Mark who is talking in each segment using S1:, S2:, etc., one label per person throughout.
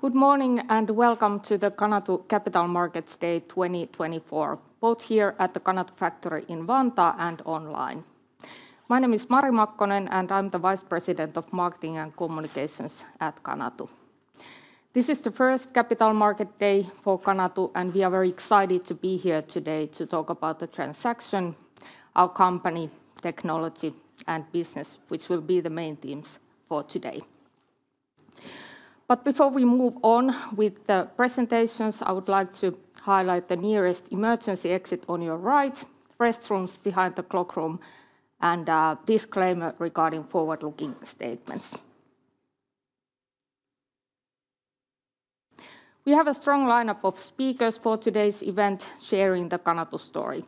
S1: Good morning, and welcome to the Canatu Capital Markets Day 2024, both here at the Canatu factory in Vantaa and online. My name is Mari Makkonen, and I'm the Vice President of Marketing and Communications at Canatu. This is the first Capital Market Day for Canatu, and we are very excited to be here today to talk about the transaction, our company, technology, and business, which will be the main themes for today. But before we move on with the presentations, I would like to highlight the nearest emergency exit on your right, restrooms behind the cloakroom, and a disclaimer regarding forward-looking statements. We have a strong lineup of speakers for today's event sharing the Canatu story.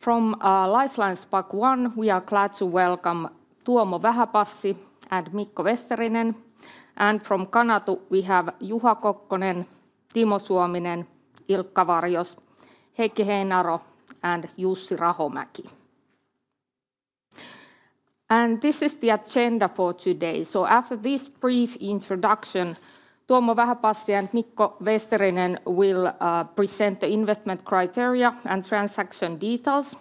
S1: From Lifeline SPAC I, we are glad to welcome Tuomo Vähäpassi and Mikko Vesterinen, and from Canatu, we have Juha Kokkonen, Timo Suominen, Ilkka Varjos, Heikki Heinaro, and Jussi Rahomäki.
S2: This is the agenda for today. After this brief introduction, Tuomo Vähäpassi and Mikko Vesterinen will present the investment criteria and transaction details.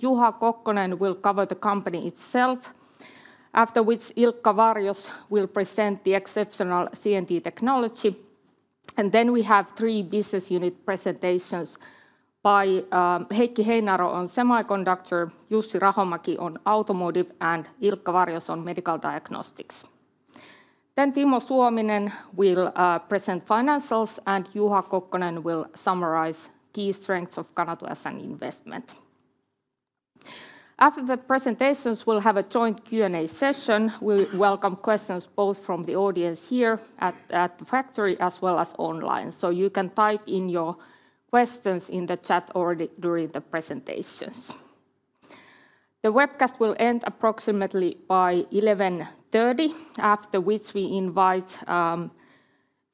S2: Juha Kokkonen will cover the company itself, after which Ilkka Varjos will present the exceptional CNT technology. We have three business unit presentations by Heikki Heinaro on semiconductor, Jussi Rahomäki on automotive, and Ilkka Varjos on medical diagnostics. Timo Suominen will present financials, and Juha Kokkonen will summarize key strengths of Canatu as an investment. After the presentations, we'll have a joint Q&A session. We welcome questions both from the audience here at the factory as well as online. You can type in your questions in the chat already during the presentations. The webcast will end approximately by 11:30 A.M., after which we invite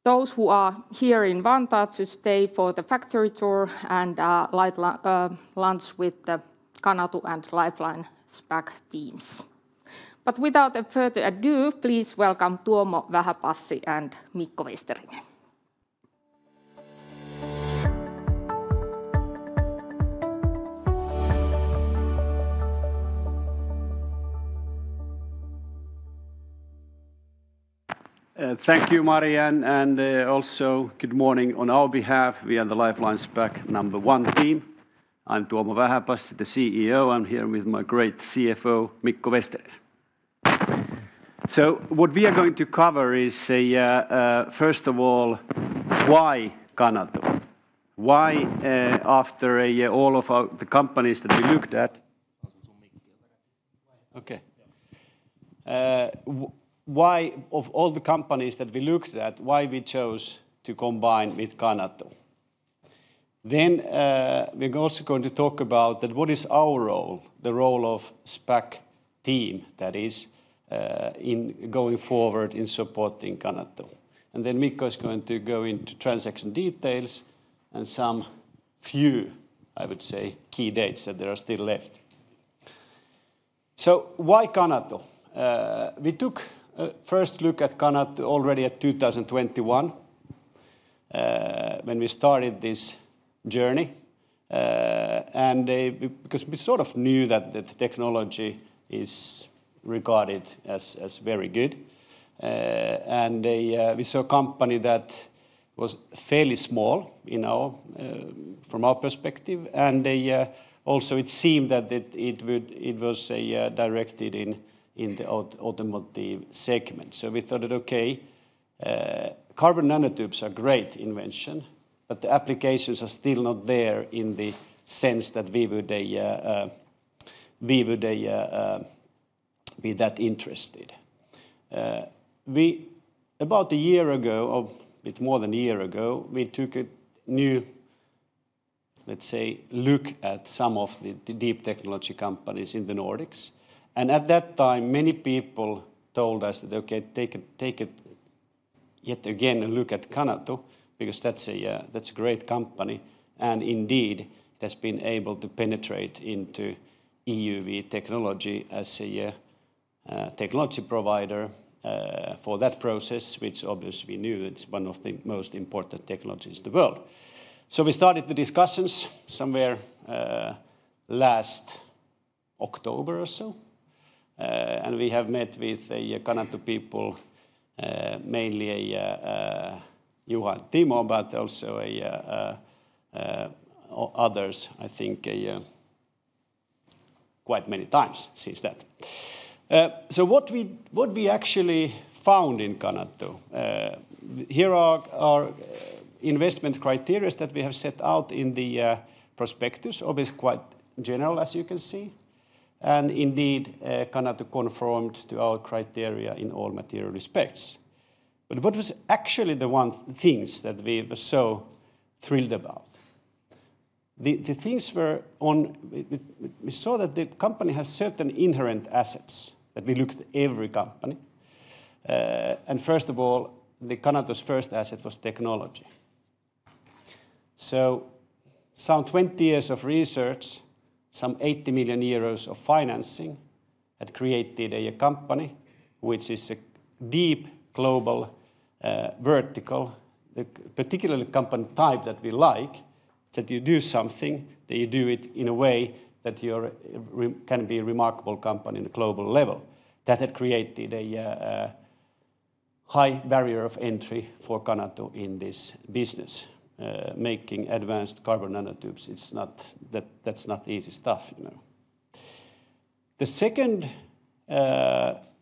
S2: those who are here in Vantaa to stay for the factory tour and light lunch with the Canatu and Lifeline SPAC I teams. But without further ado, please welcome Tuomo Vähäpassi and Mikko Vesterinen.
S3: Thank you, Mari, and also good morning on our behalf. We are the Lifeline SPAC I team. I'm Tuomo Vähäpassi, the CEO. I'm here with my great CFO, Mikko Vesterinen. What we are going to cover is first of all, why Canatu? Why, after all of our, the companies that we looked at-
S2: Okay. Why of all the companies that we looked at, why we chose to combine with Canatu. Then, we're also going to talk about what our role is, the role of the SPAC team, that is, in going forward in supporting Canatu. And then Mikko is going to go into transaction details and some few, I would say, key dates that are still left. So why Canatu? We took a first look at Canatu already at 2021, when we started this journey. And because we sort of knew that the technology is regarded as very good. And we saw a company that was fairly small, you know, from our perspective, and also it seemed that it was directed in the automotive segment. So we thought that, okay, carbon nanotubes are great invention, but the applications are still not there in the sense that we would be that interested. We about a year ago, or a bit more than a year ago, we took a new, let's say, look at some of the deep technology companies in the Nordics. And at that time, many people told us that, "Okay, take a yet again, a look at Canatu, because that's a great company." And indeed, it has been able to penetrate into EUV technology as a technology provider for that process, which obviously we knew it's one of the most important technologies in the world. We started the discussions somewhere last October or so, and we have met with the Canatu people mainly Juha and Timo, but also others, I think, quite many times since then. What we actually found in Canatu, here are our investment criteria that we have set out in the prospectus, obviously quite general, as you can see. Indeed, Canatu conformed to our criteria in all material respects. What was actually the things that we were so thrilled about? The things were. We saw that the company has certain inherent assets that we looked at every company. First of all, the Canatu's first asset was technology. So some 20 years of research, some 80 million euros of financing, had created a company which is a deep global vertical. The particular company type that we like, that you do something, that you do it in a way that you really can be a remarkable company in a global level. That had created a high barrier of entry for Canatu in this business. Making advanced carbon nanotubes, it's not. That's not easy stuff, you know. The second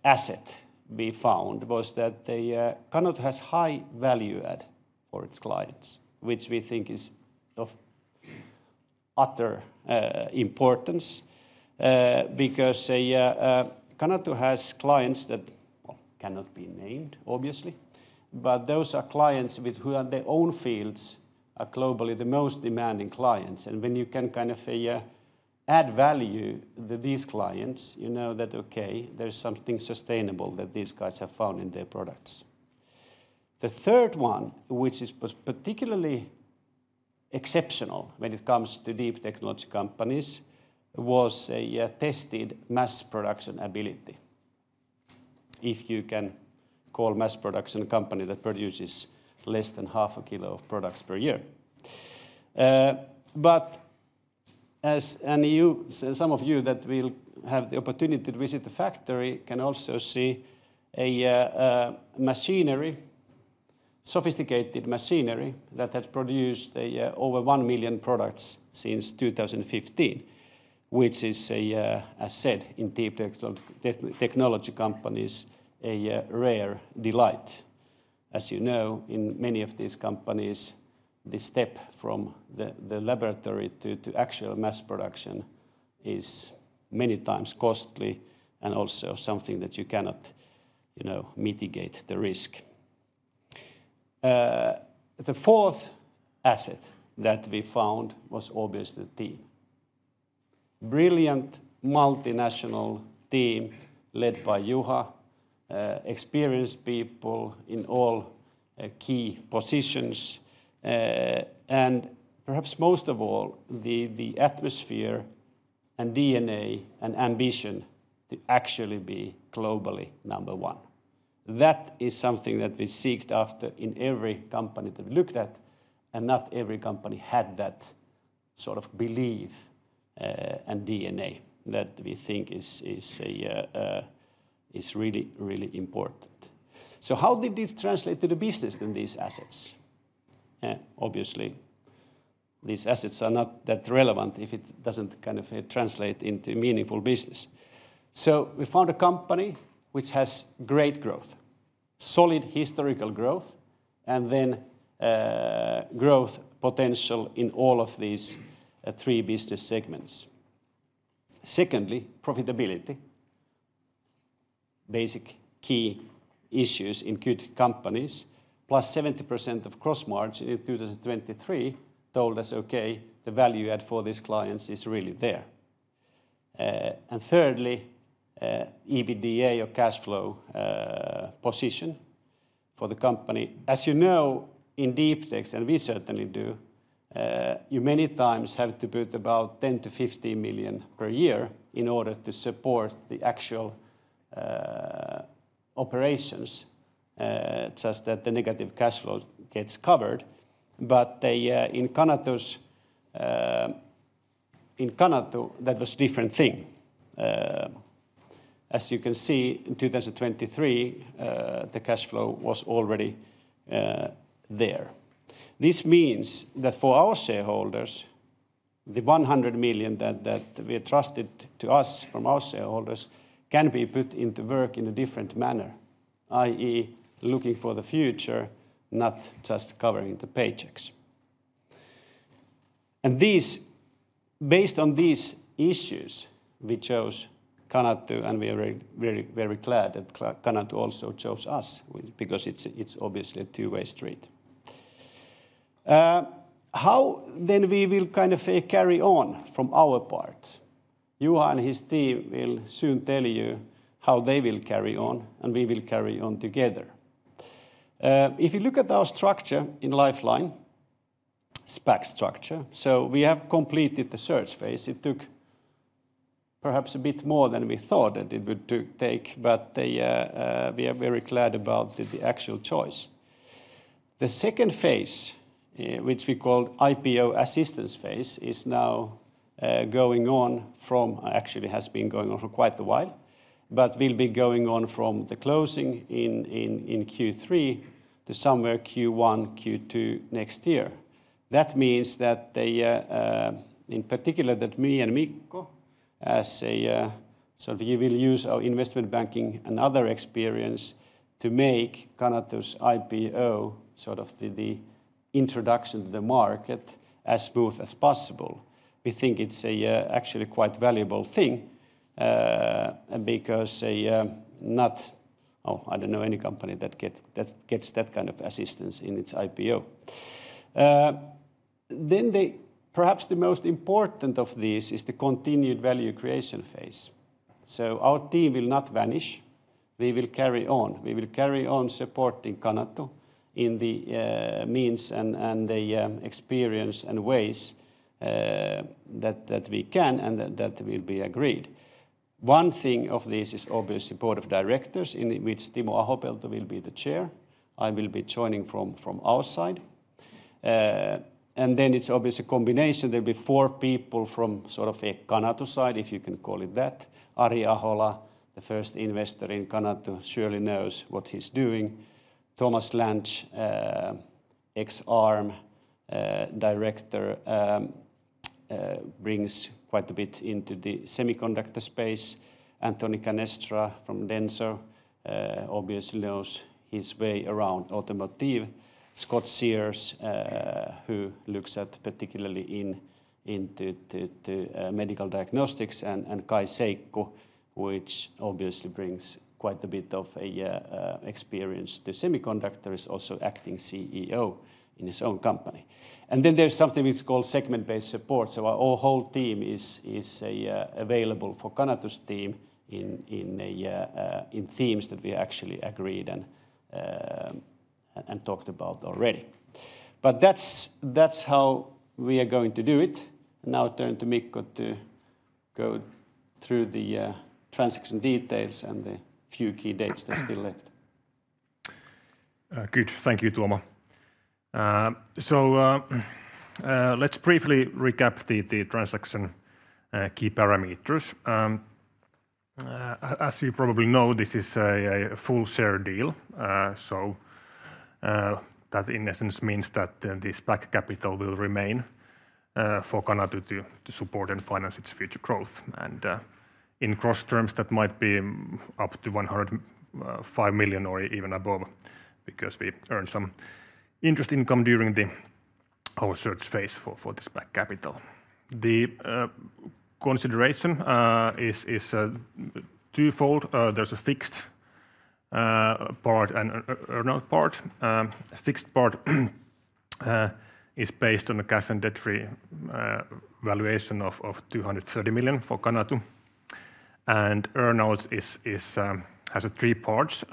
S2: asset we found was that the Canatu has high value add for its clients, which we think is of utter importance. Because Canatu has clients that, well, cannot be named, obviously, but those are clients with who, on their own fields, are globally the most demanding clients. When you can kind of add value to these clients, you know that, okay, there's something sustainable that these guys have found in their products. The third one, which is particularly exceptional when it comes to deep technology companies, was a tested mass production ability. If you can call mass production company that produces less than half a kilo of products per year. But some of you that will have the opportunity to visit the factory can also see sophisticated machinery that has produced over one million products since 2015, which is a asset in deep technology companies, a rare delight. As you know, in many of these companies, the step from the laboratory to actual mass production is many times costly and also something that you cannot, you know, mitigate the risk. The fourth asset that we found was obviously the team. Brilliant, multinational team led by Juha, experienced people in all key positions. And perhaps most of all, the atmosphere and DNA and ambition to actually be globally number one. That is something that we seeked after in every company that we looked at, and not every company had that sort of belief and DNA that we think is really, really important. So how did this translate to the business, then, these assets? Obviously, these assets are not that relevant if it doesn't kind of translate into meaningful business. We found a company which has great growth, solid historical growth, and then growth potential in all of these three business segments. Secondly, profitability. Basic key issues in good companies, +70% gross margin in 2023, told us, okay, the value add for these clients is really there. And thirdly, EBITDA or cash flow position for the company. As you know, in deep tech, and we certainly do, you many times have to put about 10 million-15 million per year in order to support the actual operations such that the negative cash flow gets covered. But in Canatu, that was different thing. As you can see, in 2023, the cash flow was already there. This means that for our shareholders, the 100 million that were trusted to us from our shareholders, can be put into work in a different manner, i.e., looking for the future, not just covering the paychecks. Based on these issues, we chose Canatu, and we are very, very, very glad that Canatu also chose us, because it's obviously a two-way street. How then we will kind of carry on from our part? Juha and his team will soon tell you how they will carry on, and we will carry on together. If you look at our structure in Lifeline SPAC structure, so we have completed the search phase. It took perhaps a bit more than we thought that it would take, but we are very glad about the actual choice. The second phase, which we call IPO assistance phase, is now going on from. Actually, has been going on for quite a while, but will be going on from the closing in Q3 to somewhere Q1, Q2 next year. That means that in particular, that me and Mikko, so we will use our investment banking and other experience to make Canatu's IPO, sort of the introduction to the market, as smooth as possible. We think it's actually quite valuable thing, because, oh, I don't know any company that gets that kind of assistance in its IPO. Then the, perhaps the most important of these is the continued value creation phase. So our team will not vanish... we will carry on. We will carry on supporting Canatu in the means and the experience and ways that we can and that will be agreed. One thing of this is obviously Board of Directors, in which Timo Ahopelto will be the chair. I will be joining from outside. And then it's obviously a combination. There'll be four people from sort of a Canatu side, if you can call it that. Ari Ahola, the first investor in Canatu, surely knows what he's doing. Tomas Lantz, ex-Arm director, brings quite a bit into the semiconductor space. Anthony Canestra from Denso, obviously knows his way around automotive. Scott Sears, who looks particularly into the medical diagnostics, and Kai Seikku, which obviously brings quite a bit of experience to semiconductor, is also acting CEO in his own company. And then there's something which is called segment-based support, so our whole team is available for Canatu's team in themes that we actually agreed and talked about already. But that's how we are going to do it, and now turn to Mikko to go through the transaction details and the few key dates that's still left.
S4: Good. Thank you, Tuomo. So, let's briefly recap the transaction key parameters. As you probably know, this is a full share deal. So, that in essence means that then the SPAC capital will remain for Canatu to support and finance its future growth. And, in gross terms, that might be up to 105 million or even above, because we earned some interest income during our search phase for this SPAC capital. The consideration is twofold. There's a fixed part and earn-out part.
S2: Fixed part is based on a cash and debt-free valuation of 230 million for Canatu, and earnout has three parts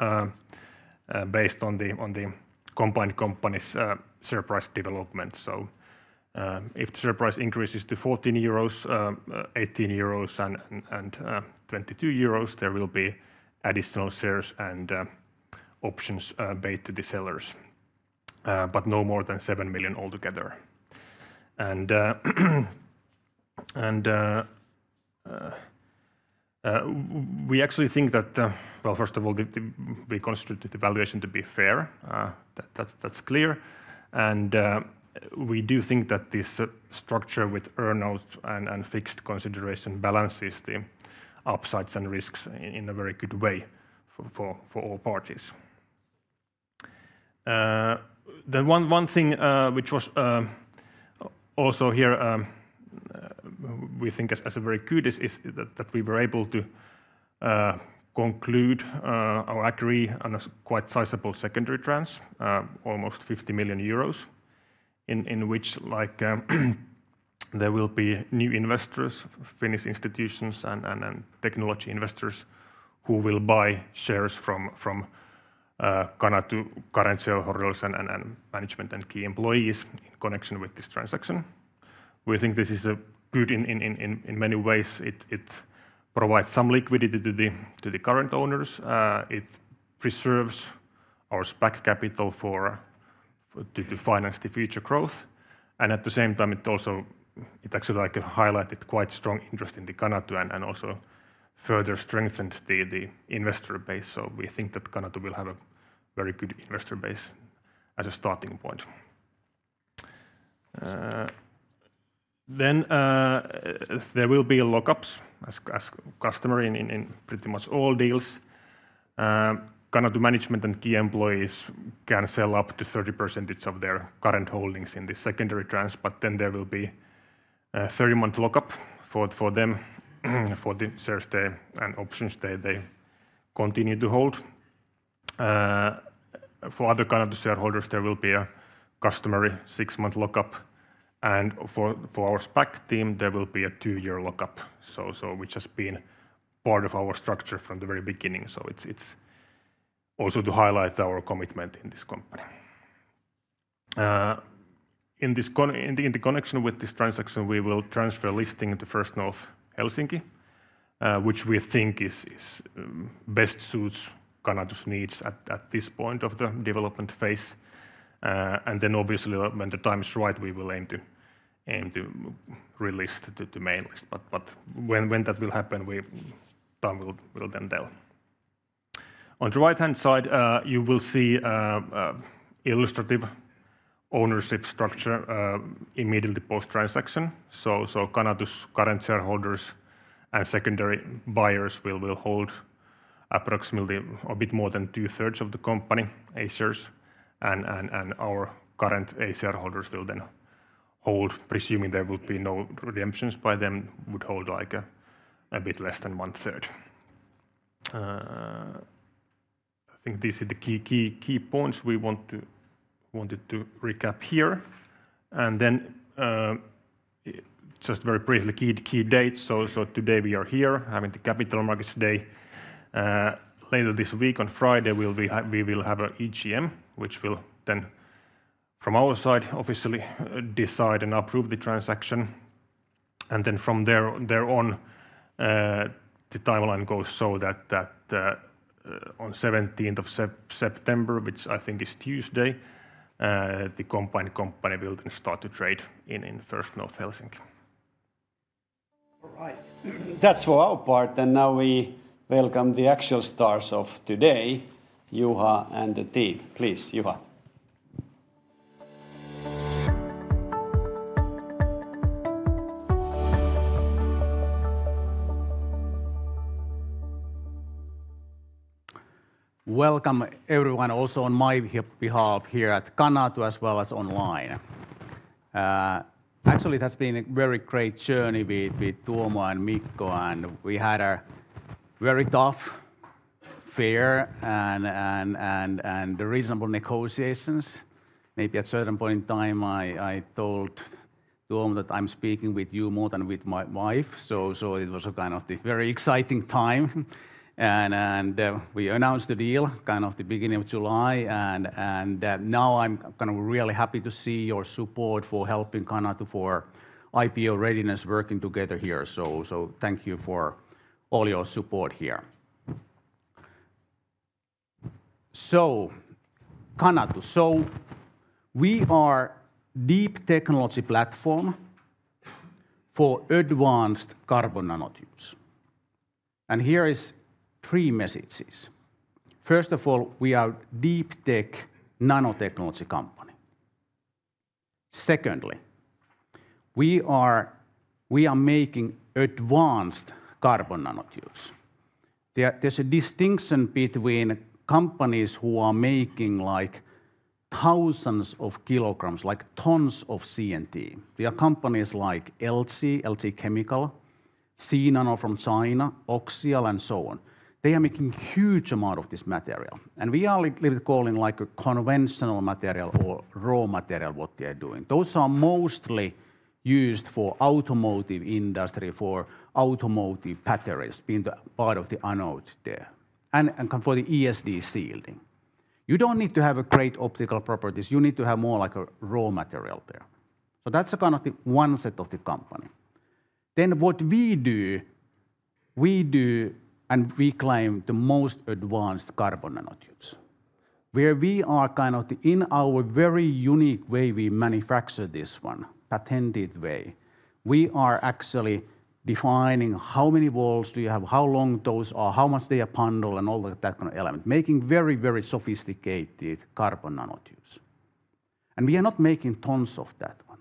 S2: based on the combined company's share price development. So, if the share price increases to 14 euros, 18 euros, and 22 euros, there will be additional shares and options paid to the sellers, but no more than 7 million altogether. We actually think that, well, first of all, we consider the valuation to be fair. That's clear, and we do think that this structure with earnout and fixed consideration balances the upsides and risks in a very good way for all parties. The one thing which was also here we think is a very good is that we were able to conclude or agree on a quite sizable secondary transaction almost 50 million euros, in which, like, there will be new investors, Finnish institutions, and technology investors who will buy shares from Canatu current shareholders and management and key employees in connection with this transaction. We think this is good in many ways. It provides some liquidity to the current owners. It preserves our SPAC capital for to finance the future growth, and at the same time, it also actually like highlighted quite strong interest in Canatu and also further strengthened the investor base. So we think that Canatu will have a very good investor base as a starting point. Then there will be lock-ups, as customary in pretty much all deals. Canatu management and key employees can sell up to 30% of their current holdings in the secondary transaction, but then there will be a 30-month lock-up for them, for the shares and options they continue to hold. For other Canatu shareholders, there will be a customary 6-month lock-up, and for our SPAC team, there will be a 2-year lock-up, which has been part of our structure from the very beginning. It's also to highlight our commitment in this company. In this con... In the connection with this transaction, we will transfer listing to First North Helsinki, which we think best suits Canatu's needs at this point of the development phase. And then obviously, when the time is right, we will aim to re-list to the main list. But when that will happen, time will then tell. On the right-hand side, you will see illustrative ownership structure immediately post-transaction. So Canatu's current shareholders and secondary buyers will hold approximately a bit more than two-thirds of the company A shares, and our current A shareholders will then hold, presuming there will be no redemptions by them, would hold, like, a bit less than one-third. I think these are the key points we wanted to recap here. And then, just very briefly, the key dates. So, today we are here having the capital markets day. Later this week, on Friday, we will have a EGM, which will then, from our side, officially decide and approve the transaction. And then from there, thereon, the timeline goes so that, on 17th of September, which I think is Tuesday, the combined company will then start to trade in First North Helsinki.
S3: All right. That's for our part, and now we welcome the actual stars of today, Juha and the team. Please, Juha.
S5: Welcome, everyone, also on my behalf here at Canatu as well as online. Actually, it has been a very great journey with Tuomo and Mikko, and we had a very tough, fair, and reasonable negotiations. Maybe at certain point in time, I told Tuomo that I'm speaking with you more than with my wife, so it was a kind of a very exciting time. We announced the deal kind of the beginning of July, and now I'm kind of really happy to see your support for helping Canatu for IPO readiness working together here. Thank you for all your support here. So Canatu, we are deep technology platform for advanced carbon nanotubes. Here is three messages. First of all, we are deep tech nanotechnology company. Secondly, we are making advanced carbon nanotubes.
S2: There, there's a distinction between companies who are making, like, thousands of kilograms, like tons of CNT. They are companies like LG, LG Chem, Cnano from China, OCSiAl, and so on. They are making huge amount of this material, and we are calling, like, a conventional material or raw material what they are doing. Those are mostly used for automotive industry, for automotive batteries, being the part of the anode there, and for the ESD shielding. You don't need to have a great optical properties, you need to have more like a raw material there. So that's a kind of the one set of the company. Then what we do, we do and we claim the most advanced carbon nanotubes, where we are kind of the... In our very unique way, we manufacture this one, patented way. We are actually defining how many walls do you have, how long those are, how much they are bundled, and all of that kind of element, making very, very sophisticated carbon nanotubes. We are not making tons of that one.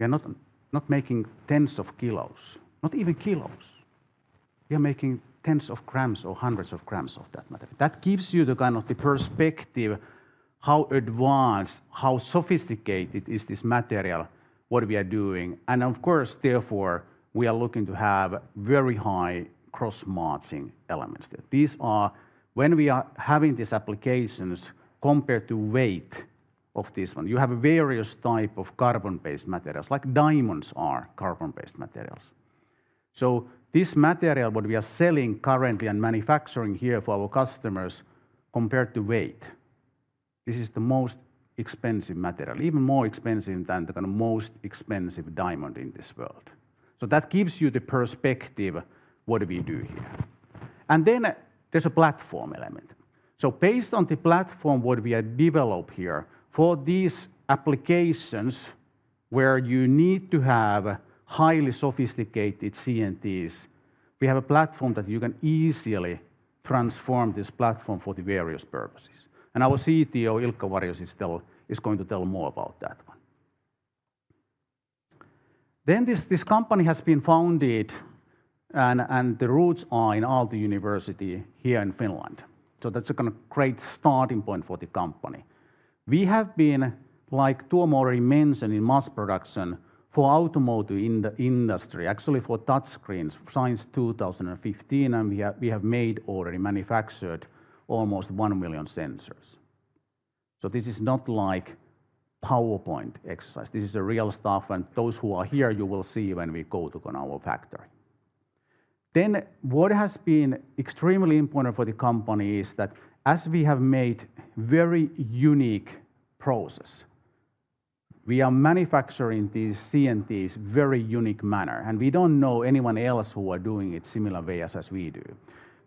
S2: We are not making tens of kilos, not even kilos. We are making tens of grams or hundreds of grams of that material. That gives you the kind of the perspective, how advanced, how sophisticated is this material, what we are doing, and of course, therefore, we are looking to have very high gross-margin elements there. These are... When we are having these applications, compared to weight of this one, you have various types of carbon-based materials, like diamonds are carbon-based materials. So this material what we are selling currently and manufacturing here for our customers, compared to weight, this is the most expensive material, even more expensive than the kind of most expensive diamond in this world. So that gives you the perspective what we do here. Then there's a platform element. So based on the platform what we have developed here for these applications, where you need to have highly sophisticated CNTs, we have a platform that you can easily transform this platform for the various purposes, and our CTO, Ilkka Varjos, is going to tell more about that one. Then this company has been founded, and the roots are in Aalto University here in Finland. So that's a kind of great starting point for the company. We have been, like Tuomo already mentioned, in mass production for automotive in the industry, actually for touchscreens, since 2015, and we have already manufactured almost one million sensors. So this is not like PowerPoint exercise. This is the real stuff, and those who are here, you will see when we go to kind of our factory. Then what has been extremely important for the company is that as we have made very unique process, we are manufacturing these CNTs very unique manner, and we don't know anyone else who are doing it similar way as we do.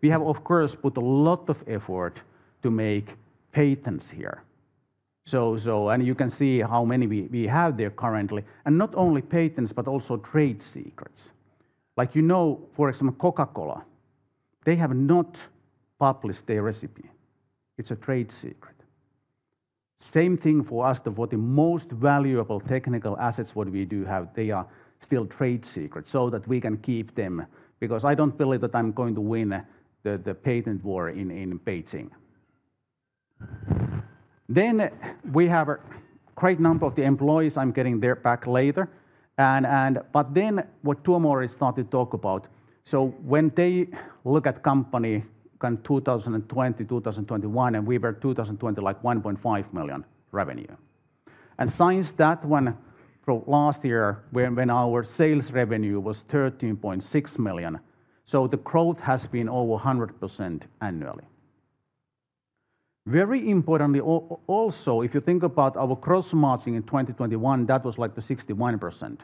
S2: We have, of course, put a lot of effort to make patents here, so. And you can see how many we have there currently, and not only patents, but also trade secrets. Like, you know, for example, Coca-Cola, they have not published their recipe. It's a trade secret. Same thing for us, that for the most valuable technical assets what we do have, they are still trade secrets, so that we can keep them, because I don't believe that I'm going to win the patent war in Beijing. Then we have a great number of the employees. I'm getting back to that later. But then what Tuomo has started to talk about, so when they looked at the company in 2020, 2021, and we were 2020, like 1.5 million revenue. And since that one, from last year, when our sales revenue was 13.6 million, so the growth has been over 100% annually. Very importantly, also, if you think about our gross margin in 2021, that was like the 61%,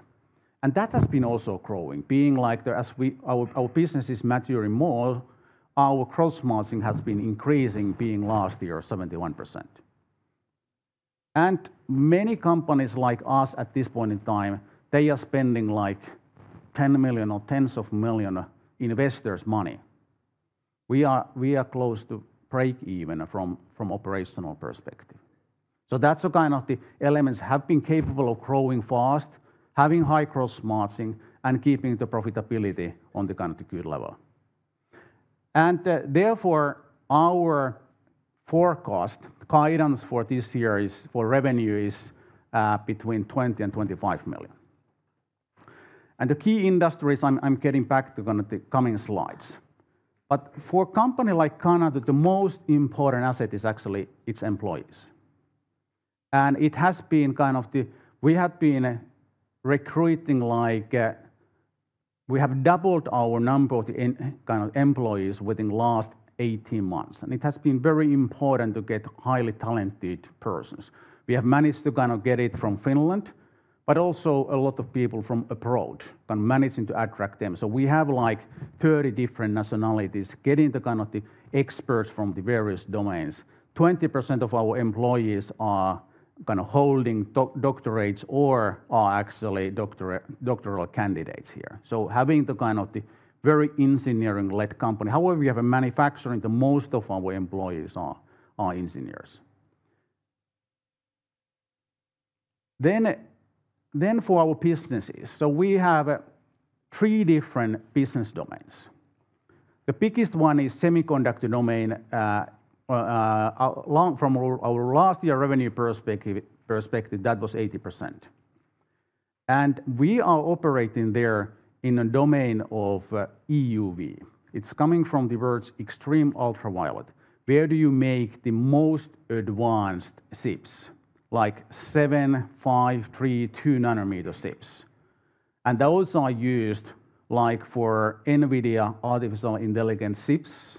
S2: and that has been also growing. Being like the, as our, our business is maturing more, our gross margin has been increasing, being last year, 71%. And many companies like us at this point in time, they are spending, like, 10 million or tens of millions investors' money. We are, we are close to break even from operational perspective. So that's the kind of the elements have been capable of growing fast, having high gross margin, and keeping the profitability on the kind of good level. And therefore, our forecast guidance for this year is for revenue between 20 million and 25 million. And the key industries, I'm getting back to on the coming slides. For a company like Canatu, the most important asset is actually its employees. It has been kind of the. We have been recruiting, like, we have doubled our number of, kind of, employees within last 18 months, and it has been very important to get highly talented persons. We have managed to kind of get it from Finland, but also a lot of people from abroad, and managing to attract them. So we have, like, 30 different nationalities, getting the kind of the experts from the various domains. 20% of our employees are kind of holding doctorates or are actually doctoral candidates here. So having the kind of the very engineering-led company. However, we have a manufacturing, the most of our employees are engineers. For our businesses, we have 3 different business domains. The biggest one is semiconductor domain. From our last year's revenue perspective, that was 80%. And we are operating there in a domain of EUV. It's coming from the words extreme ultraviolet, where do you make the most advanced chips, like seven, five, three, two nanometer chips? And those are used, like, for NVIDIA artificial intelligence chips.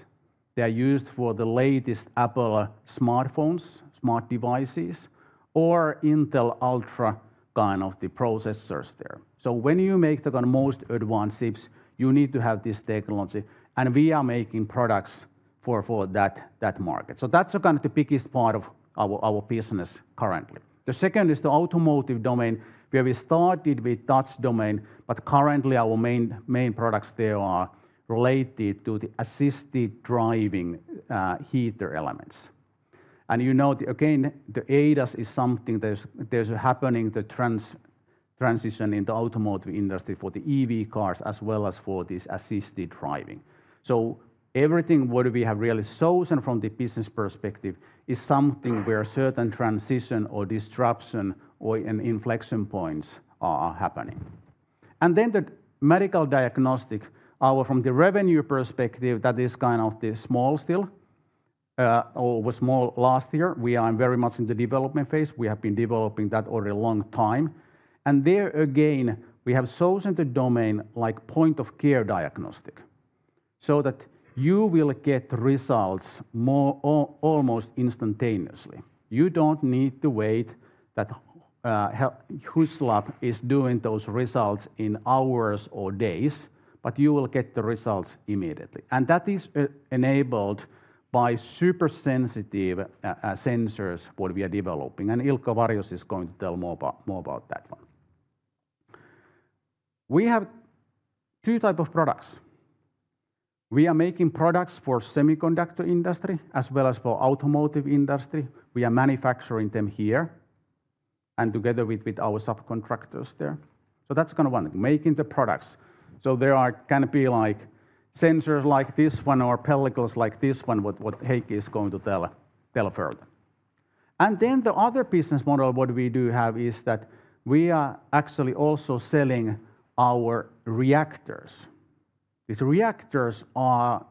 S2: They are used for the latest Apple smartphones, smart devices, or Intel Ultra kind of the processors there. So when you make the kind of most advanced chips, you need to have this technology, and we are making products for that market. So that's kind of the biggest part of our business currently. The second is the automotive domain, where we started with touch domain, but currently our main products there are related to the assisted driving heater elements. And you know, again, the ADAS is something that's happening, the transition in the automotive industry for the EV cars as well as for this assisted driving. So everything what we have really chosen from the business perspective is something where certain transition or disruption or and inflection points are happening. And then the medical diagnostic, our. From the revenue perspective, that is kind of still small, or was small last year. We are very much in the development phase. We have been developing that over a long time. And there, again, we have chosen the domain, like point-of-care diagnostic, so that you will get results more or almost instantaneously. You don't need to wait that whose lab is doing those results in hours or days, but you will get the results immediately. And that is enabled by super sensitive sensors what we are developing, and Ilkka Varjos is going to tell more about that one. We have two type of products. We are making products for semiconductor industry as well as for automotive industry. We are manufacturing them here and together with our subcontractors there. So that's kind of one, making the products. So there are gonna be, like, sensors like this one or pellicles like this one, what Heikki is going to tell further. And then the other business model, what we do have, is that we are actually also selling our reactors. These reactors are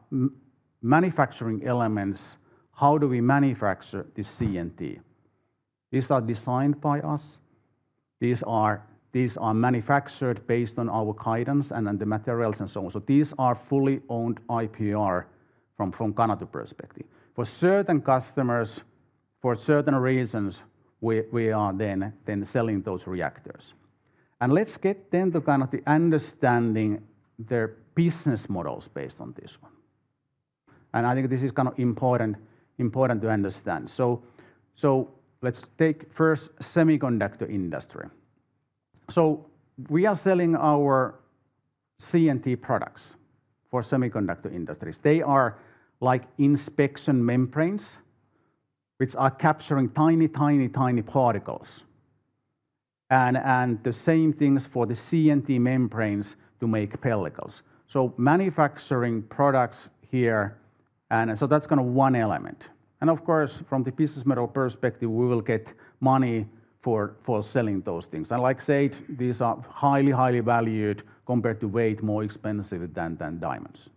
S2: manufacturing elements. How do we manufacture the CNT? These are designed by us. These are manufactured based on our guidance and then the materials and so on. These are fully owned IPR from Canatu perspective. For certain customers, for certain reasons, we are then selling those reactors. Let's get to kind of understand their business models based on this one. I think this is kind of important to understand. Let's take first the semiconductor industry. We are selling our CNT products for semiconductor industries. They are like inspection membranes, which are capturing tiny, tiny, tiny particles... and the same things for the CNT membranes to make pellicles. Manufacturing products here, and that's kind of one element. Of course, from the business model perspective, we will get money for selling those things. Like I said, these are highly, highly valued compared to weight, more expensive than diamonds.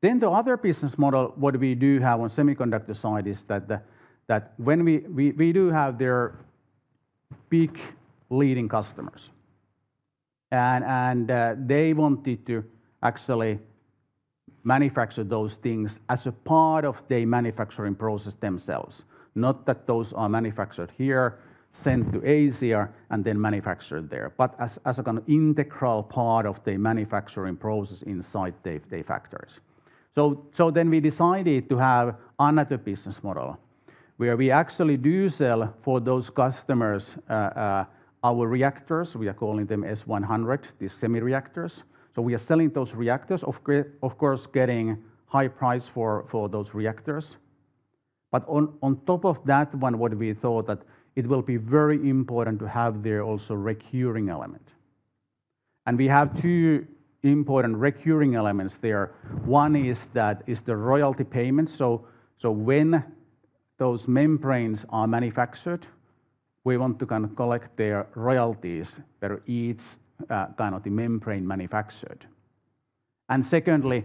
S2: Then the other business model, what we do have on semiconductor side is that when we do have their big leading customers, and they wanted to actually manufacture those things as a part of their manufacturing process themselves. Not that those are manufactured here, sent to Asia, and then manufactured there, but as a kind of integral part of the manufacturing process inside their factories. So then we decided to have another business model, where we actually do sell for those customers our reactors. We are calling them S100, the semi-reactors. So we are selling those reactors, of course, getting high price for those reactors. But on top of that one, what we thought that it will be very important to have there also recurring element. And we have two important recurring elements there. One is that, is the royalty payment. So, when those membranes are manufactured, we want to kind of collect their royalties for each kind of the membrane manufactured. And secondly,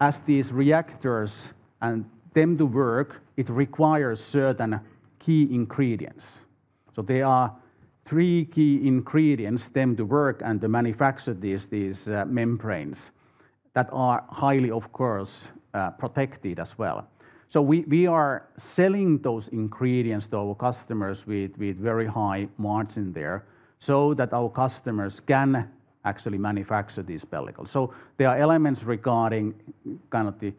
S2: as these reactors and them to work, it requires certain key ingredients. So there are three key ingredients them to work and to manufacture these membranes, that are highly, of course, protected as well. So we are selling those ingredients to our customers with very high margin there, so that our customers can actually manufacture these pellicles. So there are elements regarding kind of the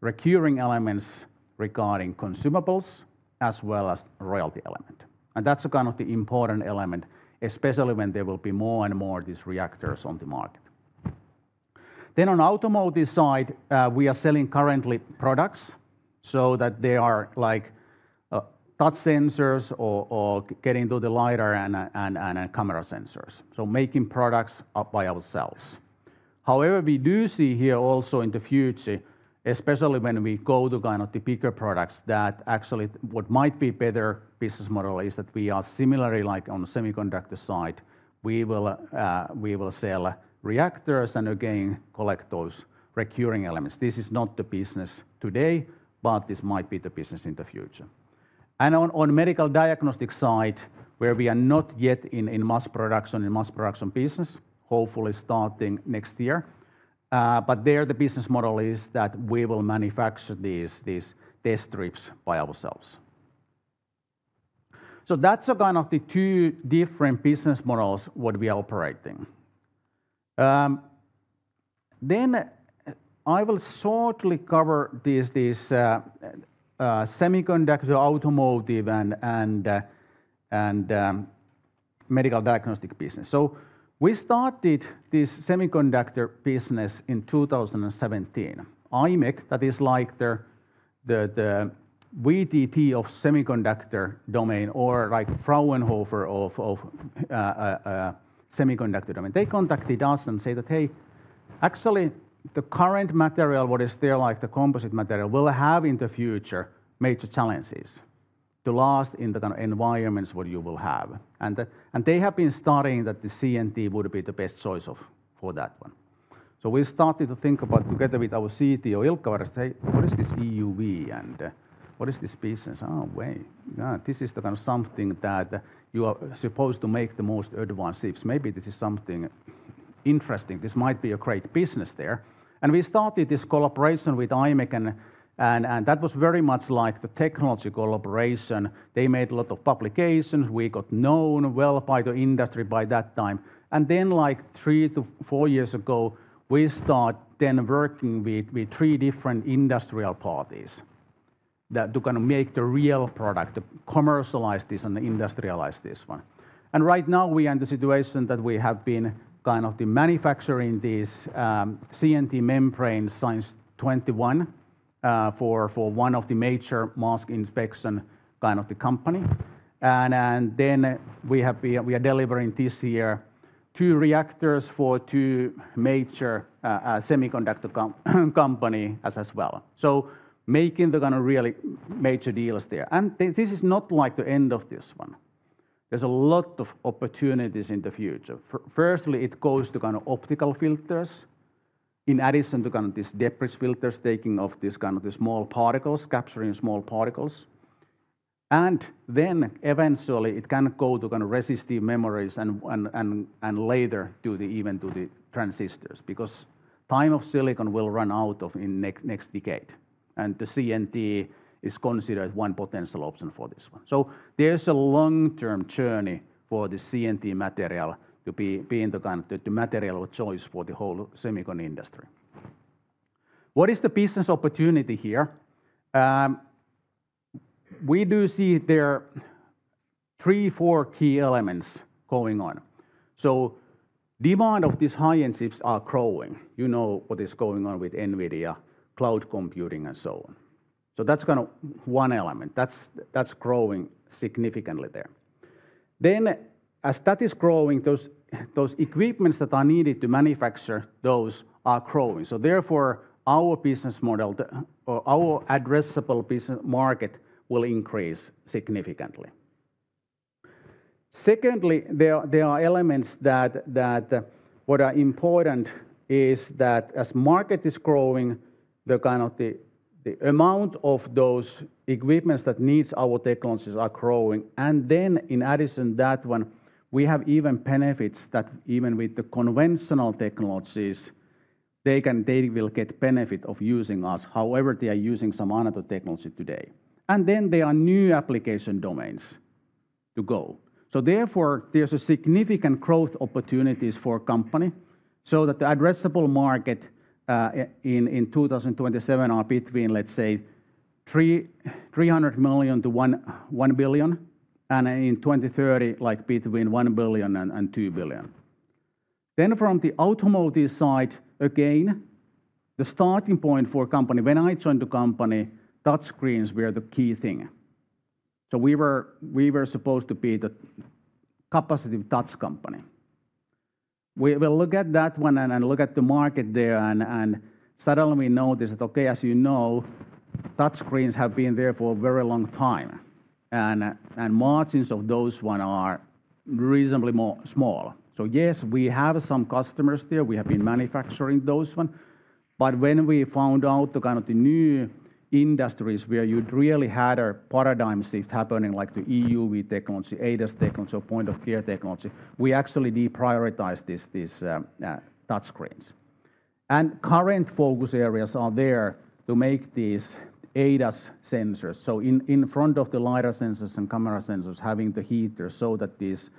S2: recurring elements regarding consumables as well as royalty element. And that's kind of the important element, especially when there will be more and more of these reactors on the market. Then, on the automotive side, we are selling currently products, so that they are like touch sensors or getting to the LiDAR and camera sensors. So making products by ourselves. However, we do see here also in the future, especially when we go to kind of the bigger products, that actually what might be better business model is that we are similarly like on the semiconductor side, we will sell reactors and again collect those recurring elements. This is not the business today, but this might be the business in the future. And on the medical diagnostic side, where we are not yet in mass production business, hopefully starting next year, but there the business model is that we will manufacture these test strips by ourselves. That's kind of the two different business models what we are operating. Then I will shortly cover this semiconductor, automotive, and medical diagnostic business. We started this semiconductor business in 2017. Imec, that is like the VTT of semiconductor domain, or like Fraunhofer of semiconductor domain. They contacted us and said that, "Hey, actually, the current material, what is there, like the composite material, will have in the future major challenges to last in the kind of environments what you will have." And they have been studying that the CNT would be the best choice of, for that one. We started to think about together with our CTO, Ilkka Varjos: "Hey, what is this EUV, and, what is this business? Oh, wait. Yeah, this is the kind of something that you are supposed to make the most advanced chips. Maybe this is something interesting. This might be a great business there." We started this collaboration with Imec, and that was very much like the technology collaboration. They made a lot of publications. We got known well by the industry by that time. Then, like three to four years ago, we start then working with three different industrial parties that to kind of make the real product, to commercialize this and industrialize this one. Right now, we are in the situation that we have been kind of manufacturing these CNT membranes since 2021 for one of the major mask inspection kind of company. We are delivering this year two reactors for two major semiconductor companies as well, so making the kind of really major deals there. This is not like the end of this one. There's a lot of opportunities in the future. Firstly, it goes to kind of optical filters, in addition to kind of these debris filters, taking off these kind of small particles, capturing small particles. Then eventually, it can go to kind of resistive memories and later to even the transistors, because time of silicon will run out in next decade, and the CNT is considered one potential option for this one. There's a long-term journey for the CNT material to be in the kind of the material of choice for the whole semicon industry. What is the business opportunity here? We do see there are three, four key elements going on. So demand of these high-end chips are growing. You know what is going on with NVIDIA, cloud computing, and so on. So that's kind of one element. That's growing significantly there. Then as that is growing, those equipments that are needed to manufacture those are growing, so therefore, our business model, our addressable business market will increase significantly. Secondly, there are elements that what are important is that as market is growing, the kind of the amount of those equipments that needs our technologies are growing. And then in addition to that one, we have even benefits that even with the conventional technologies, they will get benefit of using us, however they are using some other technology today. And then there are new application domains to go. So therefore, there's a significant growth opportunities for company, so that the addressable market in 2027 is between, let's say, 300 million-1 billion, and in 2030, like between 1 billion and 2 billion. Then from the automotive side, again, the starting point for company. When I joined the company, touch screens were the key thing. So we were supposed to be the capacitive touch company. We look at that one and look at the market there, and suddenly we noticed that, okay, as you know, touch screens have been there for a very long time, and margins of those one are reasonably more small. So yes, we have some customers there, we have been manufacturing those one, but when we found out the kind of the new industries where you'd really had a paradigm shift happening, like the EUV technology, ADAS technology, or point-of-care technology, we actually deprioritized these touch screens. Current focus areas are there to make these ADAS sensors, so in front of the LiDAR sensors and camera sensors, having the heater so that this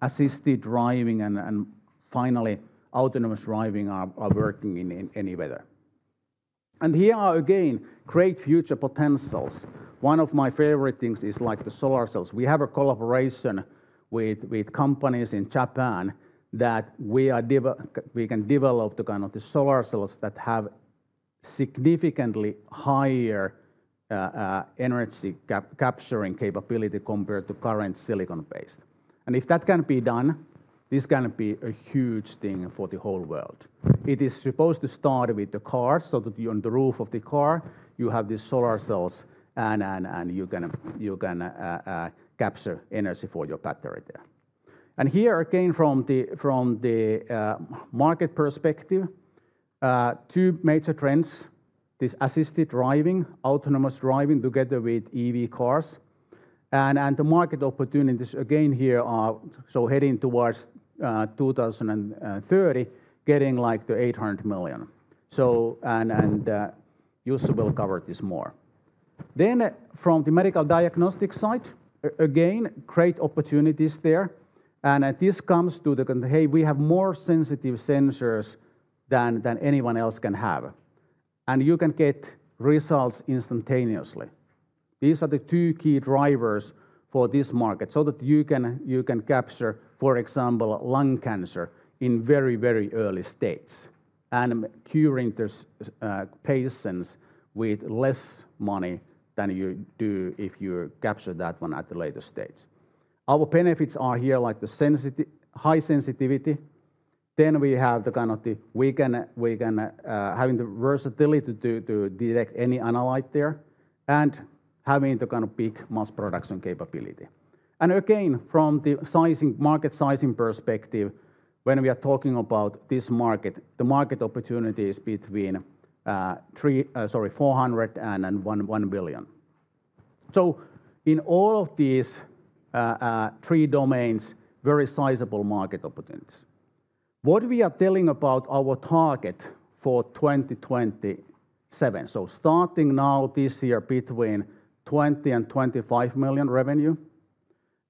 S2: assisted driving and finally autonomous driving are working in any weather. And here are again, great future potentials. One of my favorite things is like the solar cells. We have a collaboration with companies in Japan that we can develop the kind of the solar cells that have significantly higher energy capturing capability compared to current silicon-based. And if that can be done, this can be a huge thing for the whole world. It is supposed to start with the cars, so that on the roof of the car, you have these solar cells, and you're gonna capture energy for your battery there. And here, again, from the market perspective, two major trends: this assisted driving, autonomous driving together with EV cars, and the market opportunities again here are so heading towards 2030, getting like to 800 million. Jussi will cover this more. From the medical diagnostics side, again, great opportunities there. We have more sensitive sensors than anyone else can have, and you can get results instantaneously. These are the two key drivers for this market, so that you can capture, for example, lung cancer in very, very early stages, and curing these patients with less money than you do if you capture that one at the later stage. Our benefits are here, like the sensitivity, high sensitivity. We have the versatility to detect any analyte there, and having the big mass production capability. Again, from the sizing, market sizing perspective, when we are talking about this market, the market opportunity is between 400 million and 1 billion. So in all of these three domains, very sizable market opportunities. What we are telling about our target for 2027, so starting now this year between 20 million and 25 million revenue,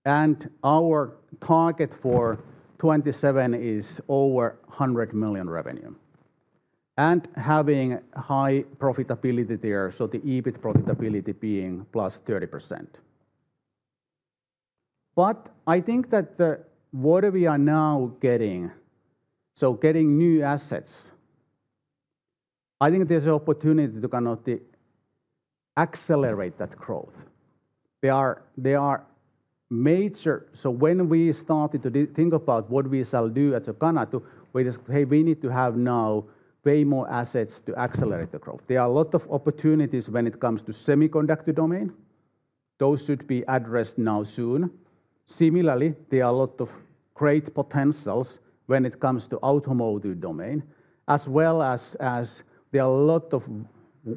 S2: and our target for 2027 is over 100 million revenue, and having high profitability there, so the EBIT profitability being +30%. But I think that what we are now getting, so getting new assets, I think there's an opportunity to kind of accelerate that growth. They are major. So when we started to think about what we shall do as a Canatu, we just, "Hey, we need to have now way more assets to accelerate the growth." There are a lot of opportunities when it comes to semiconductor domain. Those should be addressed now soon. Similarly, there are a lot of great potentials when it comes to automotive domain, as well as, as there are a lot of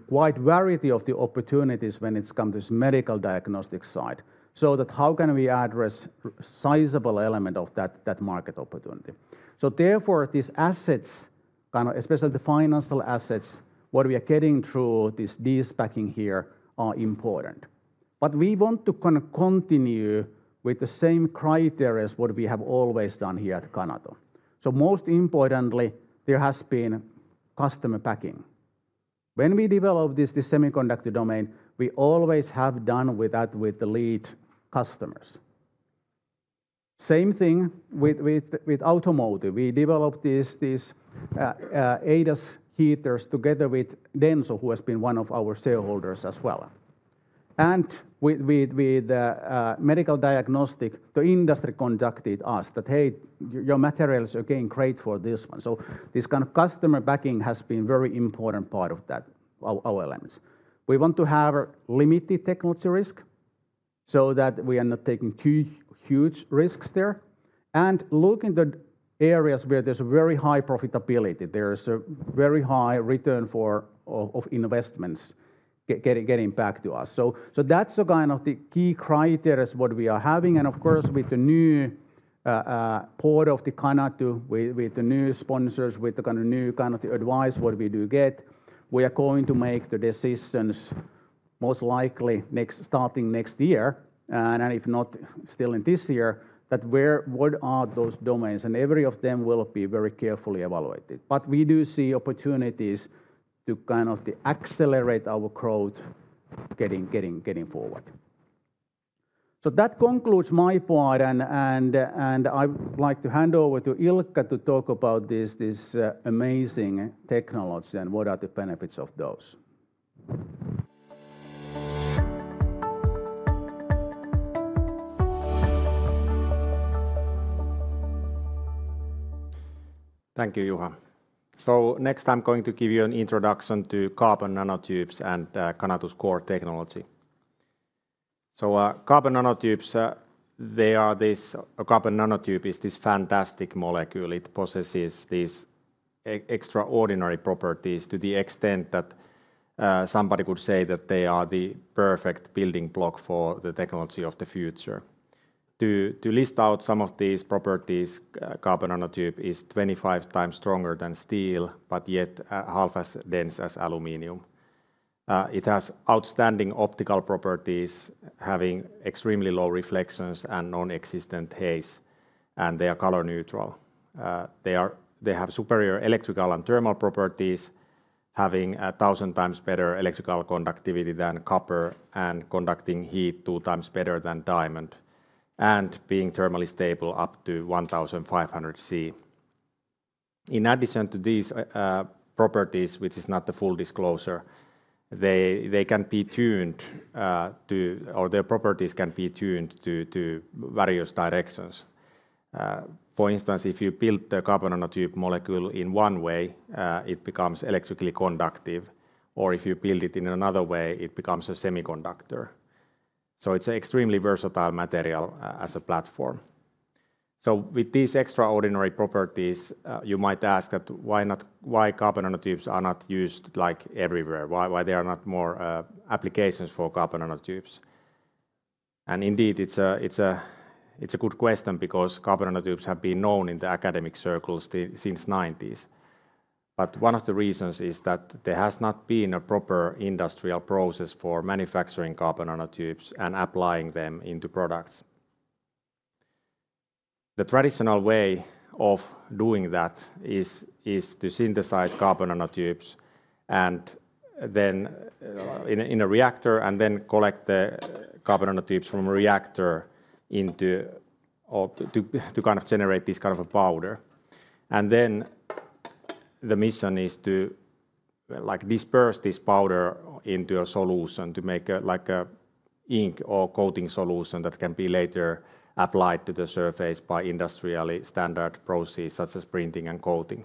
S2: wide variety of the opportunities when it comes to this medical diagnostics side, so that how can we address sizable element of that, that market opportunity? So therefore, these assets, kind of especially the financial assets, what we are getting through this de-SPACing here, are important. But we want to kind of continue with the same criteria as what we have always done here at Canatu. So most importantly, there has been customer backing. When we develop this semiconductor domain, we always have done that with the lead customers. Same thing with automotive. We developed these ADAS heaters together with Denso, who has been one of our shareholders as well. And with medical diagnostic, the industry contacted us that, "Hey, your material is, again, great for this one." So this kind of customer backing has been very important part of that, our elements. We want to have limited technology risk, so that we are not taking too huge risks there, and look in the areas where there's very high profitability, there is a very high return for investments getting back to us. So that's the kind of key criteria what we are having, and of course, with the new board of the Canatu, with the new sponsors, with the kind of new advice what we do get, we are going to make the decisions most likely starting next year, and if not, still in this year, that where, what are those domains. And every of them will be very carefully evaluated. But we do see opportunities to kind of accelerate our growth getting forward. So that concludes my part, and I would like to hand over to Ilkka to talk about this amazing technology and what are the benefits of those.
S6: Thank you, Juha. So next, I'm going to give you an introduction to carbon nanotubes and Canatu's core technology. So, carbon nanotubes, A carbon nanotube is this fantastic molecule. It possesses these extraordinary properties to the extent that somebody could say that they are the perfect building block for the technology of the future. To list out some of these properties, carbon nanotube is 25x stronger than steel, but yet half as dense as aluminum. It has outstanding optical properties, having extremely low reflections and non-existent haze, and they are color neutral. They have superior electrical and thermal properties, having 1,000x better electrical conductivity than copper, and conducting heat 2x better than diamond, and being thermally stable up to 1,500 degrees Celsius.
S2: In addition to these properties, which is not the full disclosure, they can be tuned, or their properties can be tuned to various directions. For instance, if you build the carbon nanotube molecule in one way, it becomes electrically conductive, or if you build it in another way, it becomes a semiconductor. So it's an extremely versatile material as a platform. So with these extraordinary properties, you might ask why carbon nanotubes are not used like everywhere, why there are not more applications for carbon nanotubes? And indeed, it's a good question because carbon nanotubes have been known in the academic circles since the 1990s. But one of the reasons is that there has not been a proper industrial process for manufacturing carbon nanotubes and applying them into products. The traditional way of doing that is to synthesize carbon nanotubes, and then in a reactor, and then collect the carbon nanotubes from a reactor into or to kind of generate this kind of a powder. And then, the mission is to, like, disperse this powder into a solution to make, like a ink or coating solution that can be later applied to the surface by industrially standard processes, such as printing and coating.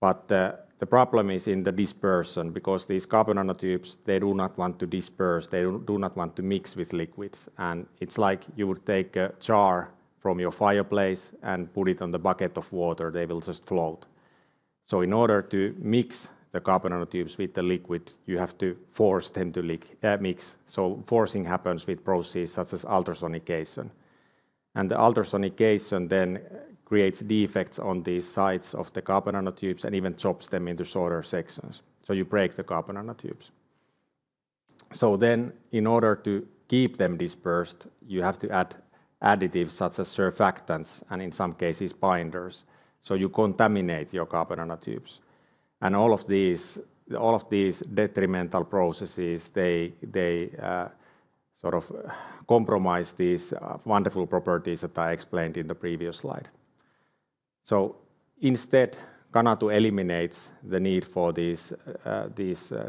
S2: But the problem is in the dispersion, because these carbon nanotubes, they do not want to disperse, they do not want to mix with liquids. And it's like you would take a char from your fireplace and put it on the bucket of water, they will just float. So in order to mix the carbon nanotubes with the liquid, you have to force them to mix. Forcing happens with processes such as ultrasonication. And the ultrasonication then creates defects on the sides of the carbon nanotubes and even chops them into shorter sections, so you break the carbon nanotubes. So then, in order to keep them dispersed, you have to add additives such as surfactants, and in some cases, binders, so you contaminate your carbon nanotubes. And all of these, all of these detrimental processes, they sort of compromise these wonderful properties that I explained in the previous slide. So instead, Canatu eliminates the need for these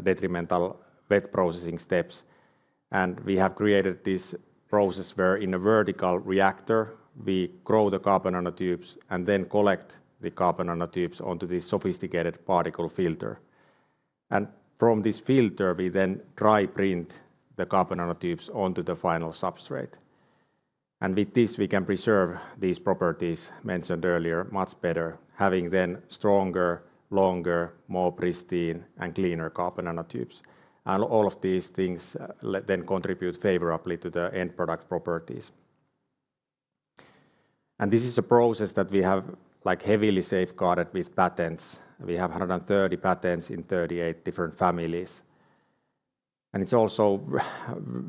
S2: detrimental wet processing steps, and we have created this process where in a vertical reactor, we grow the carbon nanotubes and then collect the carbon nanotubes onto this sophisticated particle filter. And from this filter, we then dry print the carbon nanotubes onto the final substrate. With this, we can preserve these properties mentioned earlier much better, having then stronger, longer, more pristine and cleaner carbon nanotubes. All of these things then contribute favorably to the end product properties. This is a process that we have, like, heavily safeguarded with patents. We have 130 patents in 38 different families. It's also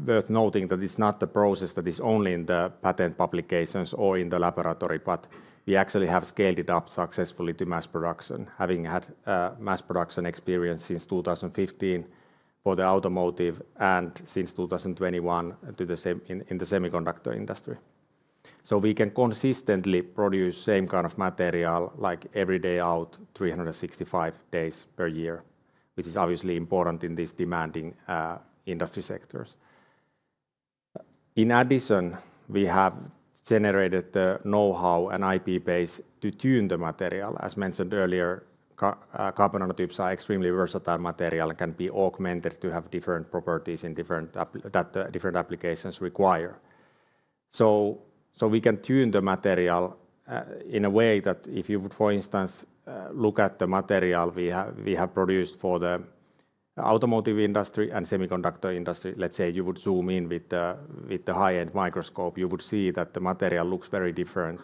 S2: worth noting that it's not the process that is only in the patent publications or in the laboratory, but we actually have scaled it up successfully to mass production, having had mass production experience since 2015 for the automotive, and since 2021 to the semiconductor industry. So we can consistently produce same kind of material, like, every day out, 365 days per year, which is obviously important in these demanding industry sectors. In addition, we have generated the know-how and IP base to tune the material. As mentioned earlier, carbon nanotubes are extremely versatile material, can be augmented to have different properties that different applications require. So we can tune the material in a way that if you would, for instance, look at the material we have produced for the automotive industry and semiconductor industry. Let's say you would zoom in with the high-end microscope, you would see that the material looks very different,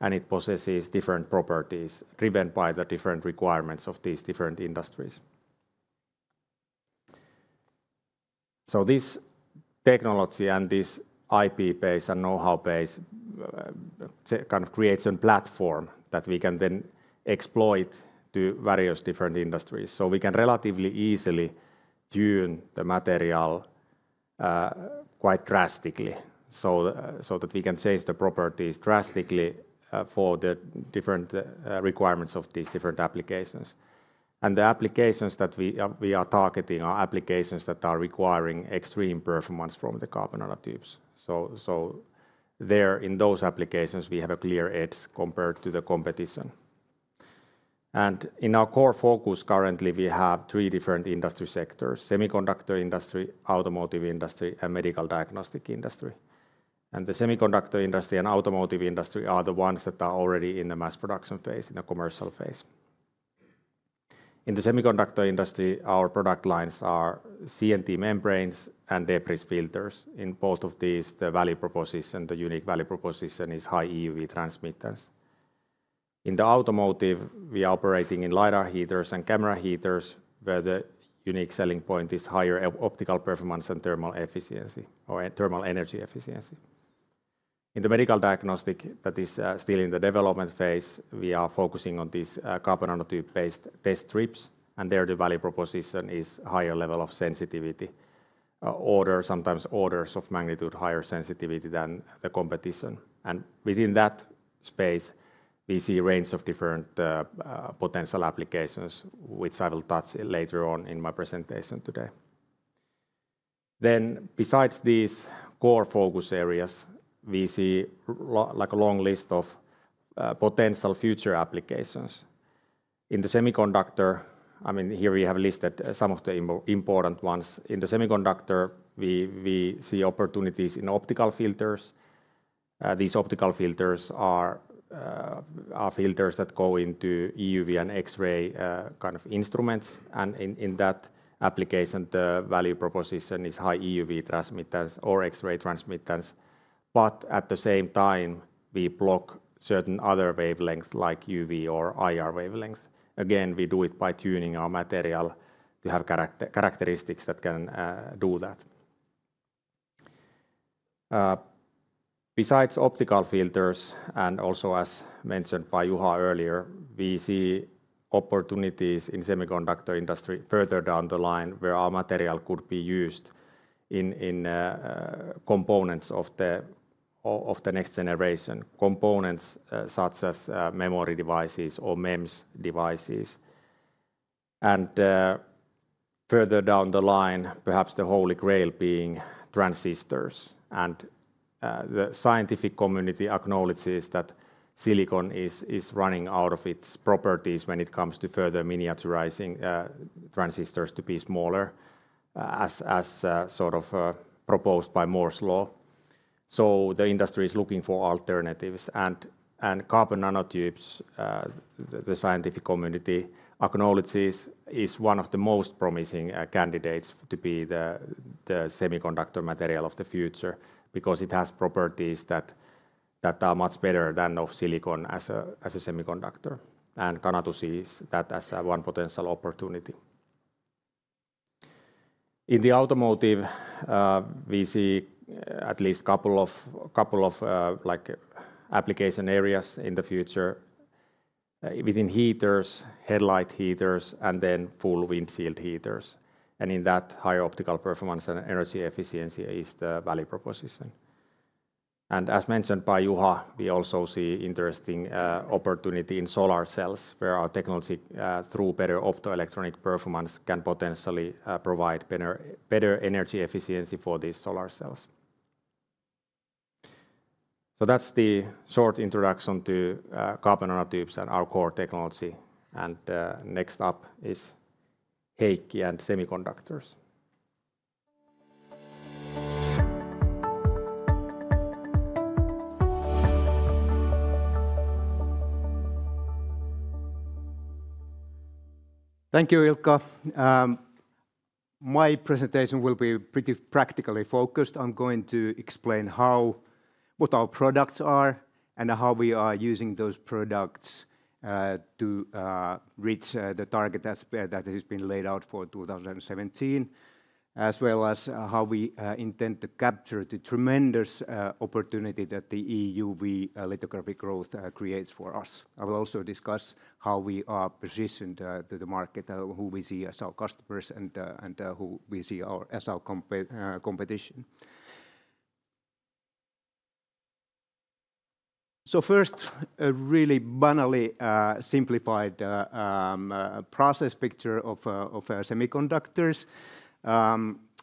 S2: and it possesses different properties driven by the different requirements of these different industries. So this technology and this IP base and know-how base kind of creates a platform that we can then exploit to various different industries. So we can relatively easily tune the material quite drastically, so that we can change the properties drastically for the different requirements of these different applications. And the applications that we are targeting are applications that are requiring extreme performance from the carbon nanotubes. So there, in those applications, we have a clear edge compared to the competition. And in our core focus currently, we have three different industry sectors: semiconductor industry, automotive industry, and medical diagnostic industry. And the semiconductor industry and automotive industry are the ones that are already in the mass production phase, in the commercial phase. In the semiconductor industry, our product lines are CNT membranes and debris filters. In both of these, the value proposition, the unique value proposition, is high EUV transmittance. In the automotive, we are operating in LiDAR heaters and camera heaters, where the unique selling point is higher optical performance and thermal efficiency or thermal energy efficiency. In the medical diagnostic, that is, still in the development phase, we are focusing on these carbon nanotube-based test strips, and there, the value proposition is higher level of sensitivity, order, sometimes orders of magnitude higher sensitivity than the competition. And within that space, we see a range of different potential applications, which I will touch later on in my presentation today. Then, besides these core focus areas, we see like a long list of potential future applications. In the semiconductor... I mean, here we have listed some of the important ones. In the semiconductor, we see opportunities in optical filters. These optical filters are filters that go into EUV and X-ray kind of instruments, and in that application, the value proposition is high EUV transmittance or X-ray transmittance. But at the same time, we block certain other wavelengths, like UV or IR wavelengths. Again, we do it by tuning our material to have characteristics that can do that. Besides optical filters, and also as mentioned by Juha earlier, we see opportunities in semiconductor industry further down the line, where our material could be used in components of the next generation. Components such as memory devices or MEMS devices, and further down the line, perhaps the holy grail being transistors. The scientific community acknowledges that silicon is running out of its properties when it comes to further miniaturizing transistors to be smaller, as sort of proposed by Moore's Law. The industry is looking for alternatives, and carbon nanotubes, the scientific community acknowledges, is one of the most promising candidates to be the semiconductor material of the future because it has properties that are much better than of silicon as a semiconductor. Canatu sees that as one potential opportunity. In the automotive, we see at least couple of, like, application areas in the future, within heaters, headlight heaters, and then full windshield heaters. In that, high optical performance and energy efficiency is the value proposition. As mentioned by Juha, we also see interesting opportunity in solar cells, where our technology through better optoelectronic performance can potentially provide better energy efficiency for these solar cells. That's the short introduction to carbon nanotubes and our core technology, and next up is Heikki and semiconductors.
S7: Thank you, Ilkka. My presentation will be pretty practically focused. I'm going to explain how what our products are and how we are using those products to reach the target that's that has been laid out for 2027, as well as how we intend to capture the tremendous opportunity that the EUV lithography growth creates for us. I will also discuss how we are positioned to the market, who we see as our customers, and who we see as our competition. First, a really banally simplified process picture of semiconductors.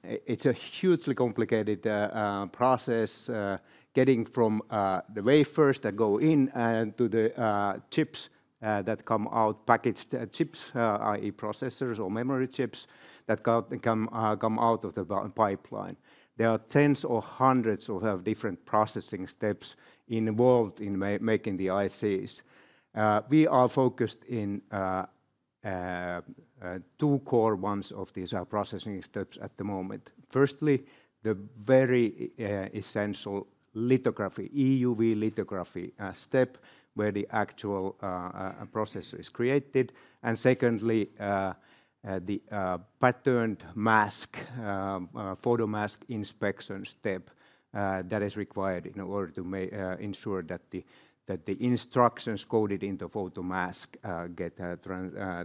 S7: It's a hugely complicated process getting from the wafers that go in and to the chips that come out, packaged chips, i.e.
S2: processors or memory chips that come out of the pipeline. There are tens or hundreds of different processing steps involved in making the ICs. We are focused in two core ones of these processing steps at the moment. Firstly, the very essential lithography, EUV lithography, step, where the actual process is created. And secondly, the patterned mask, photomask inspection step that is required in order to ensure that the instructions coded in the photomask get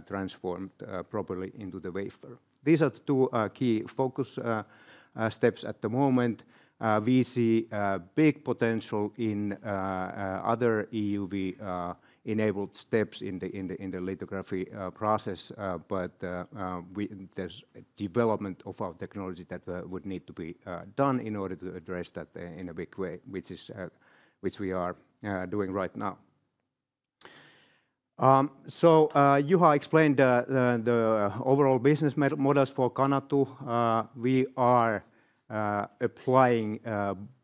S2: transformed properly into the wafer. These are the two key focus steps at the moment. We see big potential in other EUV enabled steps in the lithography process, but there's development of our technology that would need to be done in order to address that in a big way, which we are doing right now. So, Juha explained the overall business models for Canatu. We are applying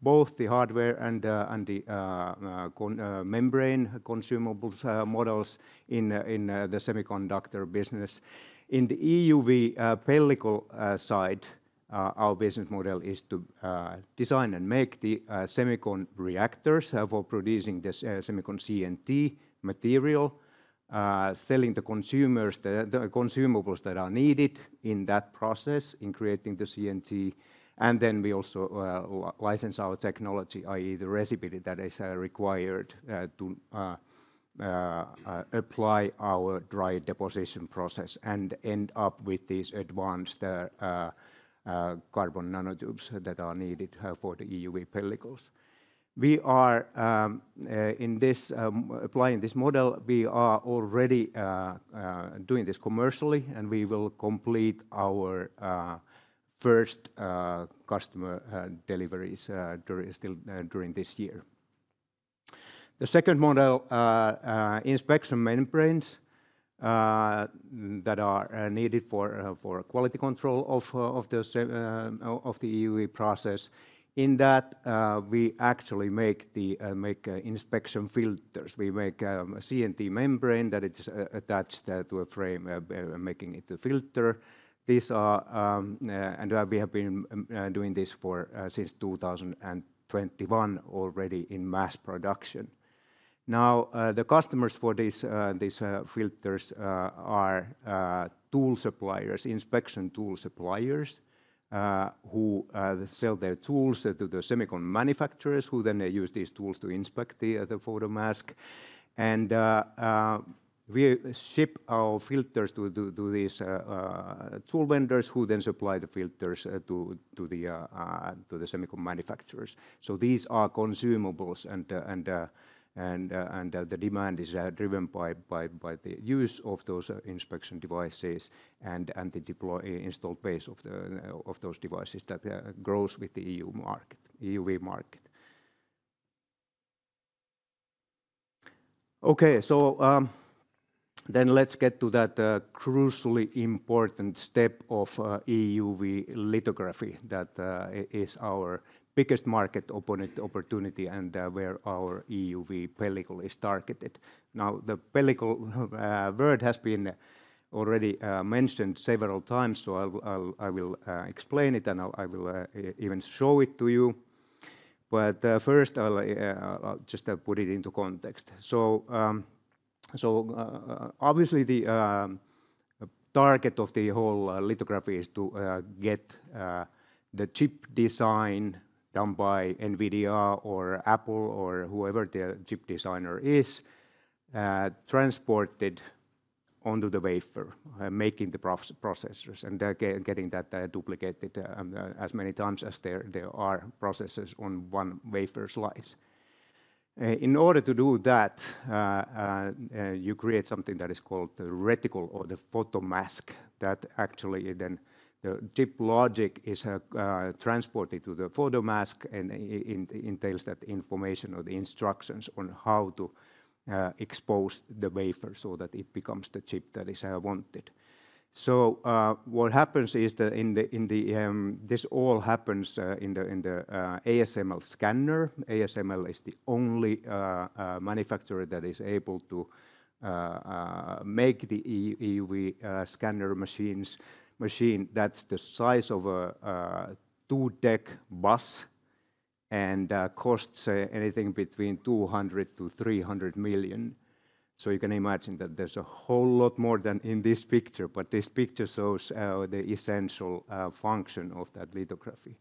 S2: both the hardware and the membrane consumables models in the semiconductor business. In the EUV pellicle side, our business model is to design and make the semicon reactors for producing this semicon CNT material, selling the customers the consumables that are needed in that process in creating the CNT. And then we also license our technology, i.e. the recipe that is required to apply our dry deposition process and end up with these advanced carbon nanotubes that are needed for the EUV pellicles. We are in this applying this model, we are already doing this commercially, and we will complete our first customer deliveries during still during this year. The second model, inspection membranes that are needed for quality control of the EUV process. In that, we actually make the inspection filters. We make CNT membrane that is attached to a frame making it a filter. These are, and we have been doing this for since 2021 already in mass production. Now, the customers for these, these filters are tool suppliers, inspection tool suppliers, who sell their tools to the semicon manufacturers, who then use these tools to inspect the photomask. And we ship our filters to these tool vendors, who then supply the filters to the semicon manufacturers. So these are consumables, and the demand is driven by the use of those inspection devices and the installed base of those devices that grows with the EU market, EUV market. Okay, so then let's get to that crucially important step of EUV lithography. That is our biggest market opportunity, and where our EUV pellicle is targeted. Now, the pellicle word has been already mentioned several times, so I will explain it, and I'll even show it to you. But first, I'll just put it into context. So obviously, the target of the whole lithography is to get the chip design done by NVIDIA or Apple or whoever the chip designer is, transported onto the wafer, making the processors, and getting that duplicated as many times as there are processors on one wafer slice. In order to do that, you create something that is called the reticle or the photomask, that actually then the chip logic is transported to the photomask, and it entails that information or the instructions on how to expose the wafer so that it becomes the chip that is wanted. So, what happens is that this all happens in the ASML scanner. ASML is the only manufacturer that is able to make the EUV scanner machines, that's the size of a two-deck bus and costs anything between 200 million-300 million. So you can imagine that there's a whole lot more than in this picture, but this picture shows the essential function of that lithography.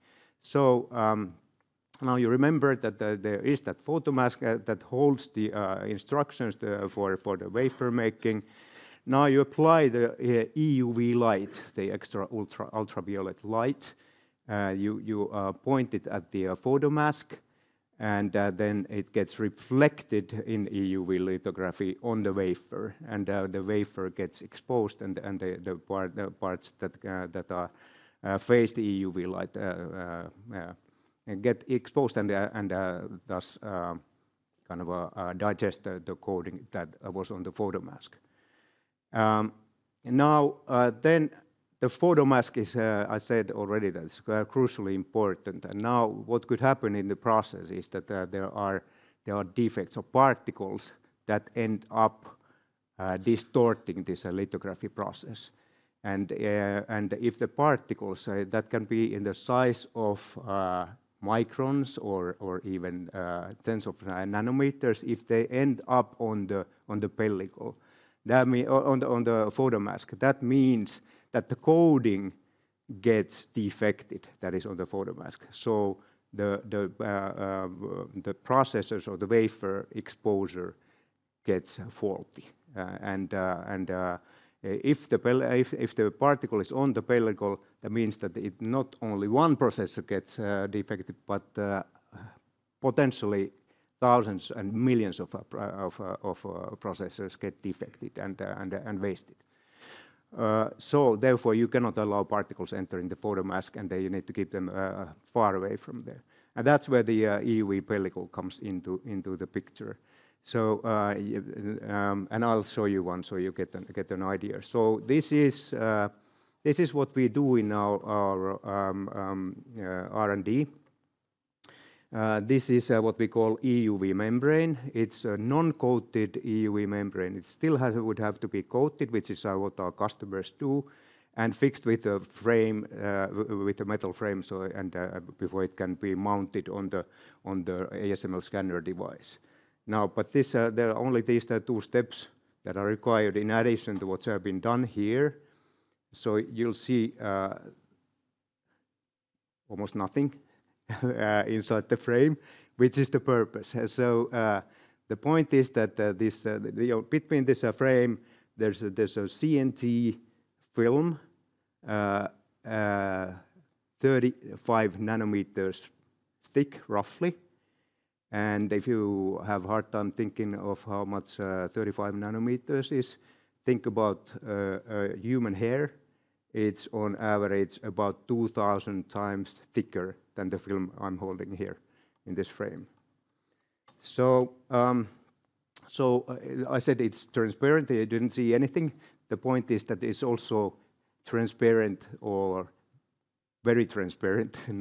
S2: Now, you remember that there is that photomask that holds the instructions for the wafer making. Now, you apply the EUV light, the extreme ultraviolet light. You point it at the photomask, and then it gets reflected in EUV lithography on the wafer, and the wafer gets exposed, and the parts that face the EUV light get exposed, and thus kind of digest the coding that was on the photomask. Now, then the photomask is. I said already that it is crucially important, and now what could happen in the process is that there are defects or particles that end up distorting this lithography process. And if the particles that can be in the size of microns or even tens of nanometers, if they end up on the pellicle, on the photomask, that means that the coding gets defected, that is on the photomask. So the processors or the wafer exposure gets faulty. And if the particle is on the pellicle, that means that it not only one processor gets defected, but potentially thousands and millions of processors get defected and wasted. So therefore, you cannot allow particles entering the photomask, and then you need to keep them far away from there. And that's where the EUV pellicle comes into the picture. And I'll show you one, so you get an idea. This is what we do in our R&D. This is what we call EUV membrane. It's a non-coated EUV membrane. It still would have to be coated, which is what our customers do, and fixed with a frame, with a metal frame, before it can be mounted on the ASML scanner device. But there are only these two steps that are required in addition to what's been done here. You'll see almost nothing inside the frame, which is the purpose. The point is that, you know, between this frame, there's a CNT film, 35 nanometers thick, roughly. And if you have hard time thinking of how much thirty-five nanometers is, think about human hair. It's on average about 2000x thicker than the film I'm holding here in this frame. So I said it's transparent, you didn't see anything. The point is that it's also transparent or very transparent to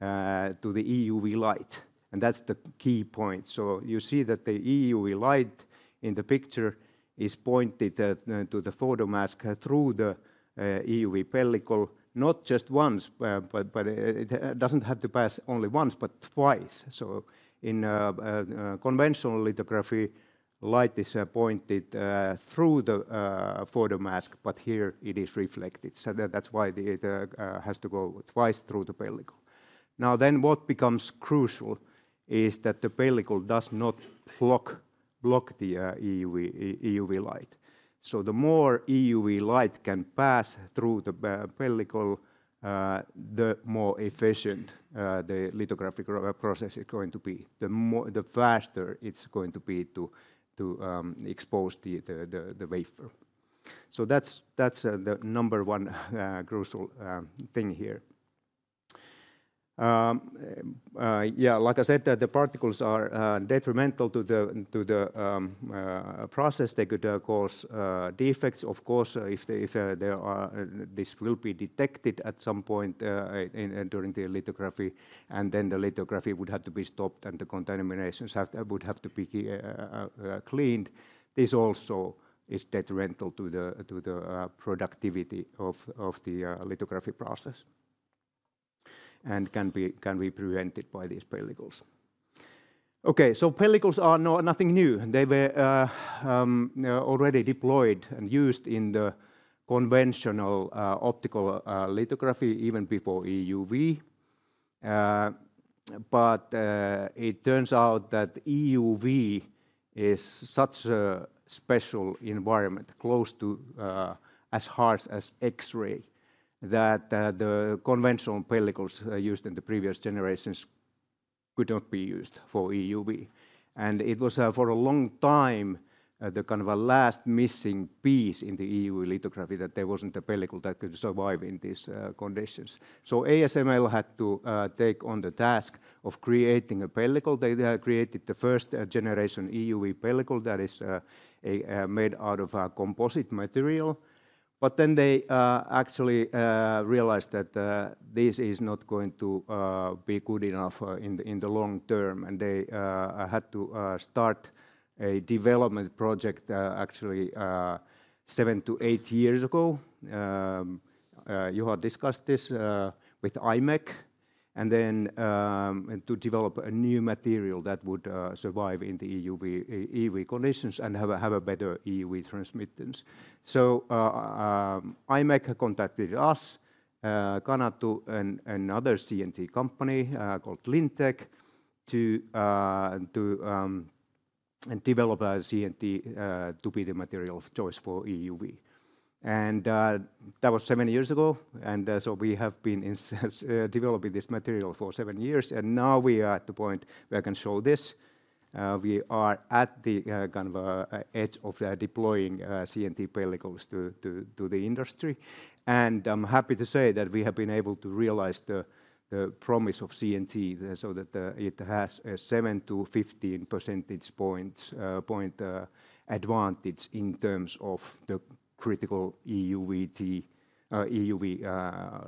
S2: the EUV light, and that's the key point. So you see that the EUV light in the picture is pointed to the photomask through the EUV pellicle, not just once, but it doesn't have to pass only once, but twice. So in conventional lithography, light is pointed through the photomask, but here it is reflected. So that's why it has to go twice through the pellicle. Now, then what becomes crucial is that the pellicle does not block the EUV light. So the more EUV light can pass through the pellicle, the more efficient the lithographic process is going to be, the faster it's going to be to expose the wafer. So that's the number one crucial thing here. Like I said, the particles are detrimental to the process. They could cause defects. Of course, if there are, this will be detected at some point during the lithography, and then the lithography would have to be stopped, and the contaminations would have to be cleaned. This also is detrimental to the productivity of the lithography process and can be prevented by these pellicles. Okay, so pellicles are nothing new. They were already deployed and used in the conventional optical lithography, even before EUV. But it turns out that EUV is such a special environment, close to as harsh as X-ray, that the conventional pellicles used in the previous generations could not be used for EUV. And it was for a long time the kind of a last missing piece in the EUV lithography, that there wasn't a pellicle that could survive in these conditions. So ASML had to take on the task of creating a pellicle. They created the first generation EUV pellicle that is a made out of a composite material. But then they actually realized that this is not going to be good enough in the long term, and they had to start a development project actually seven to eight years ago. You have discussed this with Imec, and then and to develop a new material that would survive in the EUV conditions and have a better EUV transmittance. So Imec contacted us, Canatu, and another CNT company called Lintec to develop CNT to be the material of choice for EUV. That was seven years ago, and so we have been in since developing this material for seven years, and now we are at the point where I can show this. We are at the kind of edge of deploying CNT pellicles to the industry. And I'm happy to say that we have been able to realize the promise of CNT, so that it has a 7-15 percentage points advantage in terms of the critical EUV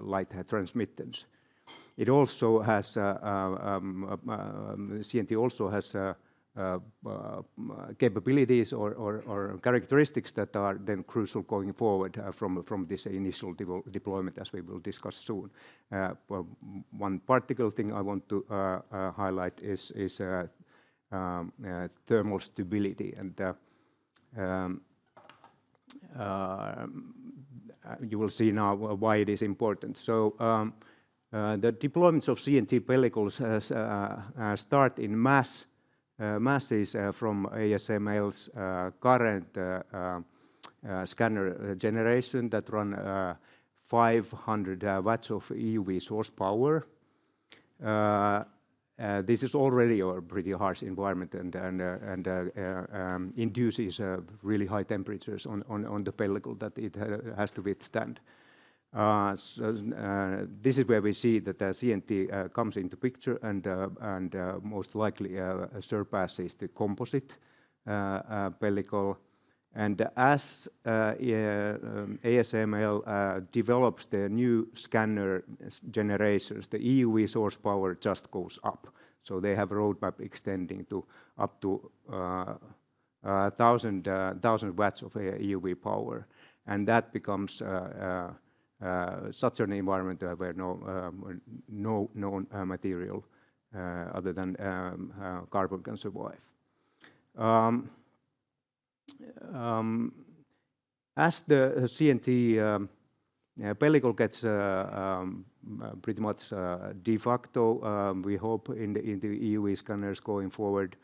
S2: light transmittance. It also has CNT also has capabilities or characteristics that are then crucial going forward from this initial deployment, as we will discuss soon. But one particular thing I want to highlight is thermal stability, and you will see now why it is important. So, the deployments of CNT pellicles has started in masses from ASML's current scanner generation that run 500 watts of EUV source power. This is already a pretty harsh environment and induces really high temperatures on the pellicle that it has to withstand. So, this is where we see that the CNT comes into picture and most likely surpasses the composite pellicle. And as ASML develops their new scanner generations, the EUV source power just goes up. So they have a roadmap extending to up to thousand watts of EUV power. And that becomes such an environment where no known material other than carbon can survive. As the CNT pellicle gets pretty much de facto, we hope in the EUV scanners going forward,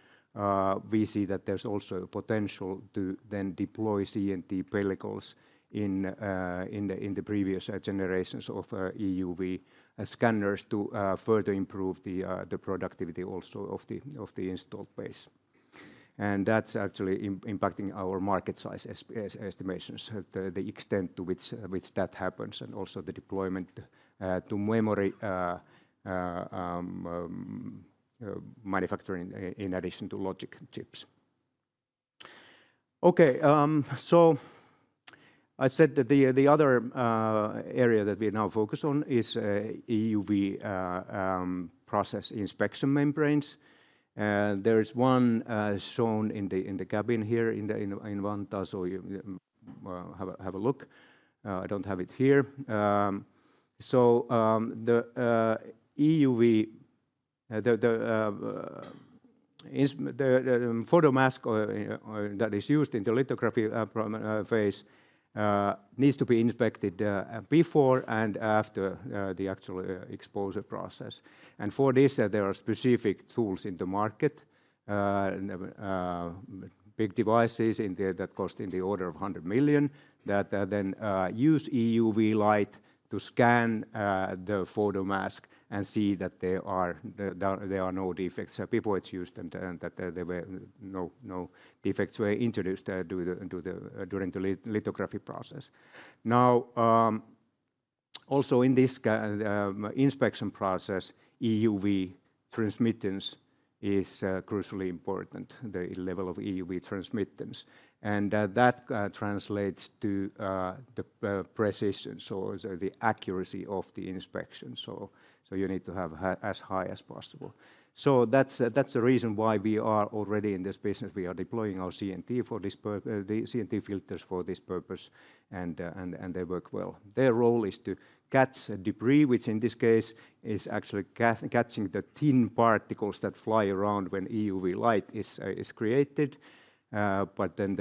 S2: we see that there's also potential to then deploy CNT pellicles in the previous generations of EUV scanners to further improve the productivity also of the installed base. And that's actually impacting our market size estimations, the extent to which that happens, and also the deployment to memory manufacturing in addition to logic chips. Okay, so I said that the other area that we now focus on is EUV process inspection membranes. There is one shown in the cabin here in Vantaa, so you have a look. I don't have it here. So, the EUV inspection, the photomask or that is used in the lithography phase needs to be inspected before and after the actual exposure process. And for this, there are specific tools in the market, big devices in the... that cost in the order of 100 million, that then use EUV light to scan the photomask and see that there are no defects before it's used, and that there were no defects were introduced during the lithography process. Now, also in this inspection process, EUV transmittance is crucially important, the level of EUV transmittance. And that translates to the precision, so the accuracy of the inspection. So you need to have as high as possible. So that's the reason why we are already in this business. We are deploying our CNT for this purpose, the CNT filters for this purpose, and they work well. Their role is to catch debris, which in this case is actually catching the thin particles that fly around when EUV light is created, but then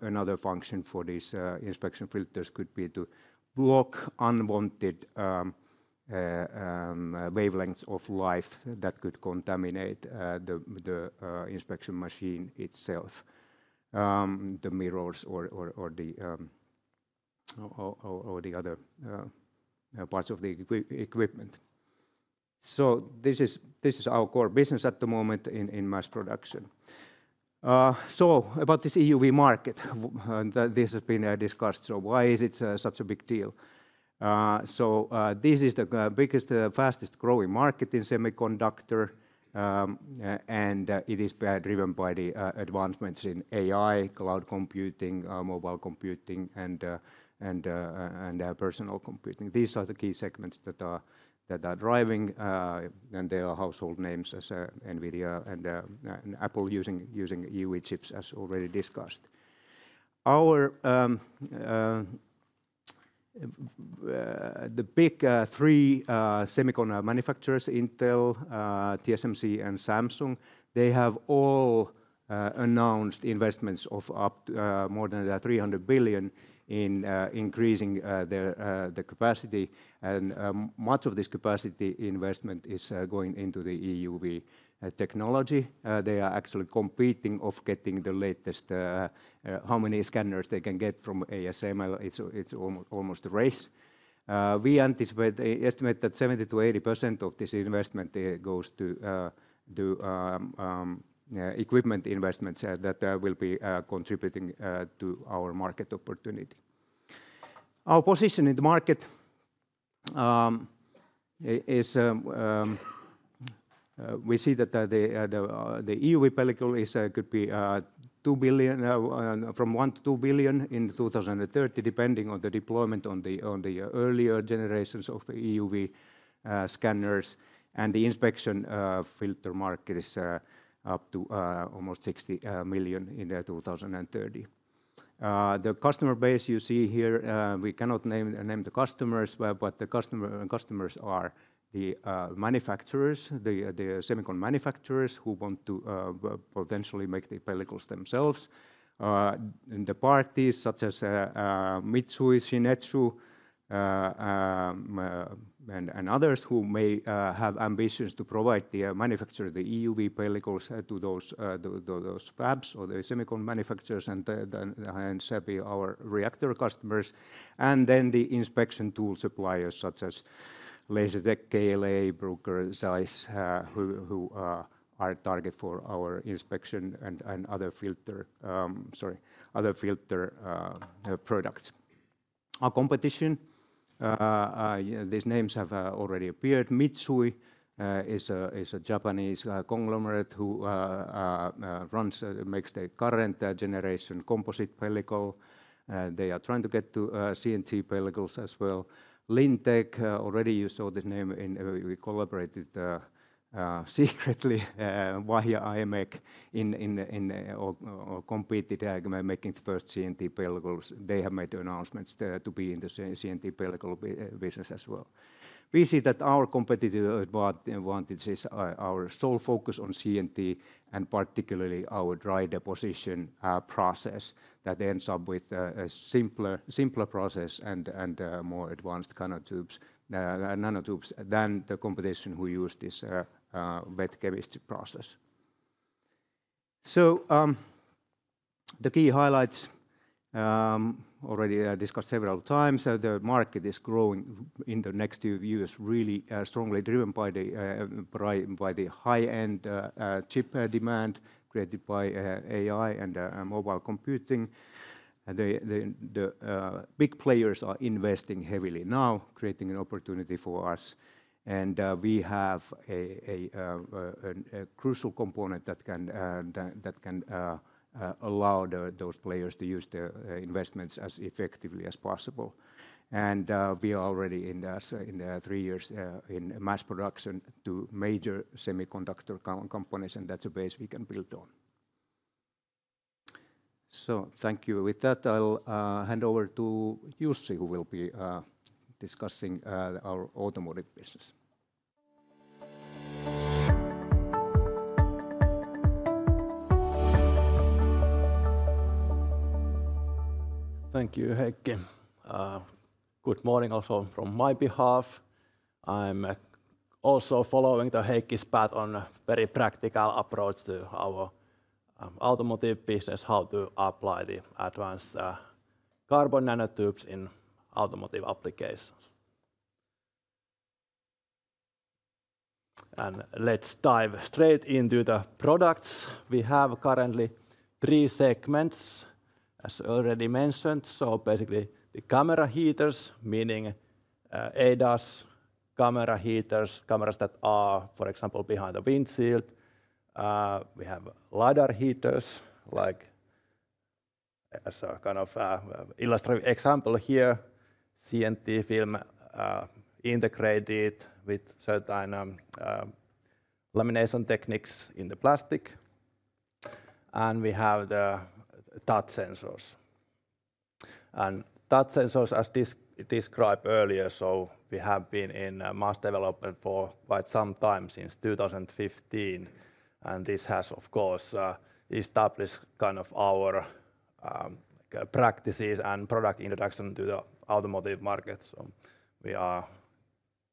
S2: another function for these inspection filters could be to block unwanted wavelengths of light that could contaminate the inspection machine itself, the mirrors or the other parts of the equipment. This is our core business at the moment in mass production. About this EUV market, this has been discussed, so why is it such a big deal? So, this is the biggest, fastest growing market in semiconductor, and it is driven by the advancements in AI, cloud computing, mobile computing, and personal computing. These are the key segments that are driving, and they are household names as NVIDIA and Apple using EUV chips, as already discussed. Our, the big three semicon manufacturers, Intel, TSMC, and Samsung, they have all announced investments of up to more than three hundred billion in increasing their the capacity. And, much of this capacity investment is going into the EUV technology. They are actually competing of getting the latest how many scanners they can get from ASML. It's, it's almost a race. We estimate that 70%-80% of this investment goes to equipment investments that will be contributing to our market opportunity. Our position in the market is we see that the EUV pellicle could be 2 billion and from 1 billion-2 billion in 2030, depending on the deployment on the earlier generations of EUV scanners, and the inspection filter market is up to almost 60 million in 2030. The customer base you see here, we cannot name the customers, but the customers are the manufacturers, the semicon manufacturers who want to potentially make the pellicles themselves. And the parties such as Mitsui, Shin-Etsu, and others who may have ambitions to provide the manufacture the EUV pellicles to those fabs or the semicon manufacturers, and CPI, our reactor customers, and then the inspection tool suppliers, such as Lasertec, KLA, Bruker, Zeiss, who are a target for our inspection and other filter products. Our competition, these names have already appeared. Mitsui is a Japanese conglomerate who makes the current generation composite pellicle, and they are trying to get to CNT pellicles as well. Lintec, already you saw the name in... We collaborated secretly via Imec, completed making the first CNT pellicles. They have made announcements to be in the CNT pellicle business as well. We see that our competitive advantages are our sole focus on CNT and particularly our dry deposition process that ends up with a simpler process and more advanced nanotubes than the competition who use this wet chemistry process. So the key highlights already discussed several times, so the market is growing in the next few years, really strongly driven by the high-end chip demand created by AI and mobile computing. The big players are investing heavily now, creating an opportunity for us, and we have a crucial component that can allow those players to use the investments as effectively as possible. We are already in the three years in mass production to major semiconductor companies, and that's a base we can build on. So thank you. With that, I'll hand over to Jussi, who will be discussing our automotive business.
S8: Thank you, Heikki. Good morning also from my behalf. I'm also following the Heikki's path on a very practical approach to our automotive business, how to apply the advanced carbon nanotubes in automotive applications. And let's dive straight into the products. We have currently three segments, as already mentioned, so basically the camera heaters, meaning ADAS camera heaters, cameras that are, for example, behind the windshield. We have LiDAR heaters, like as a kind of illustrative example here, CNT film integrated with certain lamination techniques in the plastic. And we have the touch sensors.
S2: And touch sensors, as described earlier, so we have been in mass development for quite some time, since 2015, and this has, of course, established kind of our practices and product introduction to the automotive market, so we've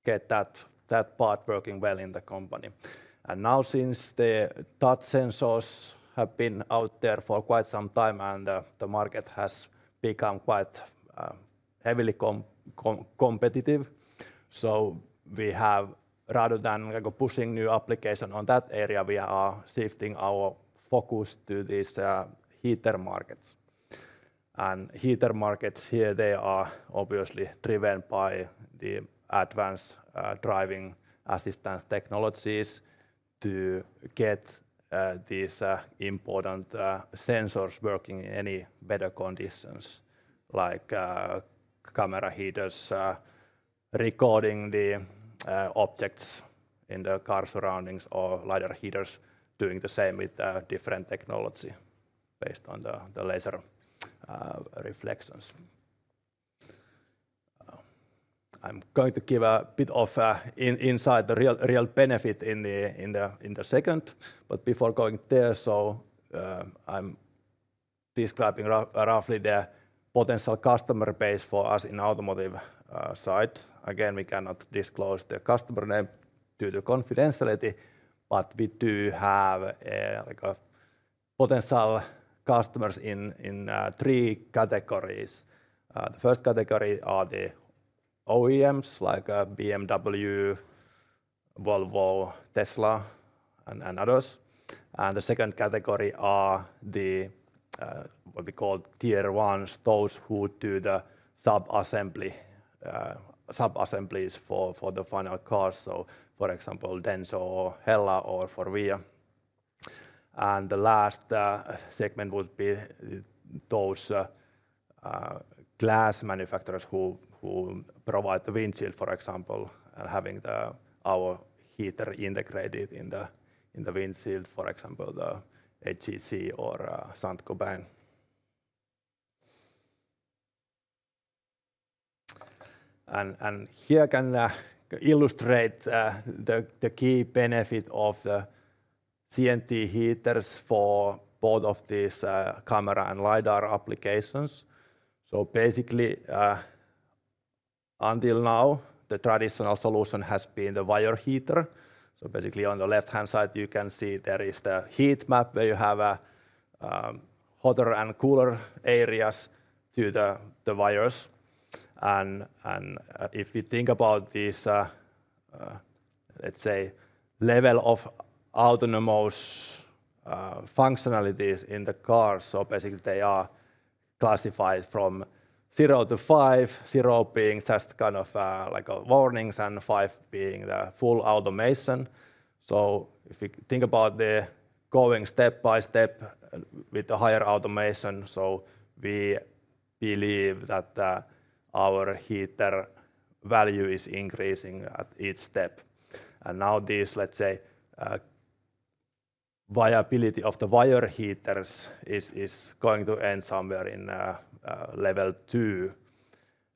S2: got that part working well in the company. And now, since the touch sensors have been out there for quite some time, and the market has become quite heavily competitive, so we have, rather than pushing new application on that area, we are shifting our focus to these heater markets. Heater markets here, they are obviously driven by the advanced driving assistance technologies to get these important sensors working in any better conditions, like camera heaters recording the objects in the car surroundings or LiDAR heaters doing the same with a different technology based on the laser reflections. I'm going to give a bit of insight, the real benefit in the second. But before going there, I'm describing roughly the potential customer base for us in automotive side. Again, we cannot disclose the customer name due to confidentiality, but we do have like a potential customers in three categories. The first category are the OEMs, like BMW, Volvo, Tesla, and others. And the second category are what we call tier ones, those who do the sub-assembly, sub-assemblies for the final cars. So for example, Denso or Hella or Forvia. And the last segment would be those glass manufacturers who provide the windshield, for example, and having our heater integrated in the windshield, for example, the AGC or Saint-Gobain. And here I can illustrate the key benefit of the CNT heaters for both of these camera and LiDAR applications. So basically, until now, the traditional solution has been the wire heater. So basically, on the left-hand side, you can see there is the heat map, where you have hotter and cooler areas to the wires. If you think about these, let's say, level of autonomous functionalities in the car, so basically they are classified from zero to five, zero being just kind of like warnings and five being the full automation. So if you think about going step by step with the higher automation, so we believe that our heater value is increasing at each step. Now this, let's say, viability of the wire heaters is going to end somewhere in level two.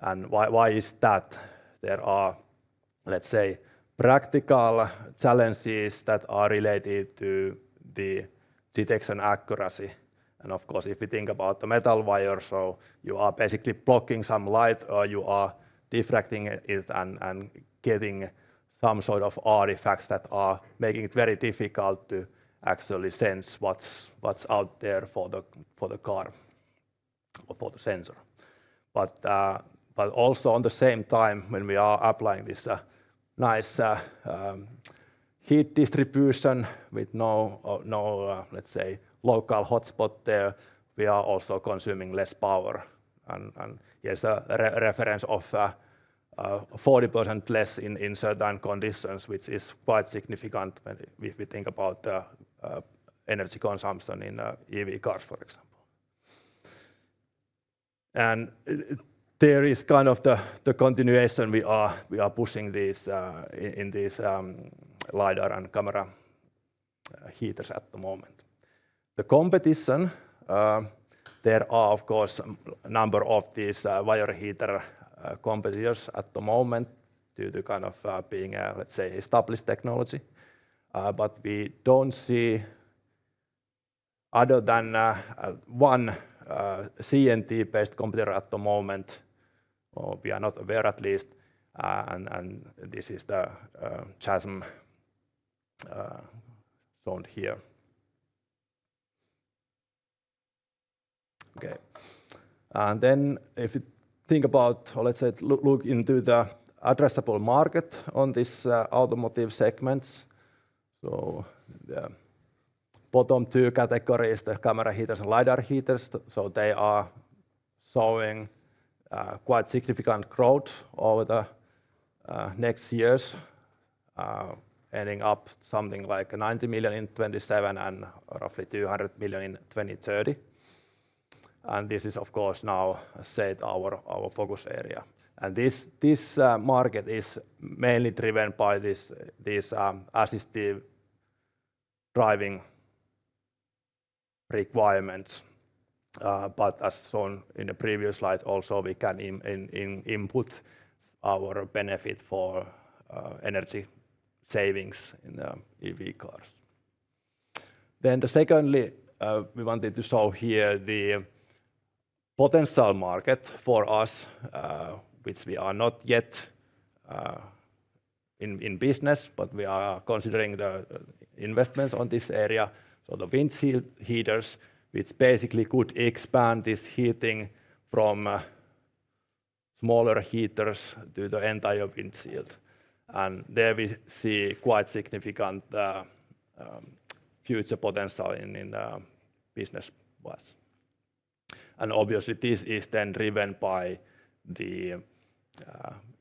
S2: And why is that? There are, let's say, practical challenges that are related to the detection accuracy. And of course, if you think about the metal wire, so you are basically blocking some light, or you are diffracting it, and getting some sort of artifacts that are making it very difficult to actually sense what's out there for the car or for the sensor. But also on the same time, when we are applying this nice heat distribution with no, let's say, local hotspot there, we are also consuming less power. And here's a reference of 40% less in certain conditions, which is quite significant when we think about the energy consumption in EV cars, for example. And there is kind of the continuation we are pushing this in this LiDAR and camera heaters at the moment. The competition, there are of course, a number of these, wire heater, competitors at the moment due to kind of, being a, let's say, established technology. But we don't see other than, one, CNT-based competitor at the moment, or we are not aware at least, and this is the, Chasm, shown here. Okay. And then if you think about, or let's say, look into the addressable market on this, automotive segments. So the bottom two categories, the camera heaters and LiDAR heaters, so they are showing, quite significant growth over the, next years, ending up something like 90 million in 2027 and roughly 200 million in 2030. And this is, of course, now set our focus area. This market is mainly driven by these assisted driving requirements. But as shown in the previous slide, also we can input our benefit for energy savings in the EV cars. Then secondly, we wanted to show here the potential market for us, which we are not yet in business, but we are considering the investments on this area. So the windshield heaters, which basically could expand this heating from smaller heaters to the entire windshield. And there we see quite significant future potential in business-wise. And obviously, this is then driven by the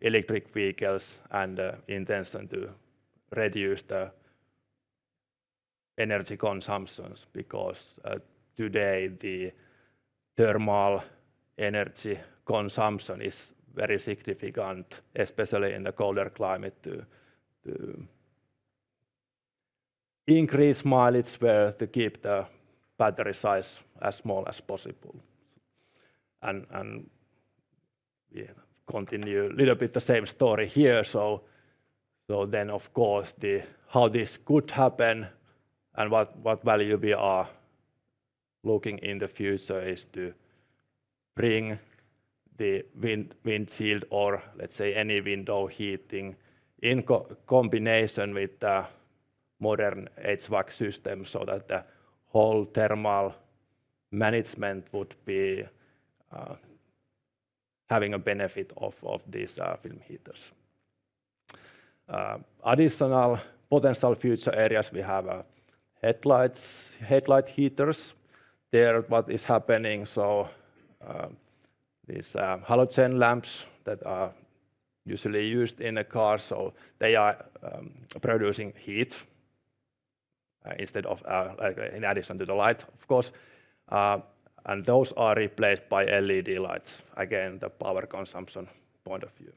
S2: electric vehicles and the intention to reduce the energy consumptions, because today, the thermal energy consumption is very significant, especially in the colder climate. increase mileage where to keep the battery size as small as possible. We continue a little bit the same story here, so then of course, how this could happen and what value we are looking in the future is to bring the windshield or let's say any window heating in combination with the modern HVAC system, so that the whole thermal management would be having a benefit of these film heaters. Additional potential future areas, we have headlights, headlight heaters. There, what is happening, so these halogen lamps that are usually used in a car, so they are producing heat instead of like in addition to the light, of course. And those are replaced by LED lights. Again, the power consumption point of view.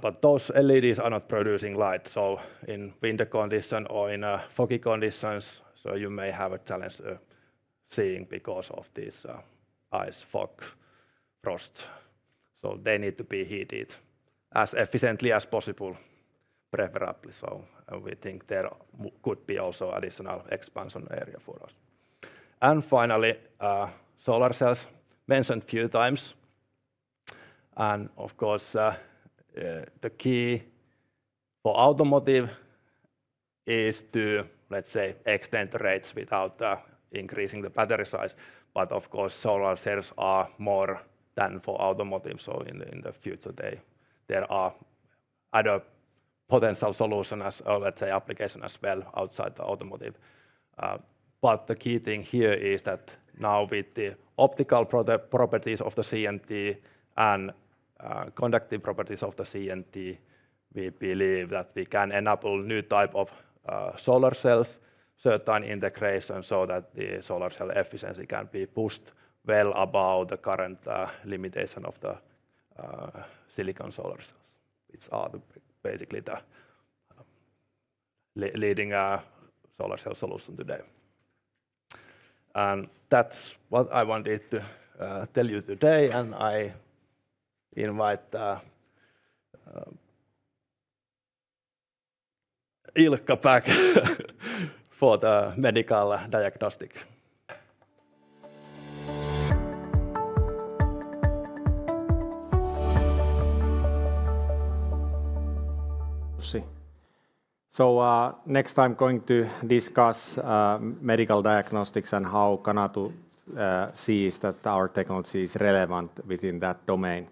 S2: But those LEDs are not producing light, so in winter condition or in foggy conditions, so you may have a challenge seeing because of this ice, fog, frost. So they need to be heated as efficiently as possible, preferably so. And we think there could be also additional expansion area for us. And finally, solar cells, mentioned a few times. And of course, the key for automotive is to, let's say, extend the range without increasing the battery size. But of course, solar cells are more than for automotive, so in the future, there are other potential solution as, or let's say, application as well outside the automotive. But the key thing here is that now with the optical properties of the CNT and conductive properties of the CNT, we believe that we can enable new type of solar cells, certain integration, so that the solar cell efficiency can be pushed well above the current limitation of the silicon solar cells, which are basically the leading solar cell solution today. And that's what I wanted to tell you today, and I invite Ilkka back for the medical diagnostic.
S6: So, next I'm going to discuss medical diagnostics and how Canatu sees that our technology is relevant within that domain.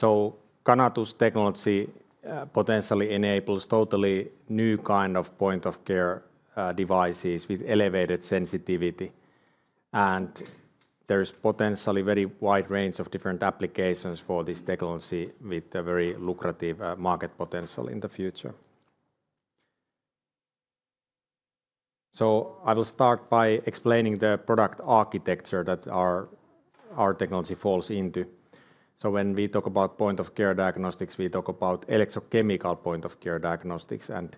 S6: So, Canatu's technology potentially enables totally new kind of point-of-care devices with elevated sensitivity, and there's potentially a very wide range of different applications for this technology with a very lucrative market potential in the future. So I will start by explaining the product architecture that our technology falls into. So when we talk about point-of-care diagnostics, we talk about electrochemical point-of-care diagnostics. And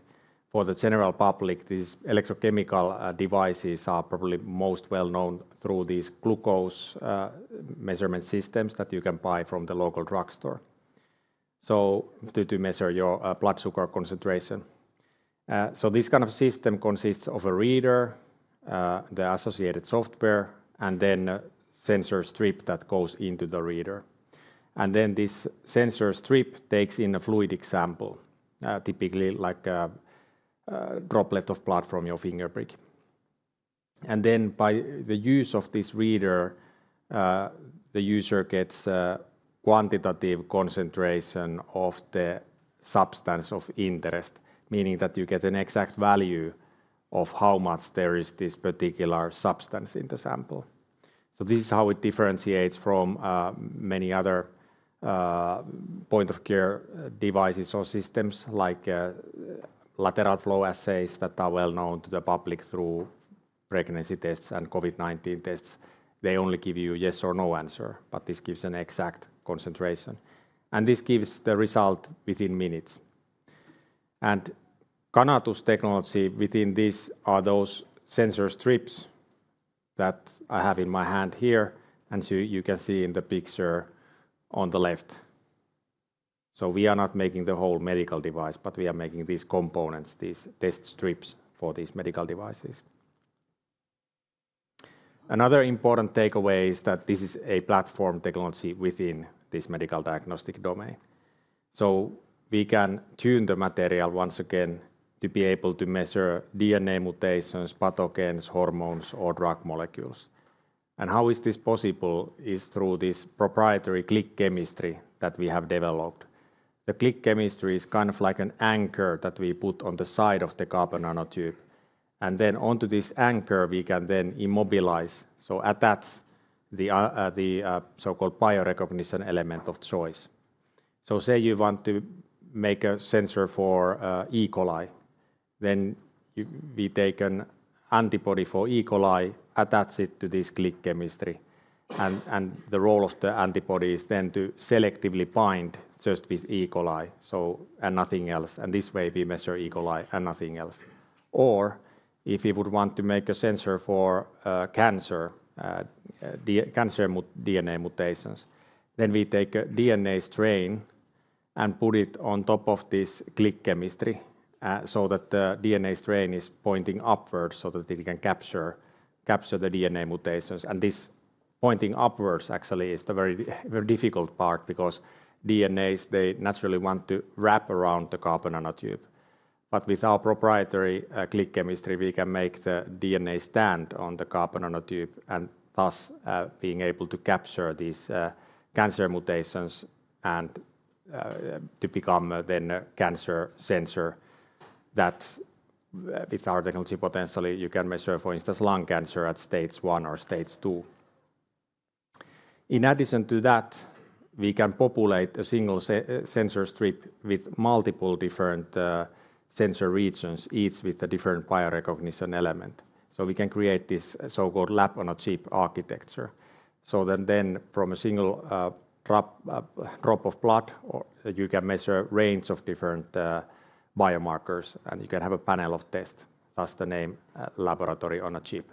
S6: for the general public, these electrochemical devices are probably most well known through these glucose measurement systems that you can buy from the local drugstore, so to measure your blood sugar concentration.
S2: So this kind of system consists of a reader, the associated software, and then a sensor strip that goes into the reader. And then this sensor strip takes in a fluid sample, typically like a droplet of blood from your finger prick. And then by the use of this reader, the user gets a quantitative concentration of the substance of interest, meaning that you get an exact value of how much there is this particular substance in the sample. So this is how it differentiates from many other point-of-care devices or systems like lateral flow assays that are well known to the public through pregnancy tests and COVID-19 tests. They only give you a yes or no answer, but this gives an exact concentration, and this gives the result within minutes. Canatu technology within this are those sensor strips that I have in my hand here, and so you can see in the picture on the left. We are not making the whole medical device, but we are making these components, these test strips for these medical devices. Another important takeaway is that this is a platform technology within this medical diagnostic domain. We can tune the material once again to be able to measure DNA mutations, pathogens, hormones, or drug molecules. How is this possible? It is through this proprietary click chemistry that we have developed. The click chemistry is kind of like an anchor that we put on the side of the carbon nanotube, and then onto this anchor, we can then immobilize, so attach the so-called biorecognition element of choice. Say you want to make a sensor for E. Coli, then we take an antibody for E. coli, attach it to this click chemistry, and the role of the antibody is then to selectively bind just with E. coli, so and nothing else, and this way we measure E. coli and nothing else. Or if we would want to make a sensor for cancer, the cancer DNA mutations, then we take a DNA strand and put it on top of this click chemistry, so that the DNA strand is pointing upwards, so that it can capture the DNA mutations. This pointing upwards actually is the very, very difficult part, because DNAs, they naturally want to wrap around the carbon nanotube. But with our proprietary click chemistry, we can make the DNA stand on the carbon nanotube, and thus, being able to capture these cancer mutations and to become then a cancer sensor. That with our technology, potentially you can measure, for instance, lung cancer at stage one or stage two. In addition to that, we can populate a single sensor strip with multiple different sensor regions, each with a different biorecognition element. So we can create this so-called lab-on-a-chip architecture. So then from a single drop of blood, or you can measure a range of different biomarkers, and you can have a panel of test, thus the name, laboratory on a chip.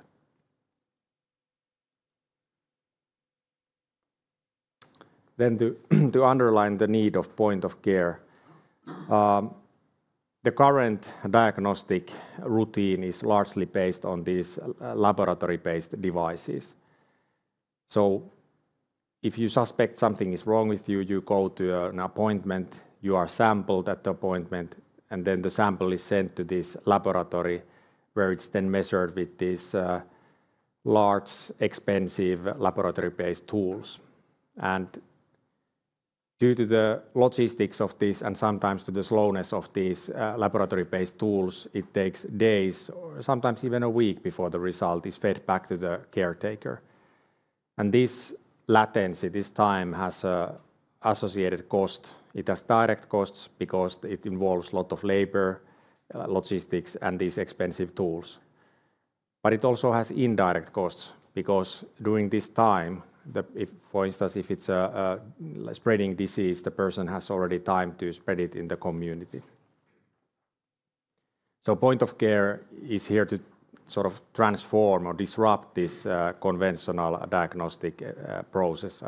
S2: Then to underline the need of point-of-care, the current diagnostic routine is largely based on these laboratory-based devices. If you suspect something is wrong with you, you go to an appointment, you are sampled at the appointment, and then the sample is sent to this laboratory, where it's then measured with these large, expensive laboratory-based tools. And due to the logistics of this, and sometimes to the slowness of these laboratory-based tools, it takes days or sometimes even a week before the result is fed back to the caretaker. And this latency, this time, has an associated cost. It has direct costs because it involves a lot of labor, logistics, and these expensive tools. But it also has indirect costs, because during this time, if, for instance, if it's a spreading disease, the person has already time to spread it in the community. Point-of-care is here to sort of transform or disrupt this conventional diagnostic process.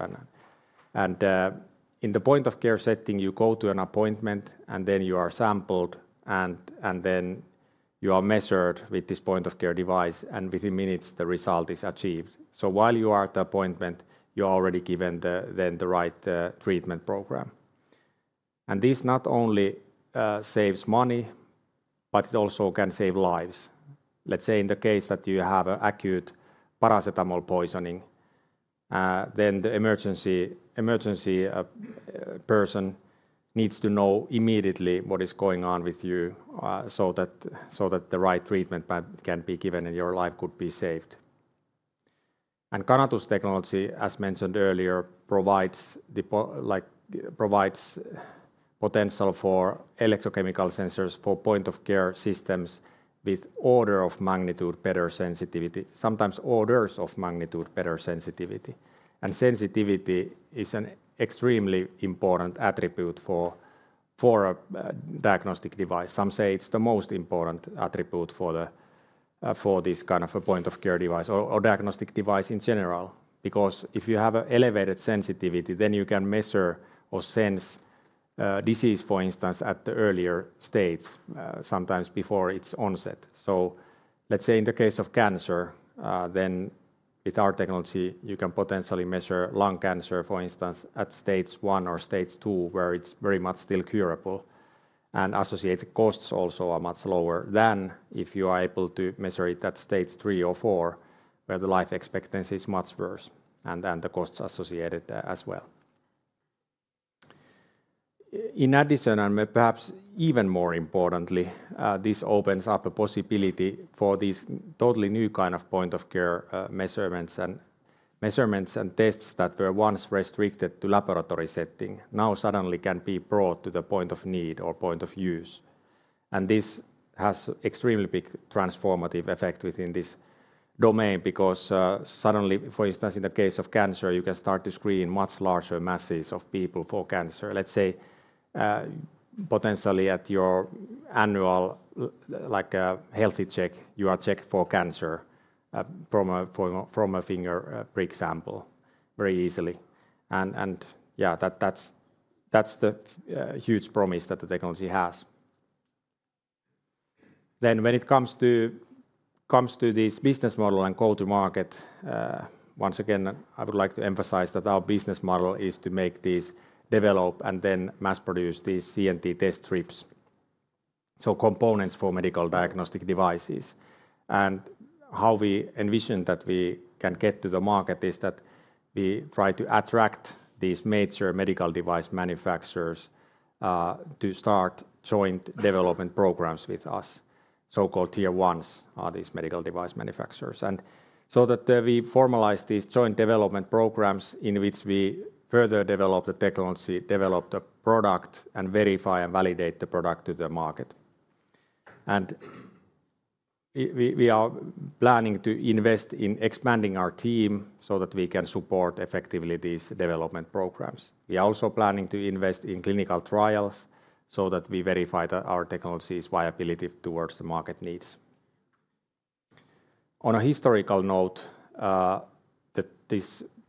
S2: In the point-of-care setting, you go to an appointment, and then you are sampled, and then you are measured with this point-of-care device, and within minutes, the result is achieved. So while you are at the appointment, you're already given the right treatment program. And this not only saves money, but it also can save lives. Let's say in the case that you have acute paracetamol poisoning, then the emergency person needs to know immediately what is going on with you, so that the right treatment can be given and your life could be saved. And Canatu's technology, as mentioned earlier, provides, like, potential for electrochemical sensors, for point-of-care systems with order of magnitude better sensitivity, sometimes orders of magnitude better sensitivity. Sensitivity is an extremely important attribute for a diagnostic device. Some say it's the most important attribute for this kind of a point-of-care device or diagnostic device in general. Because if you have a elevated sensitivity, then you can measure or sense disease, for instance, at the earlier stage, sometimes before its onset. Let's say in the case of cancer, then with our technology, you can potentially measure lung cancer, for instance, at stage one or stage two, where it's very much still curable. Associated costs also are much lower than if you are able to measure it at stage three or four, where the life expectancy is much worse, and then the costs associated as well. In addition, and perhaps even more importantly, this opens up a possibility for these totally new kind of point-of-care measurements and tests that were once restricted to laboratory setting, now suddenly can be brought to the point of need or point of use. And this has extremely big transformative effect within this domain, because suddenly, for instance, in the case of cancer, you can start to screen much larger masses of people for cancer. Let's say, potentially at your annual, like a healthy check, you are checked for cancer from a finger prick sample very easily. And, yeah, that's the huge promise that the technology has. When it comes to this business model and go-to-market, once again, I would like to emphasize that our business model is to make this develop and then mass-produce these CNT test strips, so components for medical diagnostic devices. How we envision that we can get to the market is that we try to attract these major medical device manufacturers to start joint development programs with us. So-called tier ones are these medical device manufacturers. We formalize these joint development programs in which we further develop the technology, develop the product, and verify and validate the product to the market. We are planning to invest in expanding our team so that we can support effectively these development programs. We are also planning to invest in clinical trials so that we verify that our technology's viability towards the market needs. On a historical note, that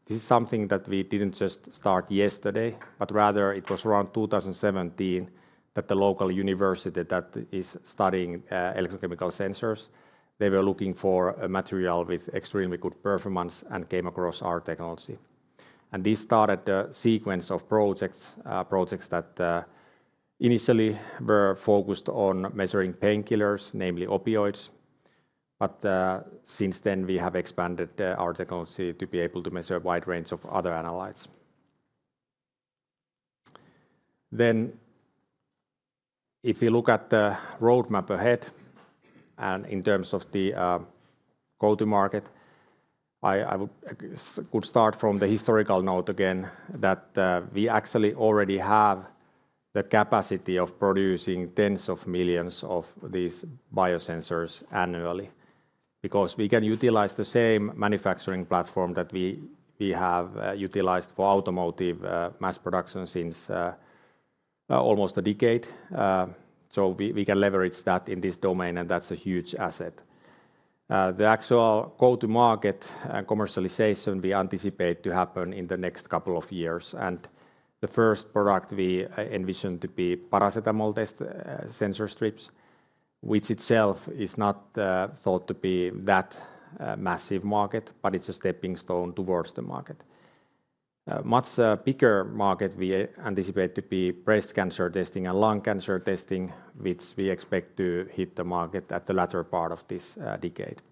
S2: this is something that we didn't just start yesterday, but rather it was around 2017 that the local university that is studying electrochemical sensors, they were looking for a material with extremely good performance and came across our technology. And this started a sequence of projects that initially were focused on measuring painkillers, namely opioids, but since then we have expanded our technology to be able to measure a wide range of other analytes. Then if you look at the roadmap ahead, and in terms of the go-to-market, I could start from the historical note again, that we actually already have the capacity of producing tens of millions of these biosensors annually, because we can utilize the same manufacturing platform that we have utilized for automotive mass production since almost a decade. So we can leverage that in this domain, and that's a huge asset. The actual go-to-market and commercialization we anticipate to happen in the next couple of years, and the first product we envision to be paracetamol test sensor strips, which itself is not thought to be that massive market, but it's a stepping stone towards the market. Much bigger market we anticipate to be breast cancer testing and lung cancer testing, which we expect to hit the market at the latter part of this decade.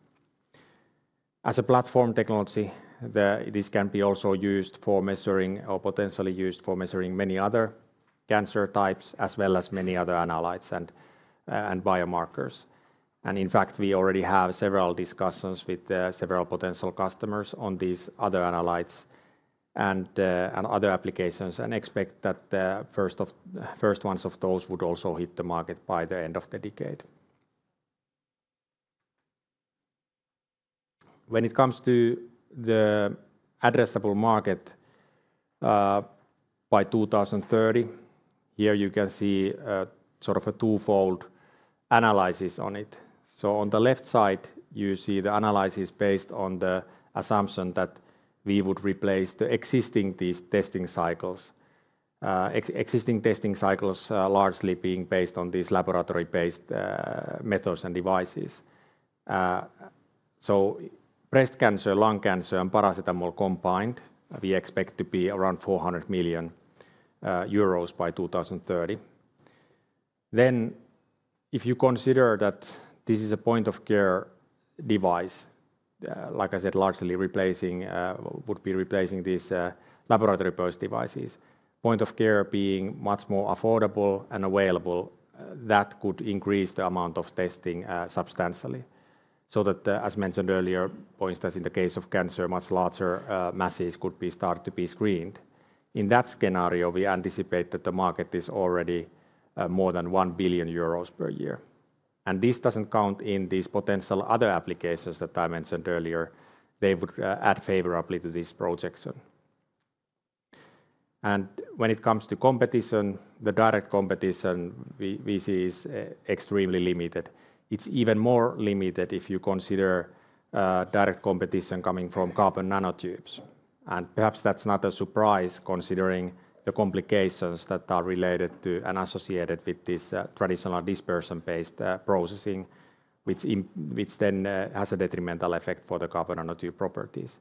S2: As a platform technology, this can be also used for measuring or potentially used for measuring many other cancer types, as well as many other analytes and biomarkers, and in fact, we already have several discussions with several potential customers on these other analytes and other applications, and expect that the first of first ones of those would also hit the market by the end of the decade. When it comes to the addressable market, by 2030, here you can see sort of a twofold analysis on it. On the left side, you see the analysis based on the assumption that we would replace the existing testing cycles. Existing testing cycles largely being based on these laboratory-based methods and devices. Breast cancer, lung cancer, and paracetamol combined, we expect to be around 400 million euros by 2030. Then, if you consider that this is a point-of-care device, like I said, largely replacing these laboratory-based devices. Point-of-care being much more affordable and available, that could increase the amount of testing substantially, so that, as mentioned earlier, for instance, in the case of cancer, much larger masses could be started to be screened. In that scenario, we anticipate that the market is already more than 1 billion euros per year. This doesn't count in these potential other applications that I mentioned earlier. They would add favorably to this projection. When it comes to competition, the direct competition we see is extremely limited. It's even more limited if you consider direct competition coming from carbon nanotubes. Perhaps that's not a surprise, considering the complications that are related to and associated with this traditional dispersion-based processing, which then has a detrimental effect for the carbon nanotube properties.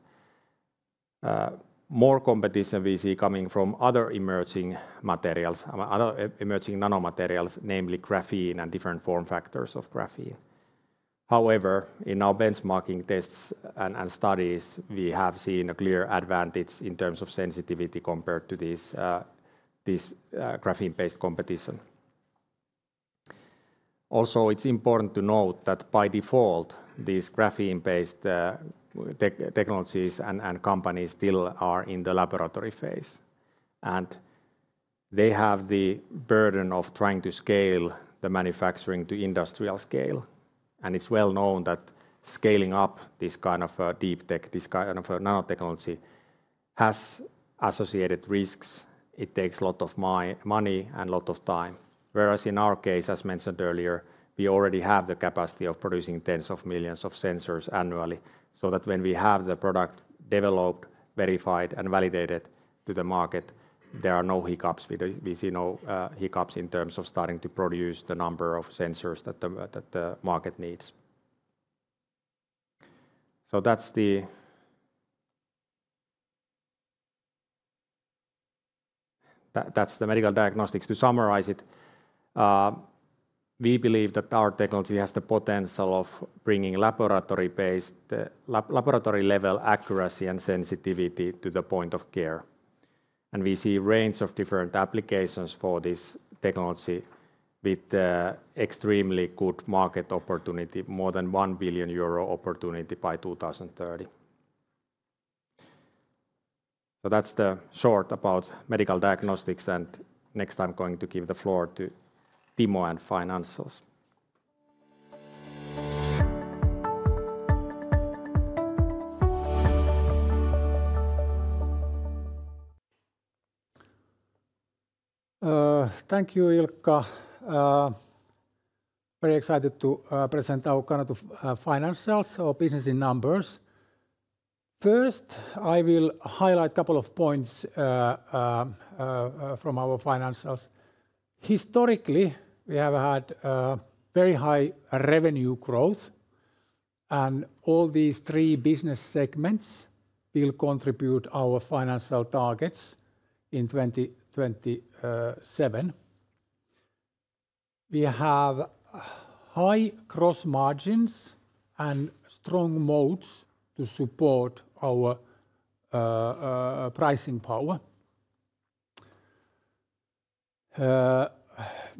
S2: More competition we see coming from other emerging materials, other emerging nanomaterials, namely graphene and different form factors of graphene. However, in our benchmarking tests and studies, we have seen a clear advantage in terms of sensitivity compared to this graphene-based competition. Also, it's important to note that by default, these graphene-based technologies and companies still are in the laboratory phase, and they have the burden of trying to scale the manufacturing to industrial scale. It's well known that scaling up this kind of deep tech, this kind of nanotechnology, has associated risks. It takes a lot of money and a lot of time. Whereas in our case, as mentioned earlier, we already have the capacity of producing tens of millions of sensors annually, so that when we have the product developed, verified, and validated to the market, there are no hiccups. We see no hiccups in terms of starting to produce the number of sensors that the market needs. So that's the medical diagnostics. To summarize it, we believe that our technology has the potential of bringing laboratory-based, laboratory-level accuracy and sensitivity to the point-of-care, and we see a range of different applications for this technology with extremely good market opportunity, more than 1 billion euro opportunity by 2030. So that's the short about medical diagnostics, and next I'm going to give the floor to Timo and financials.
S9: Thank you, Ilkka. Very excited to present our kind of financials, our business in numbers. First, I will highlight a couple of points from our financials. Historically, we have had very high revenue growth, and all these three business segments will contribute our financial targets in 2027. We have high gross margins and strong moats to support our pricing power.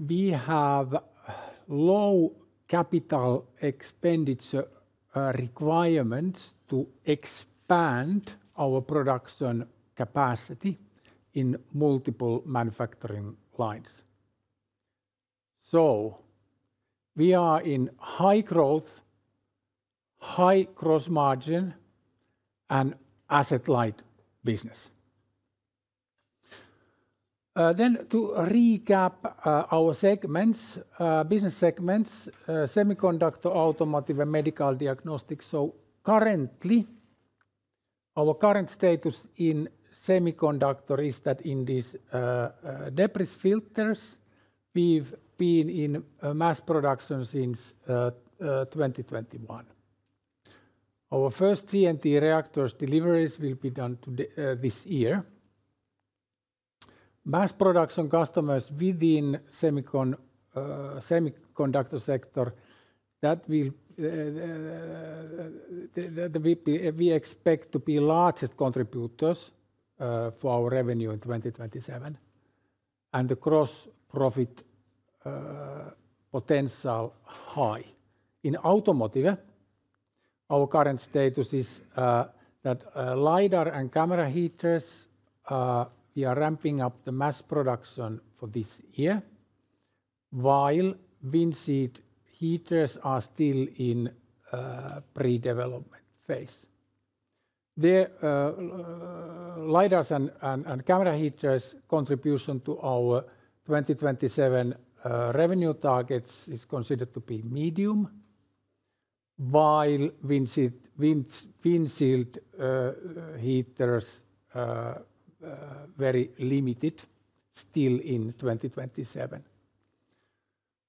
S9: We have low capital expenditure requirements to expand our production capacity in multiple manufacturing lines. We are in high growth, high gross margin, and asset-light business. To recap our segments, business segments, semiconductor, automotive, and medical diagnostics. Currently, our current status in semiconductor is that in these debris filters, we've been in mass production since 2021.
S2: Our first CNT reactors deliveries will be done today, this year. Mass production customers within semiconductor sector that will be the largest contributors for our revenue in 2027, and the gross profit potential high. In automotive, our current status is that LiDAR and camera heaters we are ramping up the mass production for this year, while windshield heaters are still in pre-development phase. The LiDARs and camera heaters' contribution to our 2027 revenue targets is considered to be medium, while windshield heaters very limited still in 2027.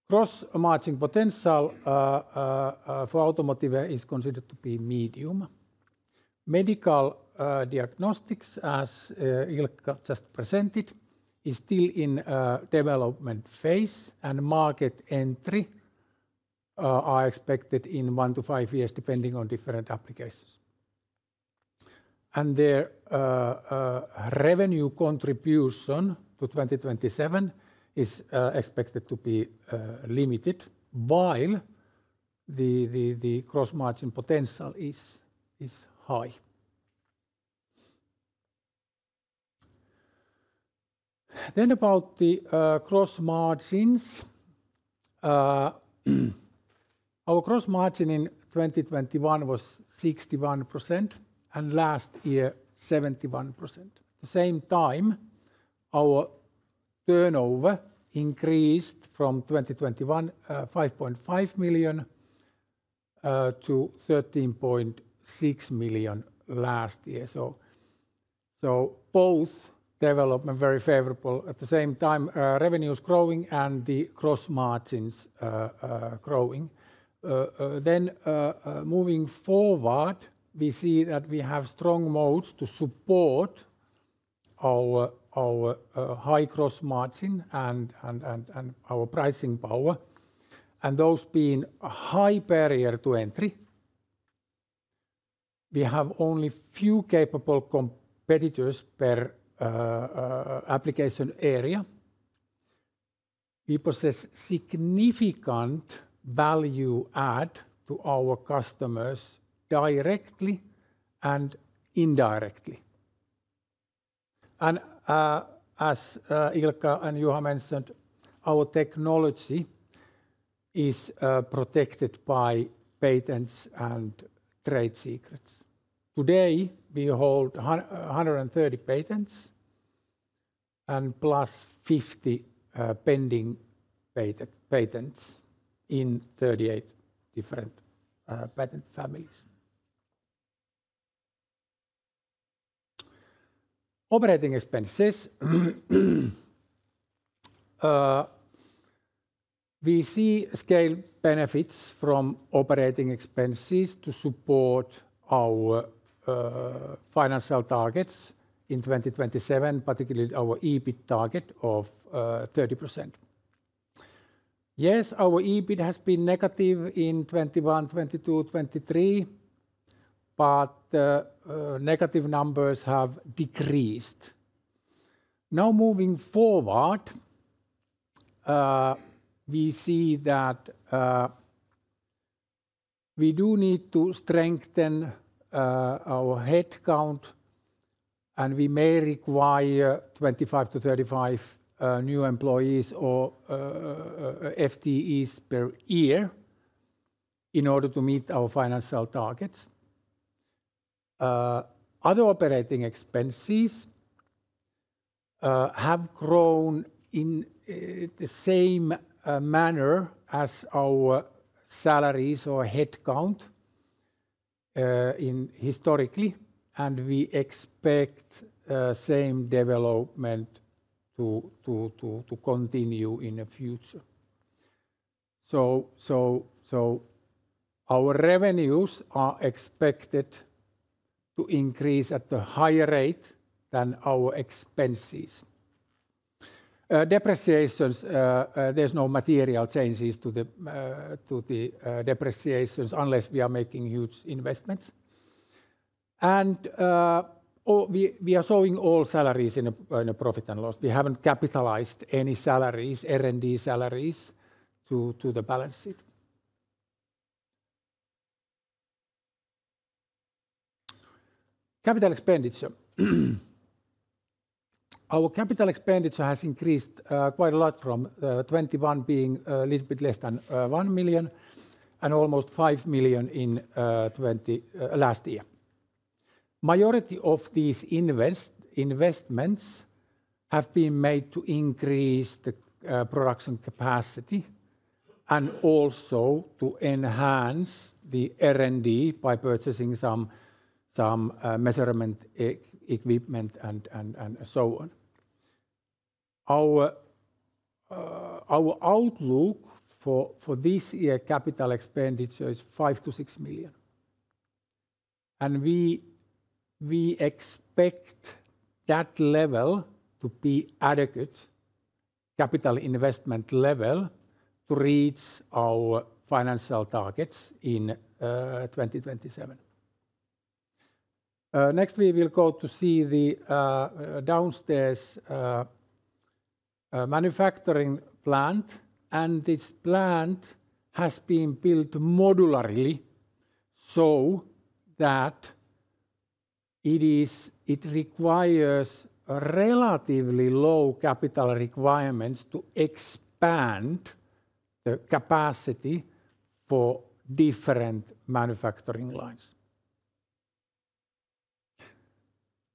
S2: Gross margin potential for automotive is considered to be medium. Medical diagnostics, as Ilkka just presented, is still in development phase, and market entry are expected in one to five years, depending on different applications. And their revenue contribution to 2027 is expected to be limited, while the gross margin potential is high. Then about the gross margins. Our gross margin in 2021 was 61%, and last year, 71%. At the same time, our turnover increased from 2021, 5.5 million to 13.6 million last year. So both development very favorable. At the same time, revenue is growing and the gross margins growing. Then, moving forward, we see that we have strong moats to support our high gross margin and our pricing power, and those being a high barrier to entry. We have only few capable competitors per application area. We possess significant value add to our customers directly and indirectly. And, as Ilkka and Juha mentioned, our technology is protected by patents and trade secrets. Today, we hold 130 patents and +50 pending patents in 38 different patent families. Operating expenses. We see scale benefits from operating expenses to support our financial targets in 2027, particularly our EBIT target of 30%. Yes, our EBIT has been negative in 2021, 2022, 2023, but negative numbers have decreased. Now moving forward, we see that. We do need to strengthen our headcount, and we may require 25-35 new employees or FTEs per year in order to meet our financial targets. Other operating expenses have grown in the same manner as our salaries or headcount historically, and we expect same development to continue in the future. So our revenues are expected to increase at a higher rate than our expenses. Depreciations, there's no material changes to the depreciations unless we are making huge investments. And we are showing all salaries in a profit and loss. We haven't capitalized any salaries, R&D salaries, to the balance sheet. Capital expenditure. Our capital expenditure has increased quite a lot from 2021 being little bit less than 1 million and almost 5 million in 2022. Majority of these investments have been made to increase the production capacity and also to enhance the R&D by purchasing some measurement equipment and so on. Our outlook for this year capital expenditure is 5 million-6 million, and we expect that level to be adequate capital investment level to reach our financial targets in 2027. Next we will go to see the downstairs manufacturing plant, and this plant has been built modularly so that it requires relatively low capital requirements to expand the capacity for different manufacturing lines.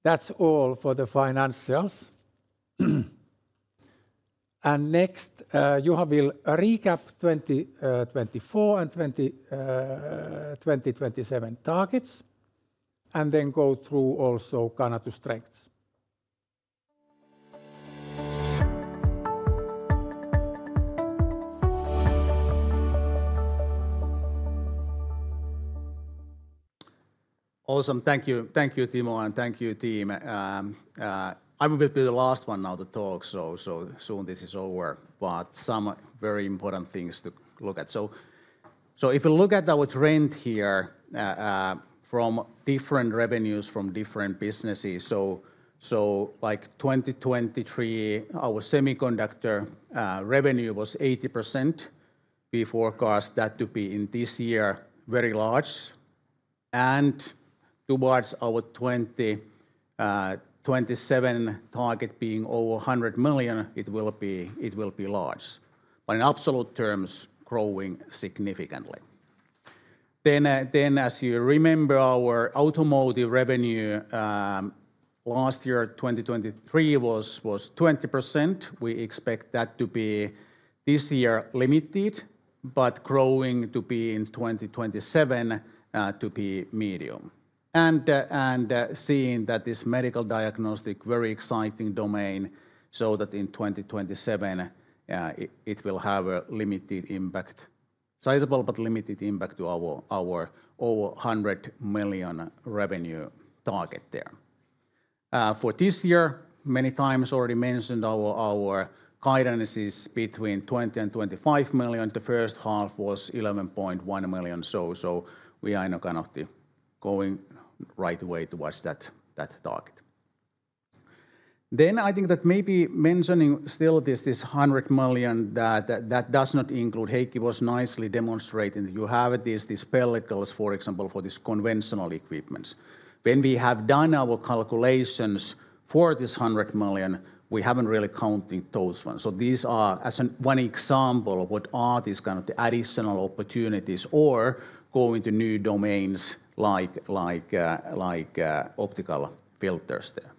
S2: That's all for the financials. Next, Juha will recap 2024 and 2027 targets, and then go through also Canatu strengths.
S5: Awesome. Thank you. Thank you, Timo, and thank you, team. I will be the last one now to talk, so soon this is over, but some very important things to look at. If you look at our trend here, from different revenues from different businesses, like 2023, our semiconductor revenue was 80%. We forecast that to be in this year very large, and towards our 2027 target being over 100 million, it will be large, but in absolute terms, growing significantly. Then as you remember, our automotive revenue last year, 2023, was 20%. We expect that to be this year limited, but growing to be in 2027 to be medium.
S2: Seeing that this medical diagnostics very exciting domain, so that in 2027, it will have a limited impact, sizable but limited impact to our over 100 million revenue target there. For this year, many times already mentioned, our guidance is between 20 million and 25 million. The first half was 11.1 million, so we are now kind of the going right way towards that target. Then I think that maybe mentioning still this 100 million, that does not include Heikki was nicely demonstrating. You have these pellicles, for example, for these conventional equipment. When we have done our calculations for this 100 million, we haven't really counted those ones. These are as one example of what are these kind of the additional opportunities or going to new domains like optical filters there.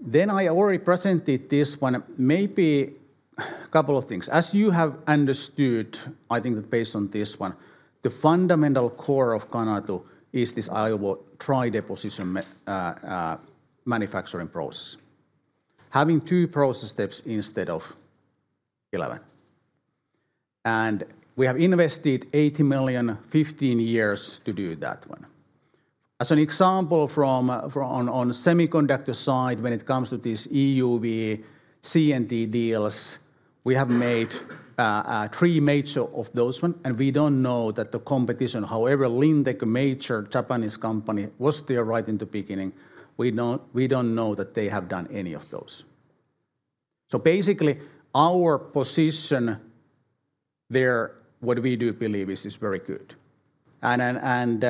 S2: Then I already presented this one. Maybe a couple of things. As you have understood, I think that based on this one, the fundamental core of Canatu is this our dry deposition manufacturing process, having two process steps instead of 11. And we have invested 80 million, 15 years to do that one. As an example, from the semiconductor side, when it comes to this EUV CNT deals, we have made three major of those one, and we don't know what the competition, however, Lintec, a major Japanese company, was there right in the beginning. We don't know that they have done any of those. So basically, our position there, what we do believe is very good. And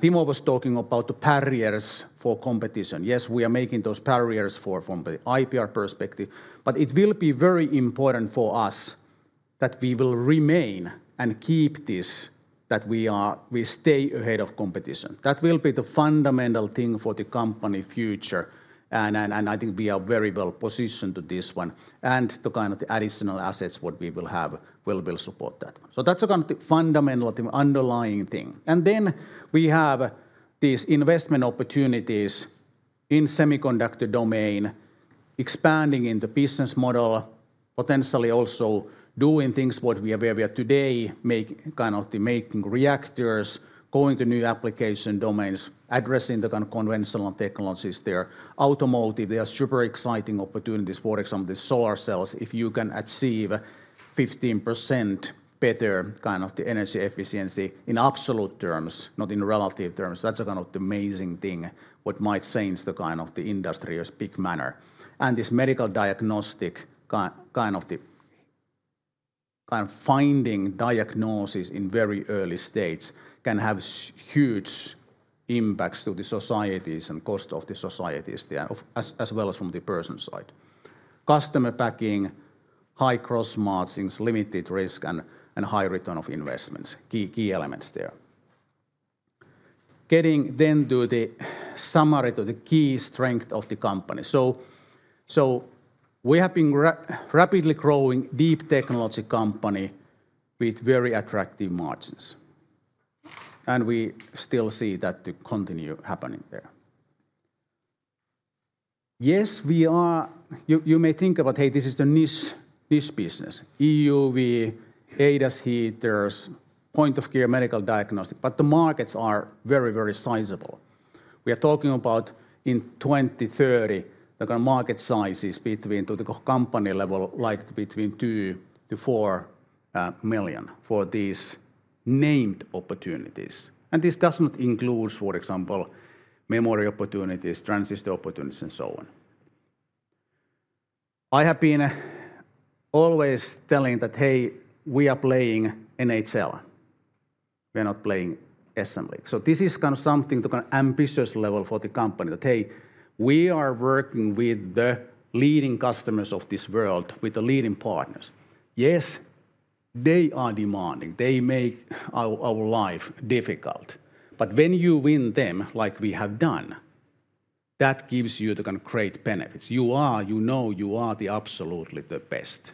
S2: Timo was talking about the barriers for competition. Yes, we are making those barriers from the IPR perspective, but it will be very important for us that we will remain and keep this, that we are, we stay ahead of competition. That will be the fundamental thing for the company future, and I think we are very well positioned to this one, and the kind of the additional assets what we will have will support that. So that's a kind of the fundamental, the underlying thing. Then we have these investment opportunities in semiconductor domain, expanding in the business model, potentially also doing things what we are, where we are today, make kind of the making reactors, going to new application domains, addressing the kind of conventional technologies there. Automotive, there are super exciting opportunities, for example, the solar cells. If you can achieve 15% better kind of the energy efficiency in absolute terms, not in relative terms, that's a kind of amazing thing what might change the kind of the industry as big manner. This medical diagnostic kind of the, kind of finding diagnoses in very early stage can have huge impacts to the societies and cost of the societies there, as well as from the person side. Customer backing, high gross margins, limited risk, and high return of investments, key elements there. Getting then to the summary, to the key strength of the company. So we have been rapidly growing deep technology company with very attractive margins, and we still see that to continue happening there. Yes, we are. You may think about, "Hey, this is the niche business," EUV, ADAS heaters, point-of-care medical diagnostic, but the markets are very sizable. We are talking about in 2030, the kind of market size is between two to four million for these named opportunities at the company level, and this does not include, for example, memory opportunities, transistor opportunities, and so on. I have been always telling that, "Hey, we are playing NHL. We are not playing assembly, so this is kind of something, the kind of ambitious level for the company, that, hey, we are working with the leading customers of this world, with the leading partners. Yes, they are demanding. They make our life difficult. But when you win them like we have done, that gives you the kind of great benefits. You are, you know you are the absolutely the best.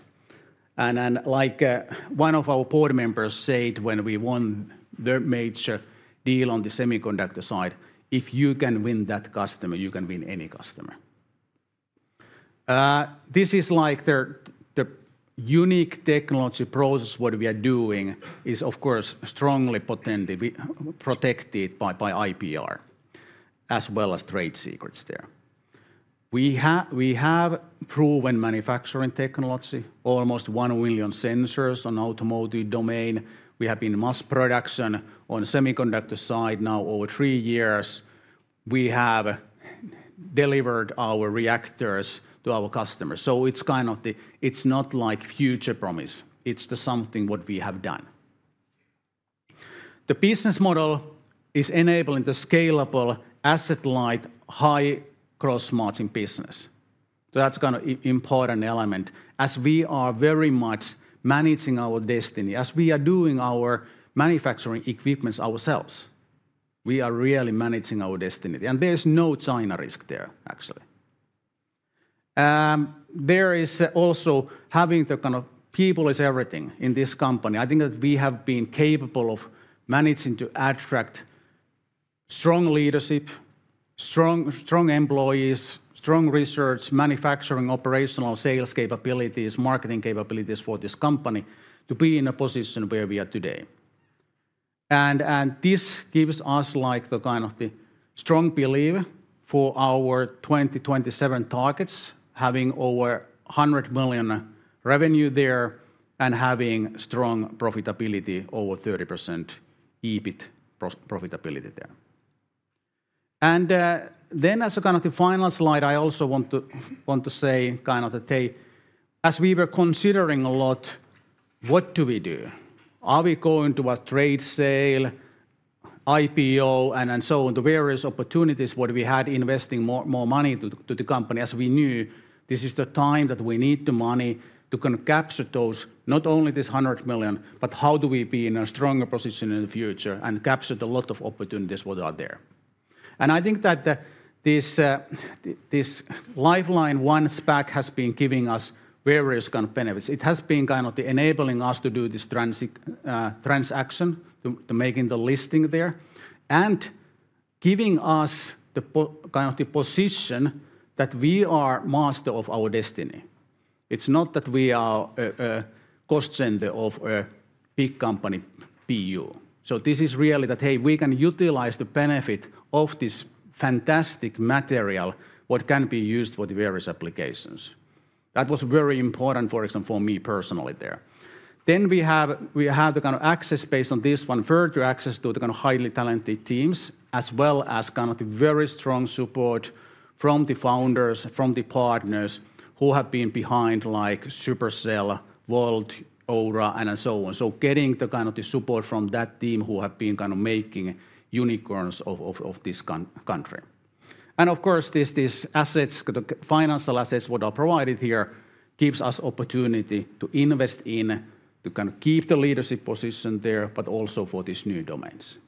S2: And then, like, one of our board members said when we won the major deal on the semiconductor side, "If you can win that customer, you can win any customer." This is like the, the unique technology process what we are doing is, of course, strongly potently protected by IPR, as well as trade secrets there. We have proven manufacturing technology, almost one million sensors on automotive domain. We have been mass production on semiconductor side now over three years. We have delivered our reactors to our customers, so it's kind of the, it's not like future promise, it's the something what we have done. The business model is enabling the scalable, asset-light, high gross margin business. That's kind of important element, as we are very much managing our destiny, as we are doing our manufacturing equipment ourselves. We are really managing our destiny, and there's no China risk there, actually. There is also having the kind of people is everything in this company. I think that we have been capable of managing to attract strong leadership, strong employees, strong research, manufacturing, operational, sales capabilities, marketing capabilities for this company to be in a position where we are today. This gives us, like, the kind of the strong belief for our 2027 targets, having over 100 million revenue there and having strong profitability, over 30% EBIT profitability there. Then as a kind of the final slide, I also want to say, kind of that, hey, as we were considering a lot, what do we do? Are we going to a trade sale, IPO, and so on, the various opportunities what we had investing more money to the company, as we knew this is the time that we need the money to kind of capture those, not only this 100 million, but how do we be in a stronger position in the future and capture the lot of opportunities what are there? I think that the this Lifeline SPAC I has been giving us various kind of benefits. It has been kind of enabling us to do this transaction to making the listing there, and giving us the position that we are master of our destiny. It's not that we are a cost center of a big company, BU. So this is really that, hey, we can utilize the benefit of this fantastic material, what can be used for the various applications. That was very important, for example, for me personally there. Then we have the kind of access based on this one, further access to the kind of highly talented teams, as well as kind of the very strong support from the founders, from the partners, who have been behind, like, Supercell, Wolt, Oura, and so on. Getting the kind of the support from that team who have been kind of making unicorns of this country. Of course, these assets, the financial assets what are provided here, gives us opportunity to invest in, to kind of keep the leadership position there, but also for these new domains.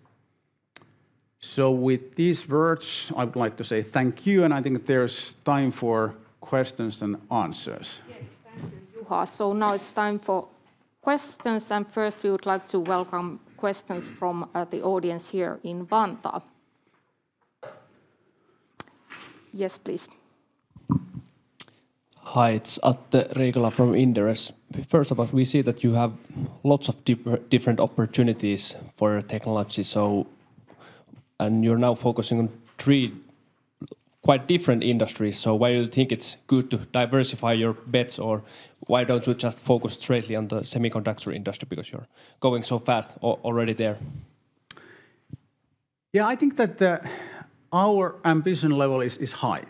S2: With these words, I would like to say thank you, and I think there's time for questions and answers.
S1: Yes, thank you, Juha. So now it's time for questions, and first we would like to welcome questions from the audience here in Vantaa. Yes, please.
S2: Hi, it's Atte Riikola from Inderes. First of all, we see that you have lots of different opportunities for technology, so... And you're now focusing on three quite different industries. So why you think it's good to diversify your bets, or why don't you just focus strictly on the semiconductor industry, because you're going so fast already there?
S5: Yeah, I think that our ambition level is high.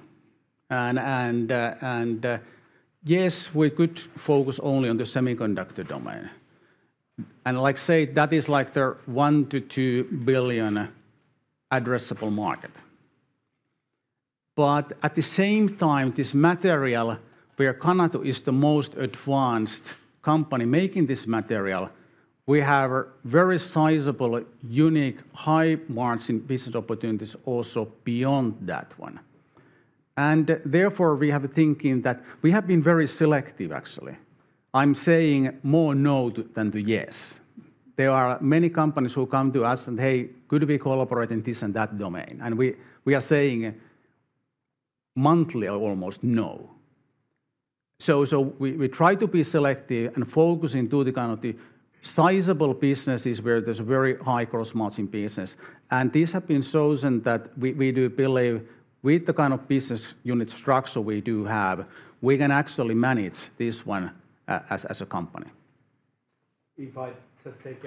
S5: Yes, we could focus only on the semiconductor domain. Like say, that is like the one-to-two billion addressable market. But at the same time, this material, where Canatu is the most advanced company making this material, we have very sizable, unique, high-margin business opportunities also beyond that one. Therefore, we have thinking that we have been very selective, actually. I'm saying more no than yes. There are many companies who come to us and, "Hey, could we collaborate in this and that domain?" We are saying almost monthly no.
S2: So we try to be selective and focusing to the kind of sizable businesses where there's very high gross margin business, and these have been chosen that we do believe, with the kind of business unit structure we do have, we can actually manage this one as a company.
S3: If I just take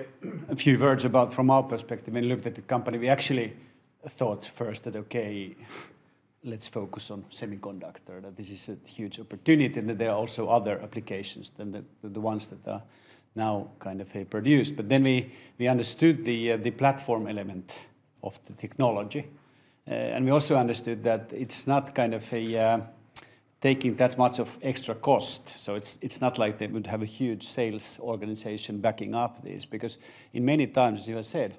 S3: a few words about from our perspective and looked at the company, we actually thought first that, "Okay, let's focus on semiconductor," that this is a huge opportunity, and that there are also other applications than the ones that are now kind of produced. But then we understood the platform element of the technology, and we also understood that it's not kind of taking that much of extra cost. So it's not like they would have a huge sales organization backing up this, because in many times, you have said,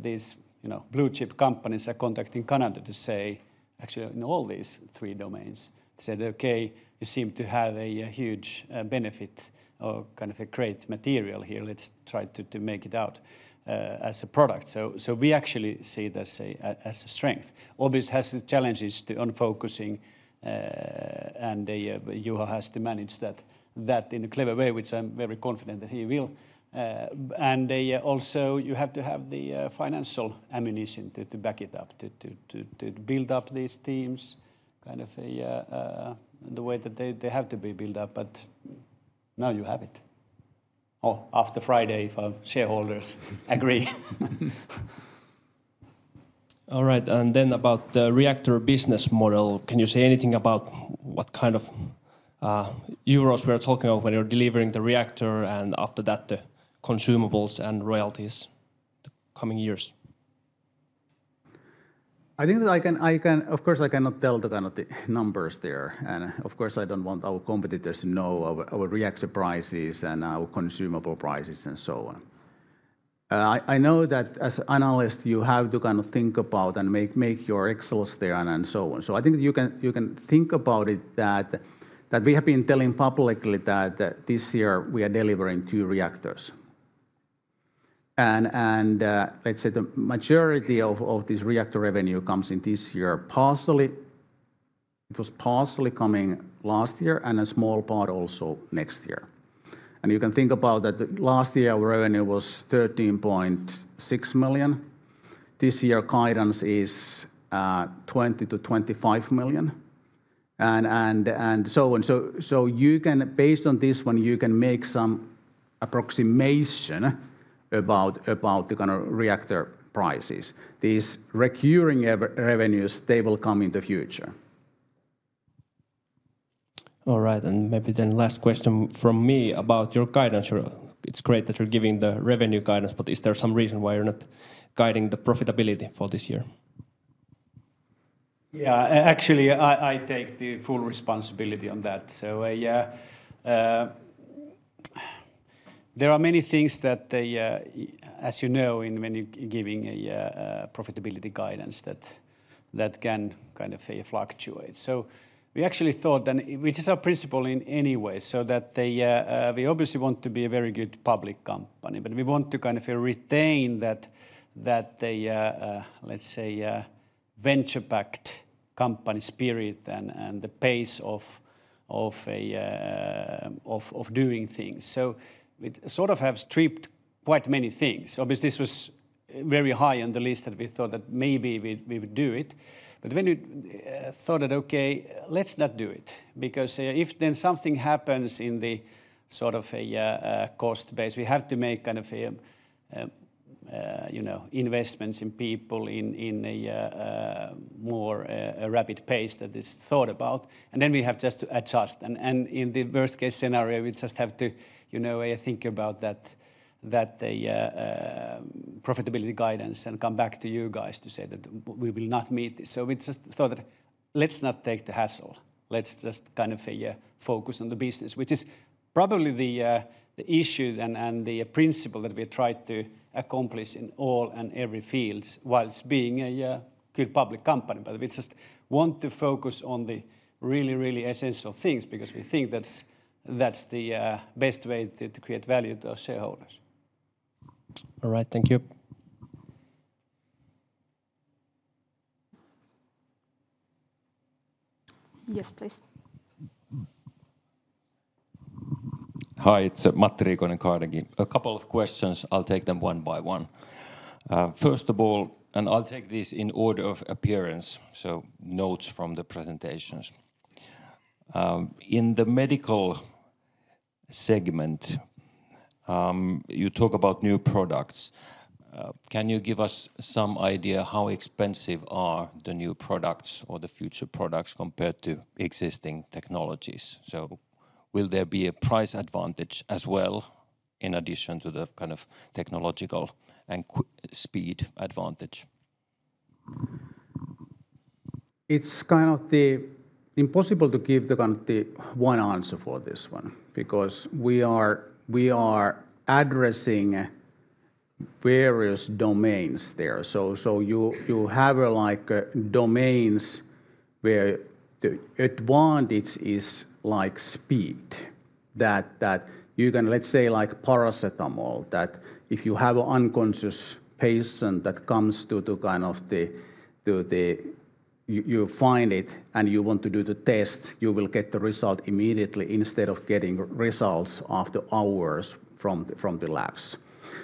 S3: these, you know, blue-chip companies are contacting Canatu to say. Actually, in all these three domains, said, "Okay, you seem to have a huge benefit or kind of a great material here.
S2: Let's try to make it out as a product. So we actually see this as a strength. Obviously, it has its challenges to on focusing and Juha has to manage that in a clever way, which I'm very confident that he will. And they also, you have to have the financial ammunition to build up these teams, kind of the way that they have to be built up, but now you have it, or after Friday, if our shareholders agree. All right, and then about the reactor business model, can you say anything about what kind of euros we are talking of when you're delivering the reactor, and after that, the consumables and royalties the coming years?
S5: I think that I can. Of course, I cannot tell the kind of the numbers there, and of course, I don't want our competitors to know our reactor prices and our consumable prices, and so on. I know that as analyst, you have to kind of think about and make your Excels there on and so on. So I think you can think about it that we have been telling publicly that this year we are delivering two reactors, and let's say the majority of this reactor revenue comes in this year, partially it was coming last year, and a small part also next year. You can think about that last year, our revenue was 13.6 million. This year, guidance is 20 million-25 million, and so on.
S2: You can, based on this one, make some approximation about the kind of reactor prices. These recurring revenues, they will come in the future. All right, and maybe then last question from me about your guidance. Your- it's great that you're giving the revenue guidance, but is there some reason why you're not guiding the profitability for this year?
S3: Yeah, actually, I take the full responsibility on that. So, I, there are many things that, as you know, in when you giving a, profitability guidance, that can kind of fluctuate. So we actually thought, and which is our principle in any way, so that they... We obviously want to be a very good public company, but we want to kind of retain that, let's say, venture-backed company spirit and the pace of a-
S2: Of doing things. So we sort of have stripped quite many things. Obviously, this was very high on the list that we thought that maybe we would do it. But when we thought that, okay, let's not do it, because if then something happens in the sort of a cost base, we have to make kind of a you know investments in people in a more rapid pace that is thought about, and then we have just to adjust. And in the worst case scenario, we just have to you know think about that profitability guidance, and come back to you guys to say that we will not meet this. So we just thought that let's not take the hassle. Let's just kind of focus on the business, which is probably the issue and the principle that we try to accomplish in all and every fields while being a good public company. But we just want to focus on the really, really essential things, because we think that's the best way to create value to our shareholders. All right, thank you.
S1: Yes, please.
S2: Hi, it's Matti Riikonen, Carnegie. A couple of questions, I'll take them one by one. First of all, and I'll take this in order of appearance, so notes from the presentations. In the medical segment, you talk about new products. Can you give us some idea how expensive are the new products or the future products compared to existing technologies? So will there be a price advantage as well, in addition to the kind of technological and quality-speed advantage?
S5: It's kind of impossible to give the one answer for this one, because we are addressing various domains there. So you have like domains where the advantage is like speed, that you can, let's say, like paracetamol, that if you have an unconscious patient that comes to kind of the. You find it, and you want to do the test, you will get the result immediately instead of getting results after hours from the labs.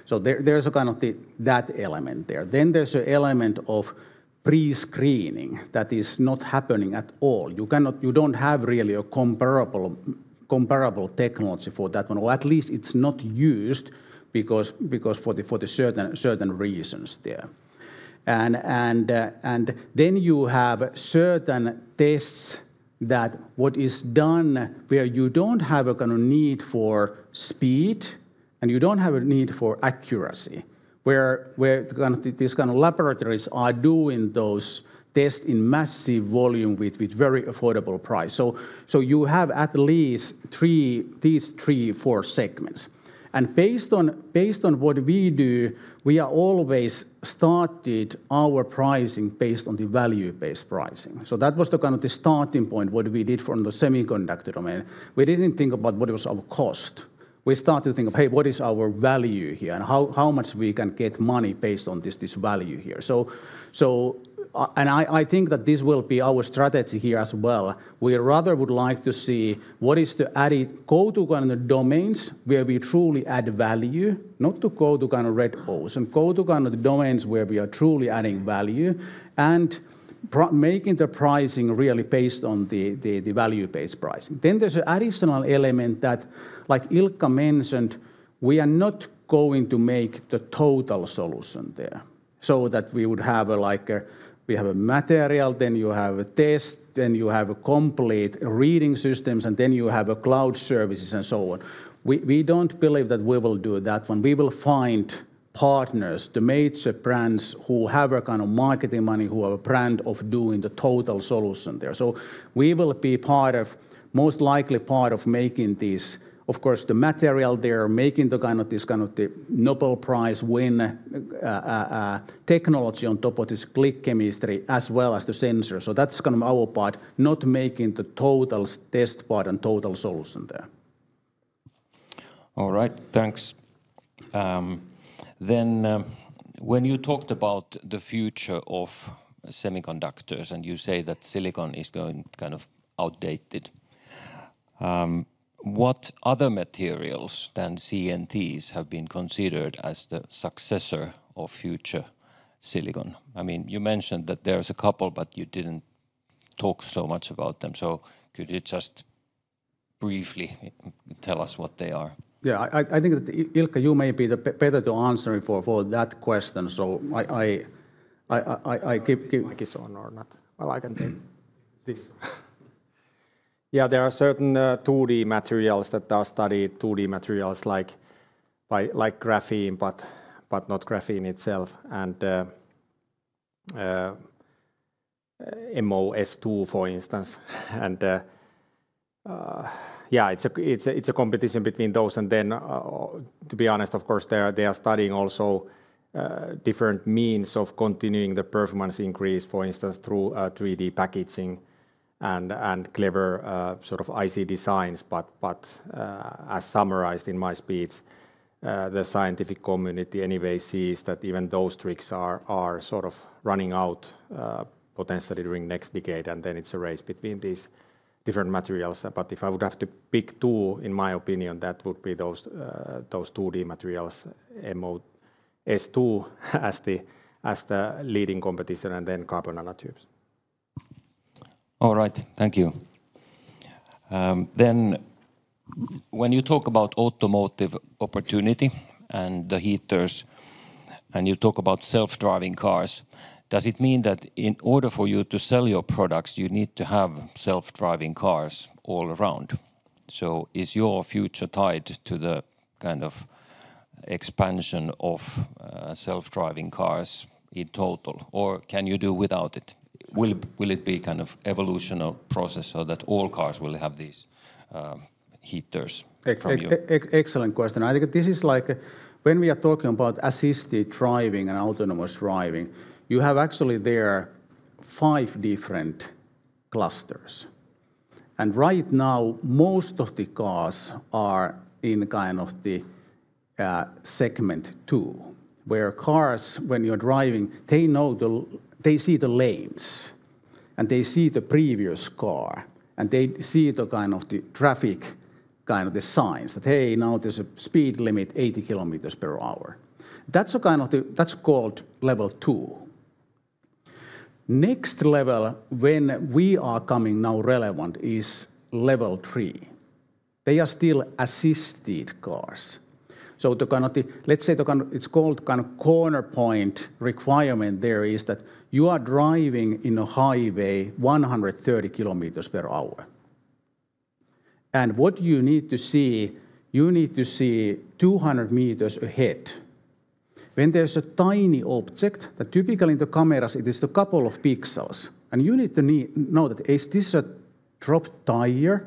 S5: So there's a kind of that element there. Then there's an element of pre-screening that is not happening at all. You cannot. You don't have really a comparable technology for that one, or at least it's not used because for the certain reasons there.
S2: Then you have certain tests that what is done, where you don't have a kind of need for speed, and you don't have a need for accuracy, where kind of these kind of laboratories are doing those tests in massive volume with very affordable price. So you have at least three, these three, four segments. Based on what we do, we are always started our pricing based on the value-based pricing. So that was the kind of the starting point, what we did from the semiconductor domain. We didn't think about what was our cost. We started to think of, "Hey, what is our value here, and how much we can get money based on this value here?" So and I think that this will be our strategy here as well. We rather would like to see what is the added value. Go to kind of domains where we truly add value, not to go to kind of red oceans, and go to kind of the domains where we are truly adding value, and promoting the pricing really based on the value-based pricing. Then there's an additional element that, like Ilkka mentioned, we are not going to make the total solution there, so that we would have, like, we have a material, then you have a test, then you have complete reading systems, and then you have cloud services, and so on. We don't believe that we will do that one. We will find partners, the major brands who have a kind of marketing money, who have a brand of doing the total solution there. So we will be part of, most likely part of making this. Of course, the material they are making this kind of the Nobel Prize-winning technology on top of this click chemistry, as well as the sensor. So that's kind of our part, not making the total test part and total solution there. All right, thanks. Then, when you talked about the future of semiconductors, and you say that silicon is going kind of outdated, what other materials than CNTs have been considered as the successor of future silicon? I mean, you mentioned that there's a couple, but you didn't talk so much about them. So could you just briefly tell us what they are?
S5: Yeah, I think that Ilkka, you may be better at answering for that question, so I give
S6: Mic is on or not? Well, I can take this. Yeah, there are certain 2D materials that are studied, 2D materials like by, like graphene, but, but not graphene itself, and MoS2, for instance. And yeah, it's a competition between those, and then, to be honest, of course, they are studying also different means of continuing the performance increase, for instance, through 3D packaging and clever sort of IC designs. But as summarized in my speech, the scientific community anyway sees that even those tricks are sort of running out potentially during next decade, and then it's a race between these different materials. But if I would have to pick two, in my opinion, that would be those 2D materials, Mo-
S2: MoS2 as the leading competition, and then carbon nanotubes. All right, thank you. Then when you talk about automotive opportunity and the heaters, and you talk about self-driving cars, does it mean that in order for you to sell your products, you need to have self-driving cars all around? So is your future tied to the kind of expansion of self-driving cars in total, or can you do without it? Will it be kind of evolutional process so that all cars will have these heaters from you?
S5: Excellent question. I think this is like when we are talking about assisted driving and autonomous driving, you have actually there five different clusters. And right now, most of the cars are in kind of the segment two, where cars, when you're driving, they know they see the lanes, and they see the previous car, and they see the kind of the traffic, kind of the signs, that, "Hey, now there's a speed limit, 80 km per hour." That's kind of the. That's called level two. Next level, when we are coming now relevant, is level three. They are still assisted cars. So the kind of the, let's say, the kind of it's called kind of corner point requirement there is that you are driving in a highway 130 km per hour.
S2: What you need to see, you need to see 200 meters ahead. When there's a tiny object, that typically in the cameras it is a couple of pixels, and you need to know that is this a dropped tire?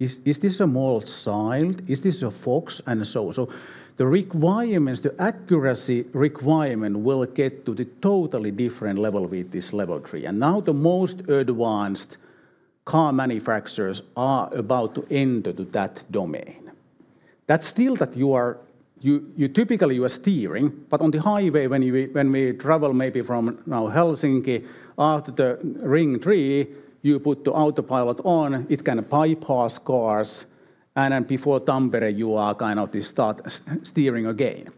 S2: Is this a small child? Is this a fox, and so on. So the requirements, the accuracy requirement, will get to the totally different level with this level three. Now the most advanced car manufacturers are about to enter to that domain. You typically are steering, but on the highway, when we travel maybe from Helsinki now, after the Ring III, you put the autopilot on, it kind of bypass cars, and then before Tampere, you are kind of steering again.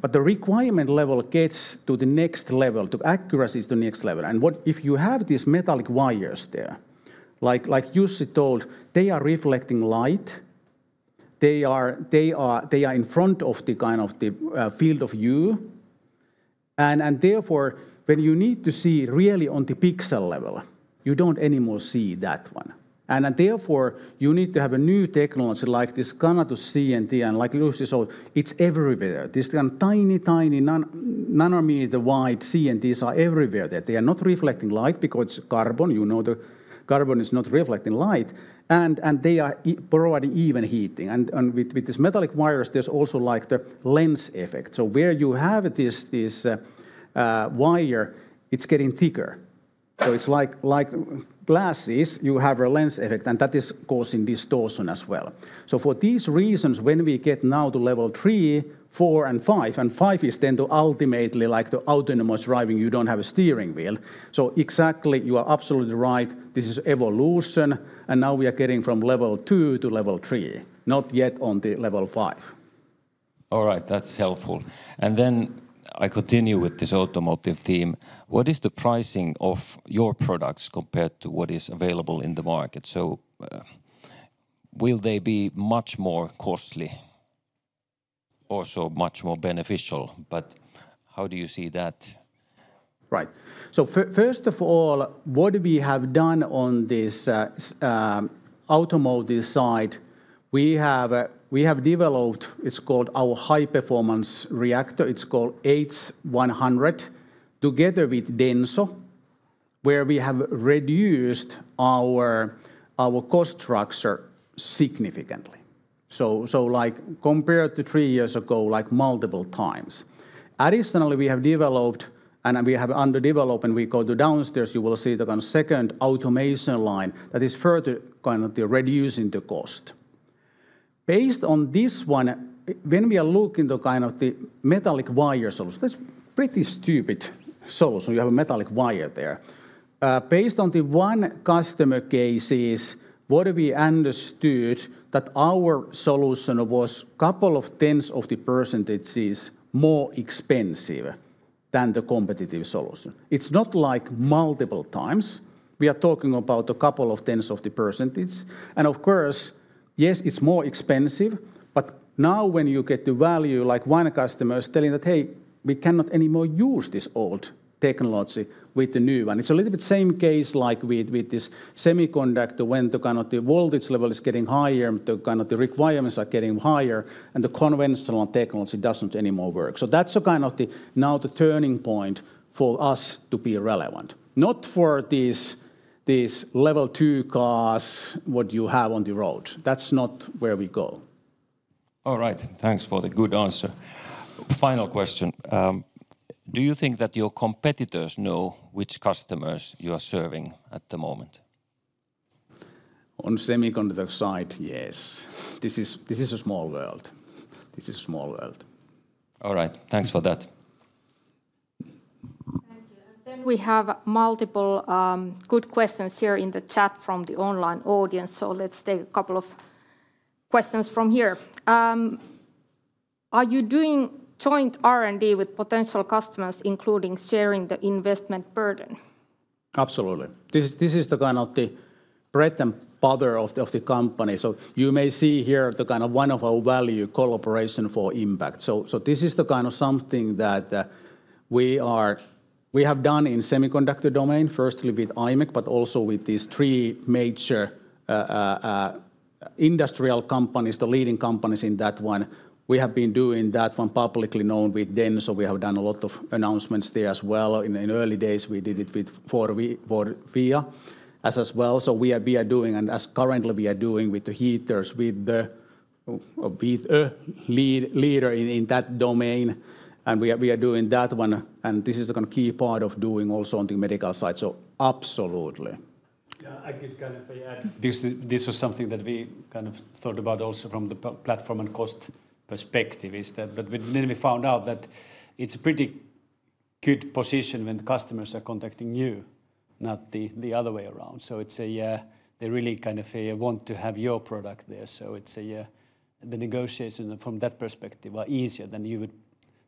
S2: But the requirement level gets to the next level, the accuracy is the next level. What if you have these metallic wires there, like Jussi told, they are reflecting light. They are in front of the field of view. Therefore, when you need to see really on the pixel level, you don't anymore see that one. Therefore, you need to have a new technology like this Canatu's CNT, and like Jussi said, it's everywhere. This kind of tiny nanometer wide CNTs are everywhere there. They are not reflecting light because carbon, you know, the carbon is not reflecting light, and they are providing even heating. With these metallic wires, there's also, like, the lens effect. Where you have this wire, it's getting thicker. So it's like, like glasses, you have a lens effect, and that is causing distortion as well. So for these reasons, when we get now to level three, four, and five, and five is then to ultimately, like, the autonomous driving, you don't have a steering wheel. So exactly, you are absolutely right. This is evolution, and now we are getting from level two to level three, not yet on the level five. All right, that's helpful. And then I continue with this automotive theme. What is the pricing of your products compared to what is available in the market? So, will they be much more costly or so much more beneficial, but how do you see that?
S5: Right. So first of all, what we have done on this automotive side, we have developed it's called our high-performance reactor. It's called H100, together with Denso, where we have reduced our cost structure significantly. So like, compared to three years ago, like multiple times. Additionally, we have developed, and we have under development, we go downstairs, you will see the second automation line that is further kind of reducing the cost. Based on this one, when we are looking to kind of the metallic wire solution, that's pretty stupid solution. You have a metallic wire there. Based on the one customer cases, what we understood that our solution was couple of tenths of the percentages more expensive than the competitive solution. It's not like multiple times.
S2: We are talking about a couple of tenths of the percentage, and of course, yes, it's more expensive, but now when you get the value, like one customer is telling that, "Hey, we cannot anymore use this old technology with the new one." It's a little bit same case like with this semiconductor, when the kind of voltage level is getting higher, the kind of requirements are getting higher, and the conventional technology doesn't anymore work. So that's kind of now the turning point for us to be relevant, not for these level two cars what you have on the road. That's not where we go. All right. Thanks for the good answer. Final question: do you think that your competitors know which customers you are serving at the moment?
S5: On semiconductor side, yes. This is a small world. This is a small world.
S2: All right. Thanks for that.
S1: Then we have multiple good questions here in the chat from the online audience, so let's take a couple of questions from here. Are you doing joint R&D with potential customers, including sharing the investment burden?
S5: Absolutely. This, this is the kind of the bread and butter of the, of the company. So you may see here the kind of one of our value, collaboration for impact. So, so this is the kind of something that, we have done in semiconductor domain, firstly with Imec, but also with these three major, industrial companies, the leading companies in that one. We have been doing that one publicly known with them, so we have done a lot of announcements there as well. In, in early days, we did it with Forvia as, as well.
S2: So we are doing, and as currently we are doing with the heaters, with a leader in that domain, and we are doing that one, and this is the kind of key part of doing also on the medical side, so absolutely.
S3: Yeah, I could kind of add, this was something that we kind of thought about also from the platform and cost perspective, is that. But we then found out that it's a pretty good position when the customers are contacting you, not the other way around. So they really kind of want to have your product there. So the negotiation from that perspective are easier than you would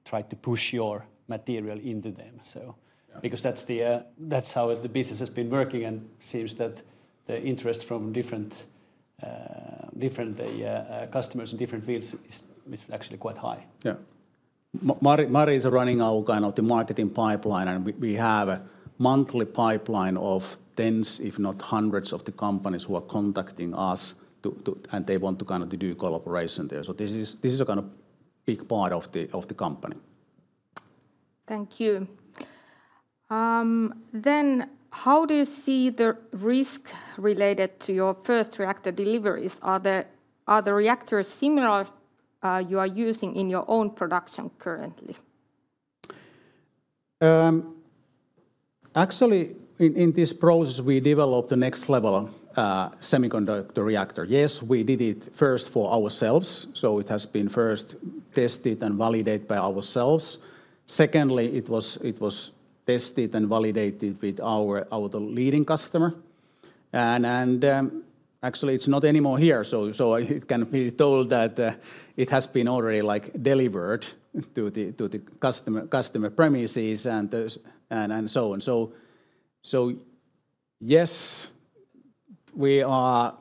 S3: try to push your material into them, so.
S5: Yeah.
S3: Because that's the, that's how the business has been working, and seems that the interest from different customers in different fields is actually quite high.
S5: Yeah. Mari is running our kind of the marketing pipeline, and we have a monthly pipeline of tens, if not hundreds, of the companies who are contacting us, and they want kind of to do collaboration there. So this is a kind of big part of the company.
S1: Thank you. Then how do you see the risk related to your first reactor deliveries? Are the reactors similar, you are using in your own production currently?
S5: Actually, in this process, we developed the next level semiconductor reactor. Yes, we did it first for ourselves, so it has been first tested and validated by ourselves. Secondly, it was tested and validated with our leading customer. And actually, it's not anymore here, so it can be told that it has been already, like, delivered to the customer premises and so on. So yes, we are.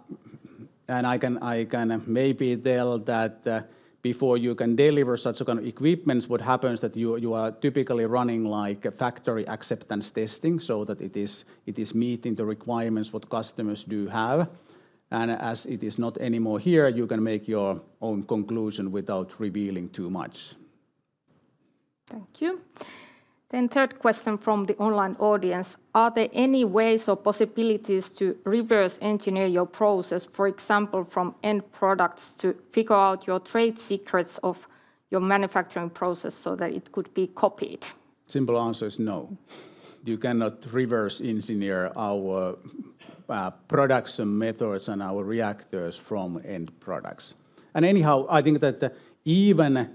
S5: And I can maybe tell that before you can deliver such kind of equipment, what happens that you are typically running, like, a factory acceptance testing, so that it is meeting the requirements what customers do have. And as it is not anymore here, you can make your own conclusion without revealing too much.
S1: Thank you. The third question from the online audience: Are there any ways or possibilities to reverse engineer your process, for example, from end products, to figure out your trade secrets of your manufacturing process so that it could be copied?
S5: Simple answer is no. You cannot reverse engineer our production methods and our reactors from end products. And anyhow, I think that even,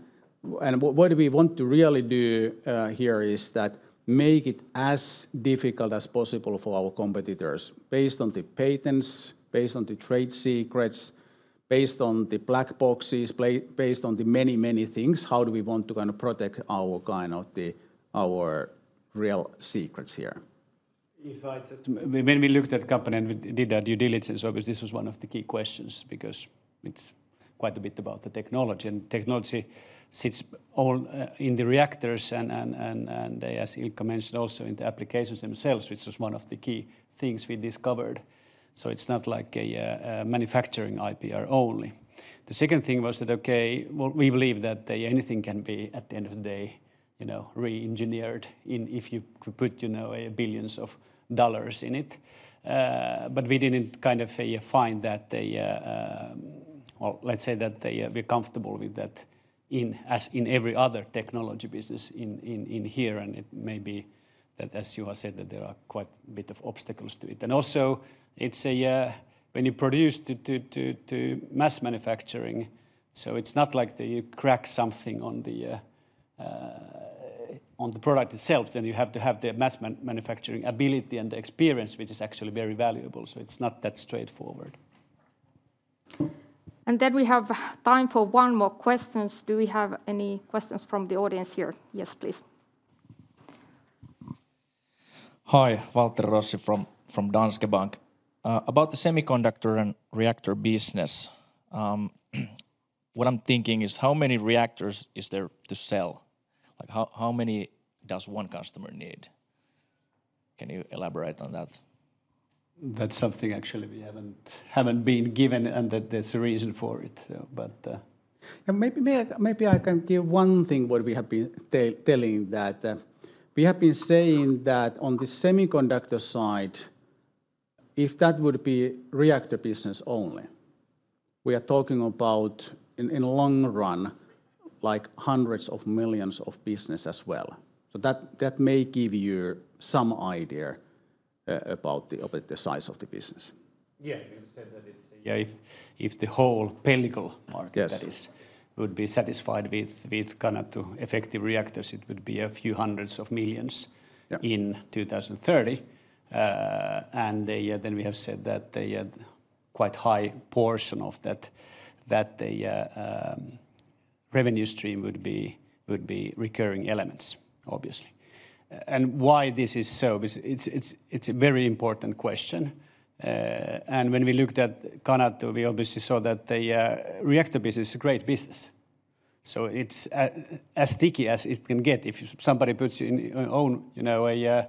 S5: and what we want to really do here is that make it as difficult as possible for our competitors, based on the patents, based on the trade secrets, based on the black boxes, based on the many, many things, how do we want to kind of protect our kind of the, our real secrets here?
S3: When we looked at the company and we did our due diligence, obviously, this was one of the key questions, because it's quite a bit about the technology, and technology sits all in the reactors, and as Ilkka mentioned, also in the applications themselves, which was one of the key things we discovered. So it's not like a manufacturing IPR only. The second thing was that, okay, well, we believe that anything can be, at the end of the day, you know, re-engineered if you could put, you know, billions of dollars in it. But we didn't kind of find that the.
S2: Let's say that we're comfortable with that, as in every other technology business in here, and it may be that, as you have said, that there are quite a bit of obstacles to it. Also, it's a when you produce to mass manufacturing, so it's not like that you crack something on the product itself, then you have to have the mass manufacturing ability and the experience, which is actually very valuable, so it's not that straightforward.
S1: And then we have time for one more questions. Do we have any questions from the audience here? Yes, please.
S10: Hi, Waltteri Rossi from Danske Bank. About the semiconductor and reactor business, what I'm thinking is: How many reactors is there to sell? Like, how many does one customer need? Can you elaborate on that?
S3: That's something actually we haven't been given, and there's a reason for it, but
S5: Yeah, maybe I can give one thing what we have been telling, that we have been saying that on the semiconductor side, if that would be reactor business only, we are talking about, in long run, like hundreds of millions of business as well. So that may give you some idea.
S2: About the size of the business?
S3: Yeah, we said that it's if the whole pellicle market-
S5: Yes
S3: that is, would be satisfied with kind of two effective reactors, it would be a few hundreds of millions.
S5: Yeah
S3: In 2030. And they, then we have said that the quite high portion of that revenue stream would be recurring elements, obviously. And why this is so? Because it's a very important question. And when we looked at Canatu, we obviously saw that the reactor business is a great business. So it's as sticky as it can get. If somebody puts in own, you know, a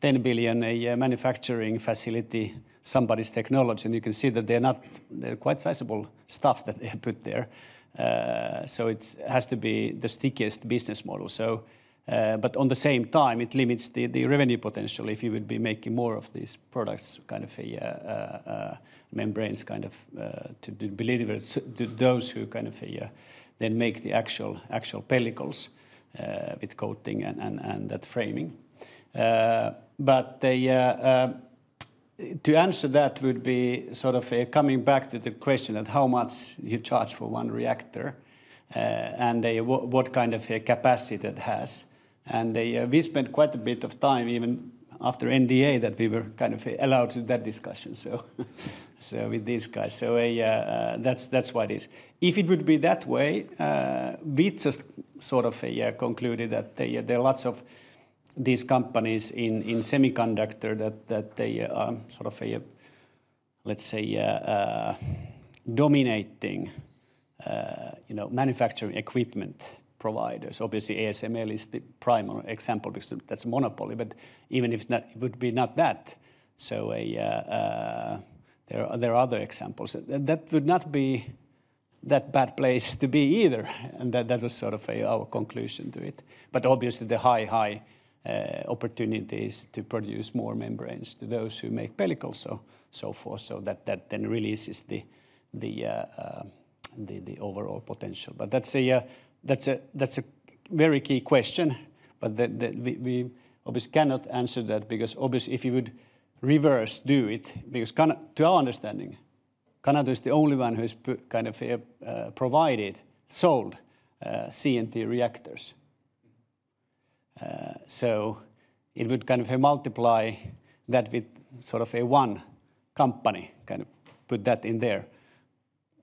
S3: 10 billion a year manufacturing facility, somebody's technology, and you can see that they're not. They're quite sizable stuff that they have put there. So it's has to be the stickiest business model.
S2: But on the same time, it limits the revenue potential if you would be making more of these products, kind of membranes, kind of to deliver to those who kind of then make the actual pellicles with coating and that framing. But to answer that would be sort of coming back to the question of how much you charge for one reactor and what kind of a capacity that has. And we spent quite a bit of time, even after NDA, that we were kind of allowed to that discussion, so with these guys. That's what it is. If it would be that way, we just sort of concluded that there are lots of these companies in semiconductor that they sort of a, let's say, dominating, you know, manufacturing equipment providers. Obviously, ASML is the primary example because that's monopoly. But even if not, it would be not that, so a, there are other examples. That would not be that bad place to be either, and that was sort of, our conclusion to it. But obviously, the high opportunities to produce more membranes to those who make pellicles, so forth, so that then releases the overall potential. But that's a very key question, but we obviously cannot answer that because obviously, if you would reverse do it, because to our understanding, Canatu is the only one who's put kind of provided, sold CNT reactors. So it would kind of multiply that with sort of a one company, kind of put that in there,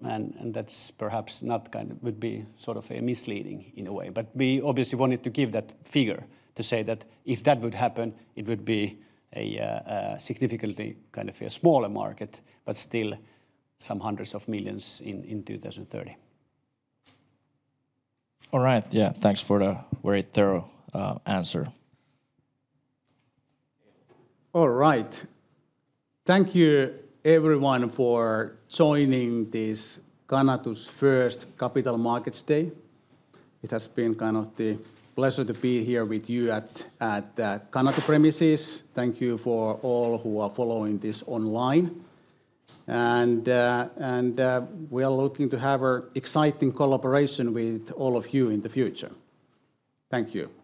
S2: and that's perhaps not kind of would be sort of a misleading in a way. But we obviously wanted to give that figure, to say that if that would happen, it would be a significantly kind of a smaller market, but still some hundreds of millions in 2030.
S10: All right. Yeah, thanks for the very thorough answer.
S5: All right. Thank you everyone for joining this Canatu's first Capital Markets Day. It has been kind of a pleasure to be here with you at Canatu premises. Thank you for all who are following this online. We are looking to have an exciting collaboration with all of you in the future. Thank you.